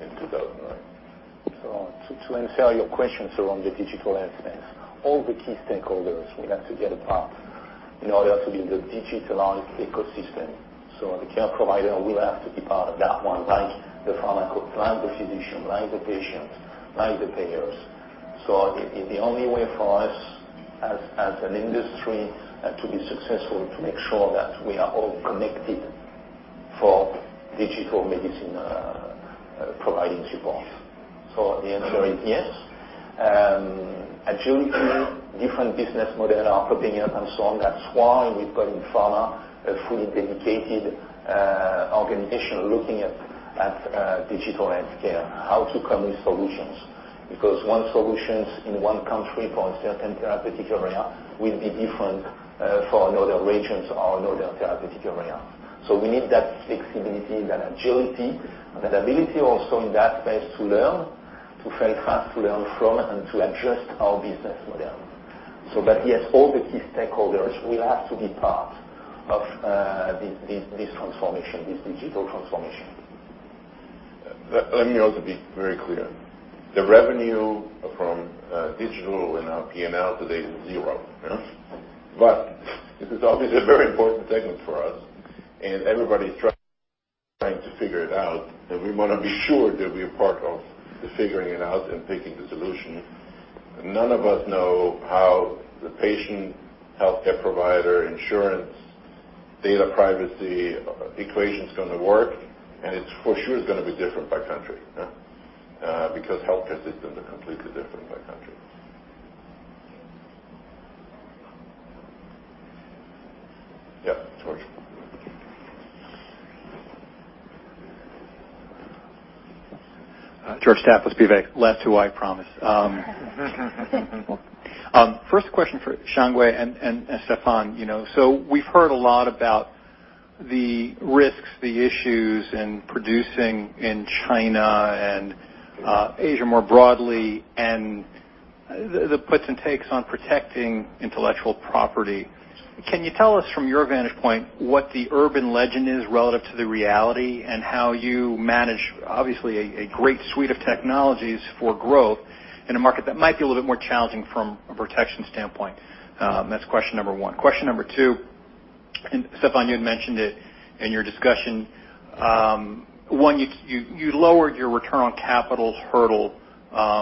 in 2009. To answer your question around the digital aspect, all the key stakeholders will have to get a part in order to build the digitalized ecosystem. The care provider will have to be part of that one, like the pharmacologist, like the physician, like the patients, like the payers. The only way for us as an industry to be successful, to make sure that we are all connected for digital medicine providing support. The answer is yes. Agility, different business model are popping up and so on. That's why we've got in pharma a fully dedicated organization looking at digital healthcare, how to come with solutions. Because one solutions in one country for a certain therapeutic area will be different for another regions or another therapeutic area. We need that flexibility, that agility, that ability also in that space to learn, to fail fast, to learn from, and to adjust our business model. Yes, all the key stakeholders will have to be part of this transformation, this digital transformation. Let me also be very clear. The revenue from digital in our P&L today is zero. This is obviously a very important segment for us, and everybody's trying to figure it out, and we want to be sure that we are part of the figuring it out and picking the solution. None of us know how the patient healthcare provider insurance data privacy equation's going to work, and it's for sure is going to be different by country. Healthcare systems are completely different by country. Yeah, George. George Staphos, BofA. Last two, I promise. First question for Xiangwei and Stephan. We've heard a lot about the risks, the issues in producing in China and Asia more broadly, and the puts and takes on protecting intellectual property. Can you tell us from your vantage point what the urban legend is relative to the reality, and how you manage obviously a great suite of technologies for growth in a market that might be a little bit more challenging from a protection standpoint? That's question number 1. Question number 2, Stephan, you had mentioned it in your discussion. One, you lowered your return on capital hurdle,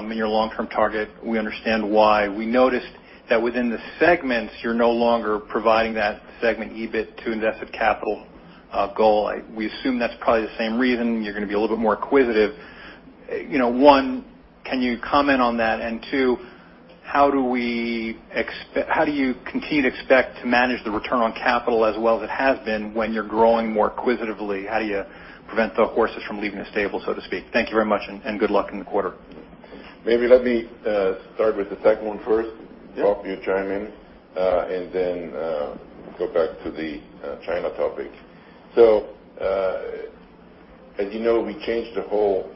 in your long-term target. We understand why. We noticed that within the segments, you're no longer providing that segment EBIT to invested capital goal. We assume that's probably the same reason you're going to be a little bit more acquisitive. One, can you comment on that? Two, how do you continue to expect to manage the return on capital as well as it has been when you're growing more acquisitively? How do you prevent the horses from leaving the stable, so to speak? Thank you very much and good luck in the quarter. Maybe let me start with the second one first. Rob, you chime in, and then we'll go back to the China topic. As you know, we changed the whole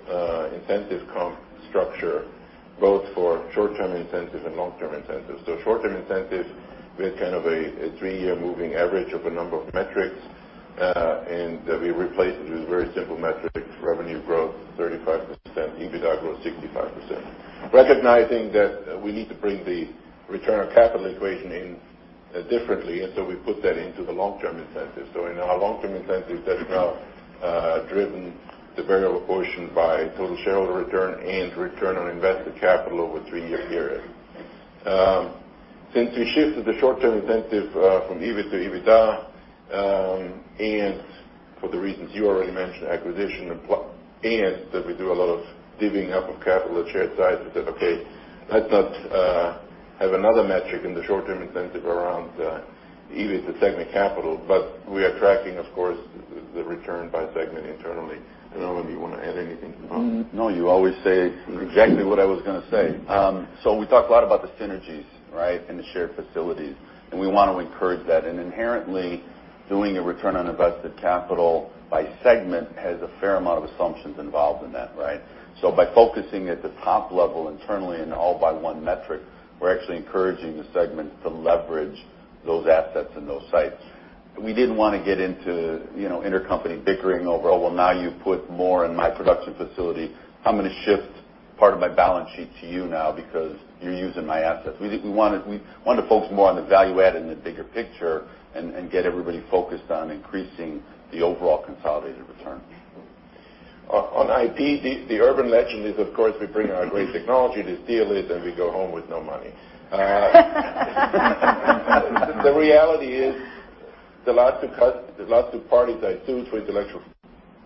incentive comp structure, both for short-term incentive and long-term incentive. Short-term incentive, we had kind of a three-year moving average of a number of metrics, and we replaced it with very simple metrics, revenue growth 35%, EBITDA growth 65%. Recognizing that we need to bring the return on capital equation in differently, we put that into the long-term incentive. In our long-term incentive, that's now driven the variable portion by total shareholder return and return on invested capital over a three-year period. Since we shifted the short-term incentive from EBIT to EBITDA, and for the reasons you already mentioned, acquisition and that we do a lot of divvying up of capital at shared sites. We said, okay, let's not have another metric in the short-term incentive around EBIT, the segment capital. We are tracking, of course, the return by segment internally. I don't know if you want to add anything, Rob. No, you always say exactly what I was going to say. We talked a lot about the synergies, right, and the shared facilities, and we want to encourage that. Inherently, doing a return on invested capital by segment has a fair amount of assumptions involved in that, right? By focusing at the top level internally and all by one metric, we're actually encouraging the segment to leverage those assets and those sites. We didn't want to get into intercompany bickering over, "Oh, well, now you put more in my production facility. I'm going to shift part of my balance sheet to you now because you're using my assets." We wanted to focus more on the value add and the bigger picture and get everybody focused on increasing the overall consolidated return. On IP, the urban legend is, of course, we bring our great technology, they steal it, and we go home with no money. The reality is, the last two parties that sued for intellectual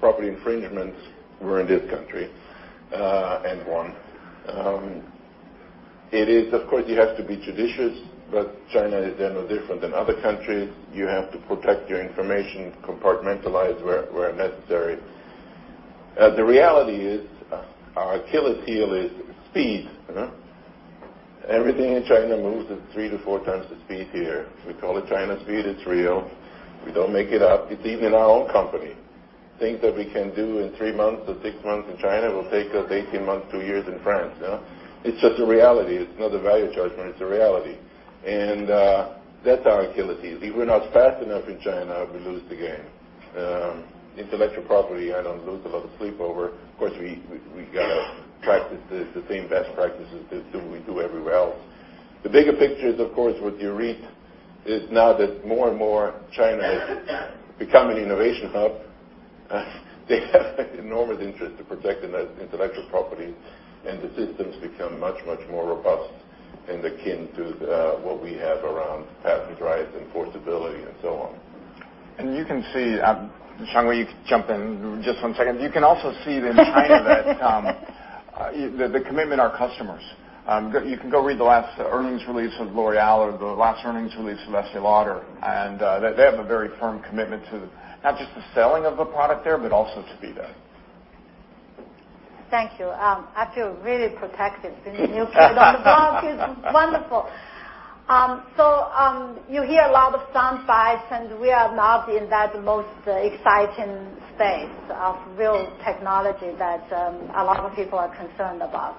property infringements were in this country, and won. Of course, you have to be judicious, China is no different than other countries. You have to protect your information, compartmentalize where necessary. The reality is, our Achilles' heel is speed. Everything in China moves at three to four times the speed here. We call it China speed. It's real. We don't make it up. It's even in our own company. Things that we can do in three months or six months in China will take us 18 months, two years in France. It's just a reality. It's not a value judgment, it's a reality. That's our Achilles' heel. If we're not fast enough in China, we lose the game. Intellectual property, I don't lose a lot of sleep over. Of course, we got to practice the same best practices as we do everywhere else. The bigger picture is, of course, what you read, is now that more and more China has become an innovation hub, they have an enormous interest to protect intellectual property, and the systems become much, much more robust and akin to what we have around patent rights, enforceability, and so on. You can see, Xiangwei, jump in just one second. You can also see that in China, the commitment to our customers. You can go read the last earnings release of L'Oréal or the last earnings release of Estée Lauder, they have a very firm commitment to not just the selling of the product there, but also to speed. Thank you. I feel really protected in the new world. It's wonderful. You hear a lot of sound bites, and we are not in that most exciting space of real technology that a lot of people are concerned about.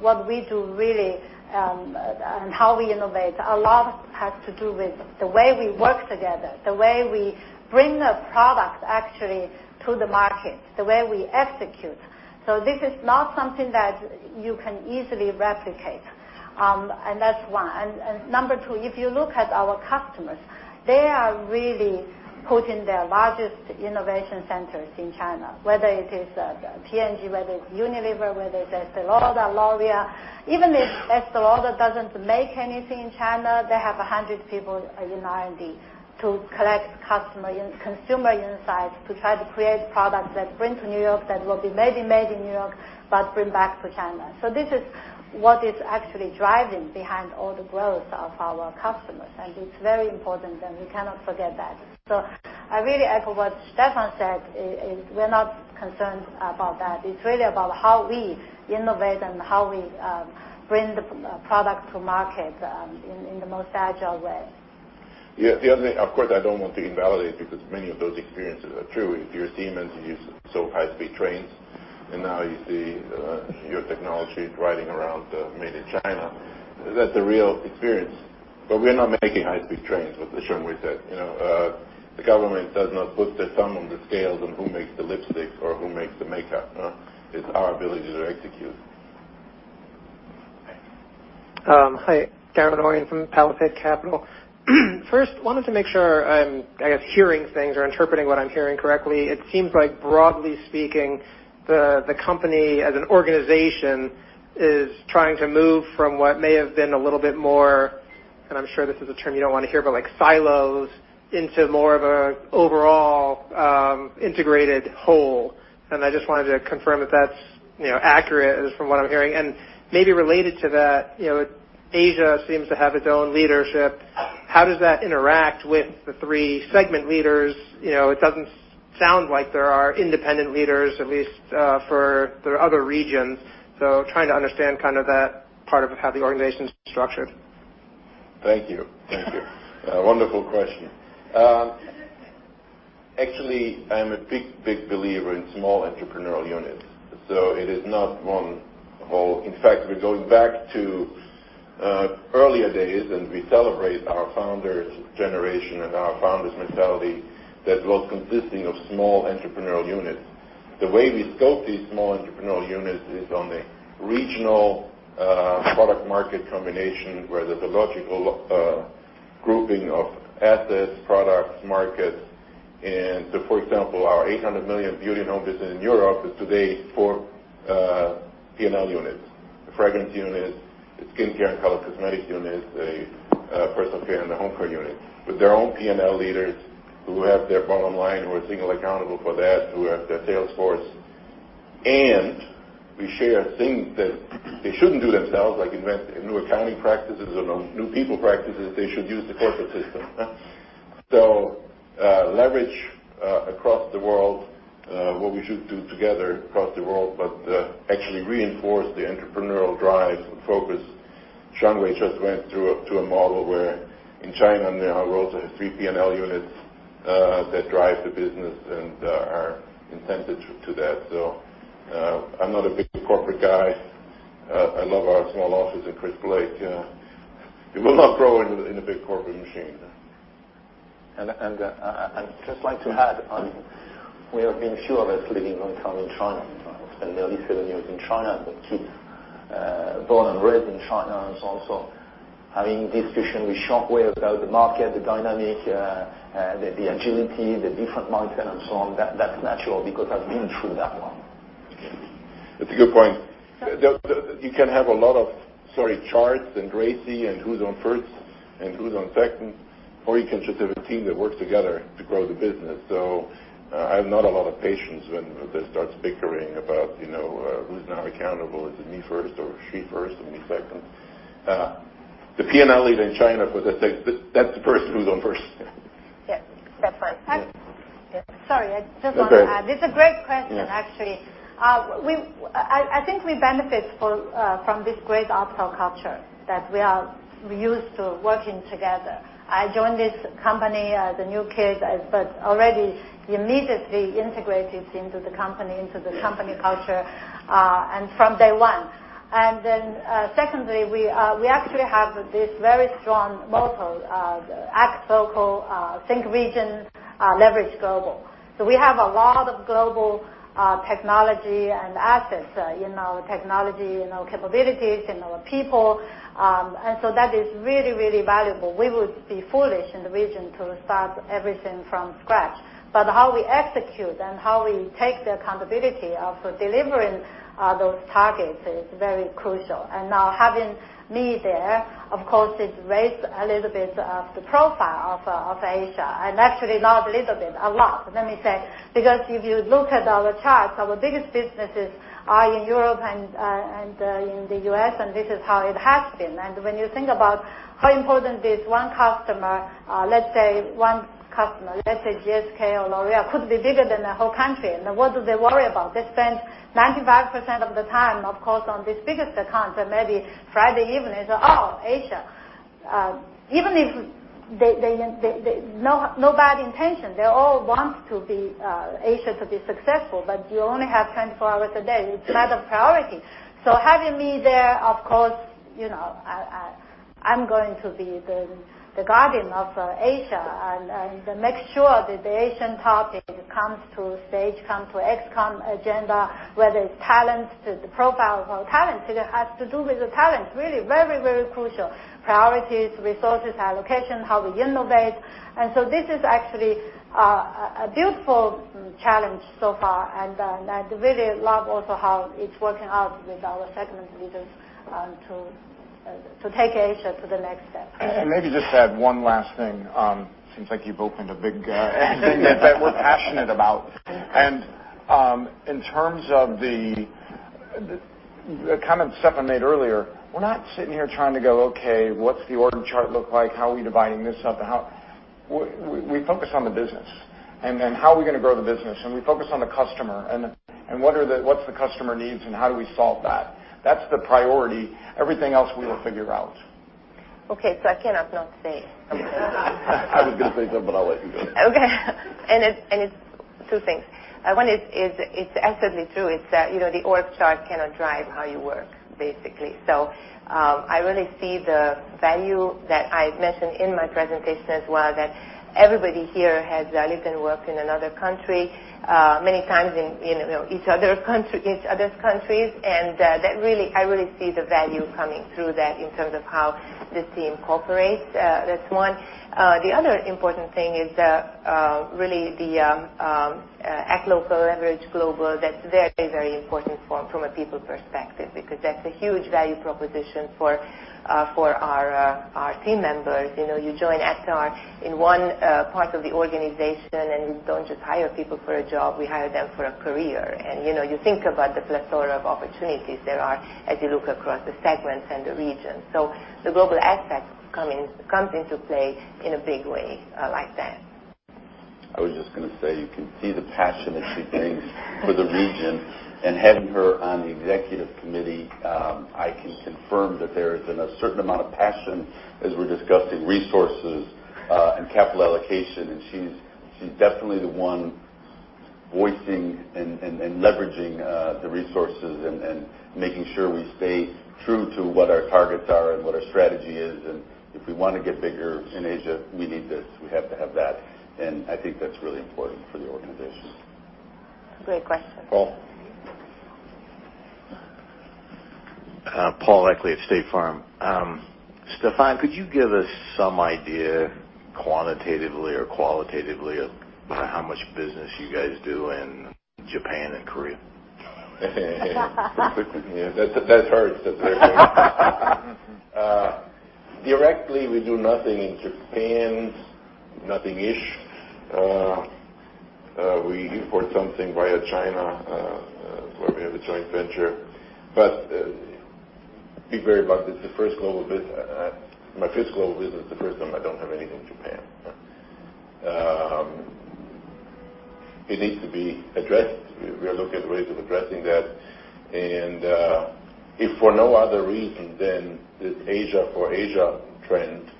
What we do really, and how we innovate, a lot has to do with the way we work together, the way we bring the product actually to the market, the way we execute. This is not something that you can easily replicate. That's one. Number 2, if you look at our customers, they are really putting their largest innovation centers in China. Whether it is P&G, whether it's Unilever, whether it's Estée Lauder, L'Oréal. Even if Estée Lauder doesn't make anything in China, they have 100 people in R&D to collect consumer insights to try to create products that bring to New York, that will be maybe made in New York, but bring back to China. This is what is actually driving behind all the growth of our customers, and it's very important, and we cannot forget that. I really echo what Stephan said, is we're not concerned about that. It's really about how we innovate and how we bring the product to market, in the most agile way. The other thing, of course, I don't want to invalidate because many of those experiences are true. If you're Siemens, you sell high-speed trains, and now you see your technology riding around made in China. That's a real experience. We're not making high-speed trains, what Xiangwei said. The government does not put their thumb on the scales on who makes the lipstick or who makes the makeup. It's our ability to execute. Hi, Gavin Horian from Palisade Capital. First, wanted to make sure I'm hearing things or interpreting what I'm hearing correctly. It seems like broadly speaking, the company as an organization is trying to move from what may have been a little bit more, and I'm sure this is a term you don't want to hear, but like silos into more of a overall integrated whole. I just wanted to confirm if that's accurate from what I'm hearing. Maybe related to that, Asia seems to have its own leadership. How does that interact with the three segment leaders? It doesn't sound like there are independent leaders, at least for the other regions. I'm trying to understand that part of how the organization's structured. Thank you. Thank you. A wonderful question. Actually, I'm a big believer in small entrepreneurial units. It is not one whole. In fact, we're going back to earlier days, we celebrate our founder's generation and our founder's mentality that was consisting of small entrepreneurial units. The way we scope these small entrepreneurial units is on a regional product market combination where there's a logical grouping of assets, products, markets. For example, our $800 million Beauty + Home business in Europe is today four P&L units. The fragrance unit, the skincare and color cosmetics unit, the personal care and the home care unit. With their own P&L leaders who have their bottom line, who are single accountable for that, who have their sales force. We share things that they shouldn't do themselves, like invent new accounting practices or new people practices. They should use the corporate system. Leverage across the world, what we should do together across the world, but actually reinforce the entrepreneurial drive and focus. Xiangwei just went through a model where in China, there are also 3 P&L units that drive the business and are incented to that. I'm not a big corporate guy. I love our small office at Crystal Lake. We will not grow in a big corporate machine. I'd just like to add, we have been sure of this living when we come in China. I've spent nearly seven years in China, with kids born and raised in China, and so on. Having discussion with Xiangwei about the market, the dynamic, the agility, the different market and so on, that's natural because I've been through that one. That's a good point. You can have a lot of charts and Abbott and who's on first and who's on second, you can just have a team that works together to grow the business. I have not a lot of patience when they start bickering about who's now accountable. Is it me first or she first and me second? The P&L lead in China, for that sake, that's the person who's on first. Yes, step first. Sorry, I just want to add. This is a great question, actually. I think we benefit from this great Aptar culture that we are used to working together. I joined this company as a new kid, but already immediately integrated into the company, into the company culture, from day one. Secondly, we actually have this very strong motto of act local, think region, leverage global. We have a lot of global technology and assets in our technology, in our capabilities, in our people. That is really, really valuable. We would be foolish in the region to start everything from scratch. How we execute and how we take the accountability of delivering those targets is very crucial. Now having me there, of course, it raised a little bit of the profile of Asia and actually not a little bit, a lot, let me say. If you look at our charts, our biggest businesses are in Europe and in the U.S., and this is how it has been. When you think about how important this one customer, let's say GSK or L'Oréal, could be bigger than a whole country, and what do they worry about? They spend 95% of the time, of course, on this biggest account, and maybe Friday evening they say, "Oh, Asia." Even if no bad intention. They all want Asia to be successful, but you only have 24 hours a day. It's not a priority. Having me there, of course, I'm going to be the guardian of Asia and make sure that the Asian topic comes to stage, comes to ex-com agenda, whether it's talent, the profile of our talent. It has to do with the talent, really very, very crucial. Priorities, resources, allocation, how we innovate. This is actually a beautiful challenge so far, and I really love also how it's working out with our segment leaders to take Asia to the next step. Maybe just add one last thing. Seems like you've opened a big thing that we're passionate about. In terms of the kind of stuff I made earlier, we're not sitting here trying to go, okay, what's the org chart look like? How are we dividing this up? We focus on the business, and then how are we going to grow the business? We focus on the customer, and what's the customer needs, and how do we solve that? That's the priority. Everything else, we will figure out. Okay. I cannot not say. I was going to say something, but I'll let you go. Okay. It's two things. One is it's absolutely true. It's that the org chart cannot drive how you work, basically. I really see the value that I mentioned in my presentation as well, that everybody here has lived and worked in another country, many times in each other's countries. I really see the value coming through that in terms of how this team cooperates. That's one. The other important thing is really the act local, leverage global. That's very, very important from a people perspective, because that's a huge value proposition for our team members. You join Aptar in one part of the organization, and we don't just hire people for a job. We hire them for a career. You think about the plethora of opportunities there are as you look across the segments and the regions. The global aspect comes into play in a big way like that. I was just going to say, you can see the passion that she brings for the region. Having her on the executive committee, I can confirm that there has been a certain amount of passion as we're discussing resources and capital allocation, and she's definitely the one voicing and leveraging the resources and making sure we stay true to what our targets are and what our strategy is. If we want to get bigger in Asia, we need this. We have to have that. I think that's really important for the organization. Great question. Paul. Paul Eckley at State Farm. Stephan, could you give us some idea, quantitatively or qualitatively, about how much business you guys do in Japan and Korea? That's hard. Directly, we do nothing in Japan. Nothing-ish. We import something via China, where we have a joint venture. Be very about this. My fifth global business, the first time I don't have anything in Japan. It needs to be addressed. We are looking at ways of addressing that. If for no other reason than this Asia for Asia trend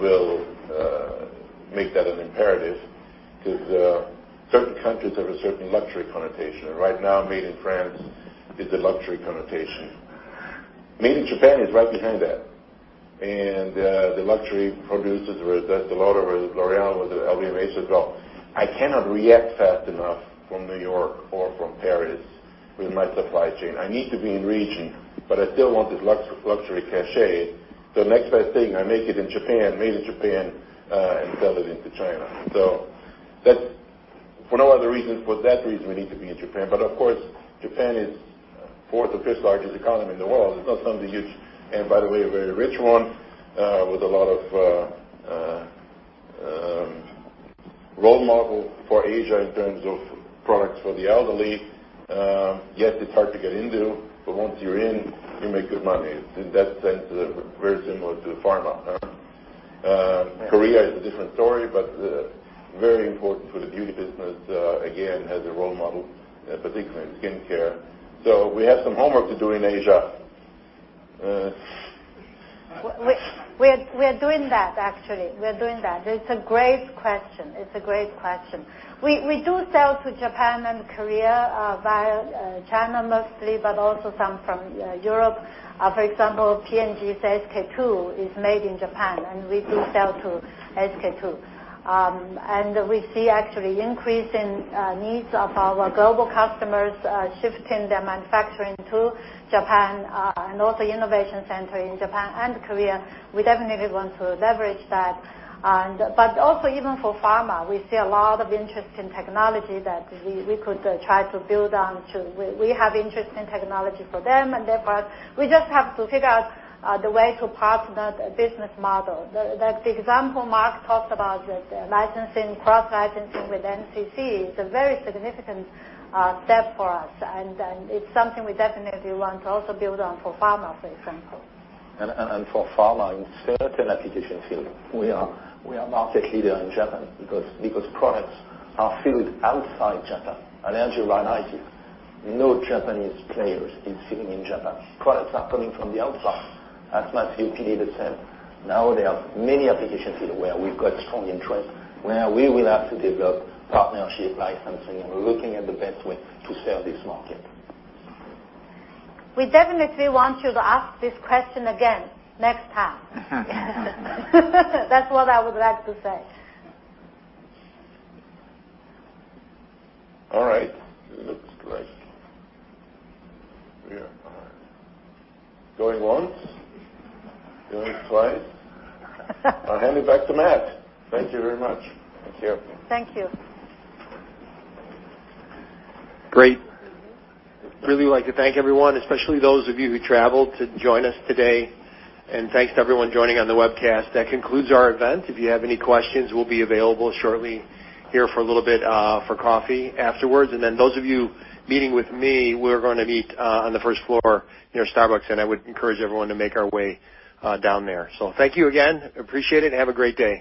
will make that an imperative because certain countries have a certain luxury connotation. Right now, made in France is a luxury connotation. Made in Japan is right behind that. The luxury producers, whether it's Estée Lauder, whether it's L'Oréal, whether LVMH says, "Well, I cannot react fast enough from New York or from Paris with my supply chain. I need to be in region, but I still want this luxury cachet. The next best thing, I make it in Japan, made in Japan, and sell it into China. For no other reason, for that reason, we need to be in Japan. Of course, Japan is fourth or fifth largest economy in the world. It's not something huge. By the way, a very rich one with a lot of role model for Asia in terms of products for the elderly. Yes, it's hard to get into, but once you're in, you make good money. In that sense, very similar to pharma. Korea is a different story, very important for the beauty business. Again, as a role model, particularly in skincare. We have some homework to do in Asia. We're doing that, actually. We're doing that. It's a great question. We do sell to Japan and Korea via China mostly, but also some from Europe. For example, P&G's SK-II is made in Japan, and we do sell to SK-II. We see actually increase in needs of our global customers shifting their manufacturing to Japan, and also innovation center in Japan and Korea. We definitely want to leverage that. Also even for pharma, we see a lot of interest in technology that we could try to build on to. We have interest in technology for them and their part. We just have to figure out the way to partner the business model. The example Marc talked about, the licensing, cross-licensing with NCC is a very significant step for us, and it's something we definitely want to also build on for pharma, for example. For Pharma, in certain application field, we are market leader in Japan because products are filled outside Japan. Allergy, rhinitis, no Japanese players is filling in Japan. Products are coming from the outside. Asthma, COPD, the same. There are many application field where we've got strong interest, where we will have to develop partnership licensing and looking at the best way to sell this market. We definitely want you to ask this question again next time. That's what I would like to say. All right. It looks like we are going once, going twice. I'll hand it back to Matt. Thank you very much. Thank you. Thank you. Great. Really like to thank everyone, especially those of you who traveled to join us today. Thanks to everyone joining on the webcast. That concludes our event. If you have any questions, we'll be available shortly here for a little bit for coffee afterwards. Those of you meeting with me, we're going to meet on the first floor near Starbucks, and I would encourage everyone to make our way down there. Thank you again. Appreciate it. Have a great day.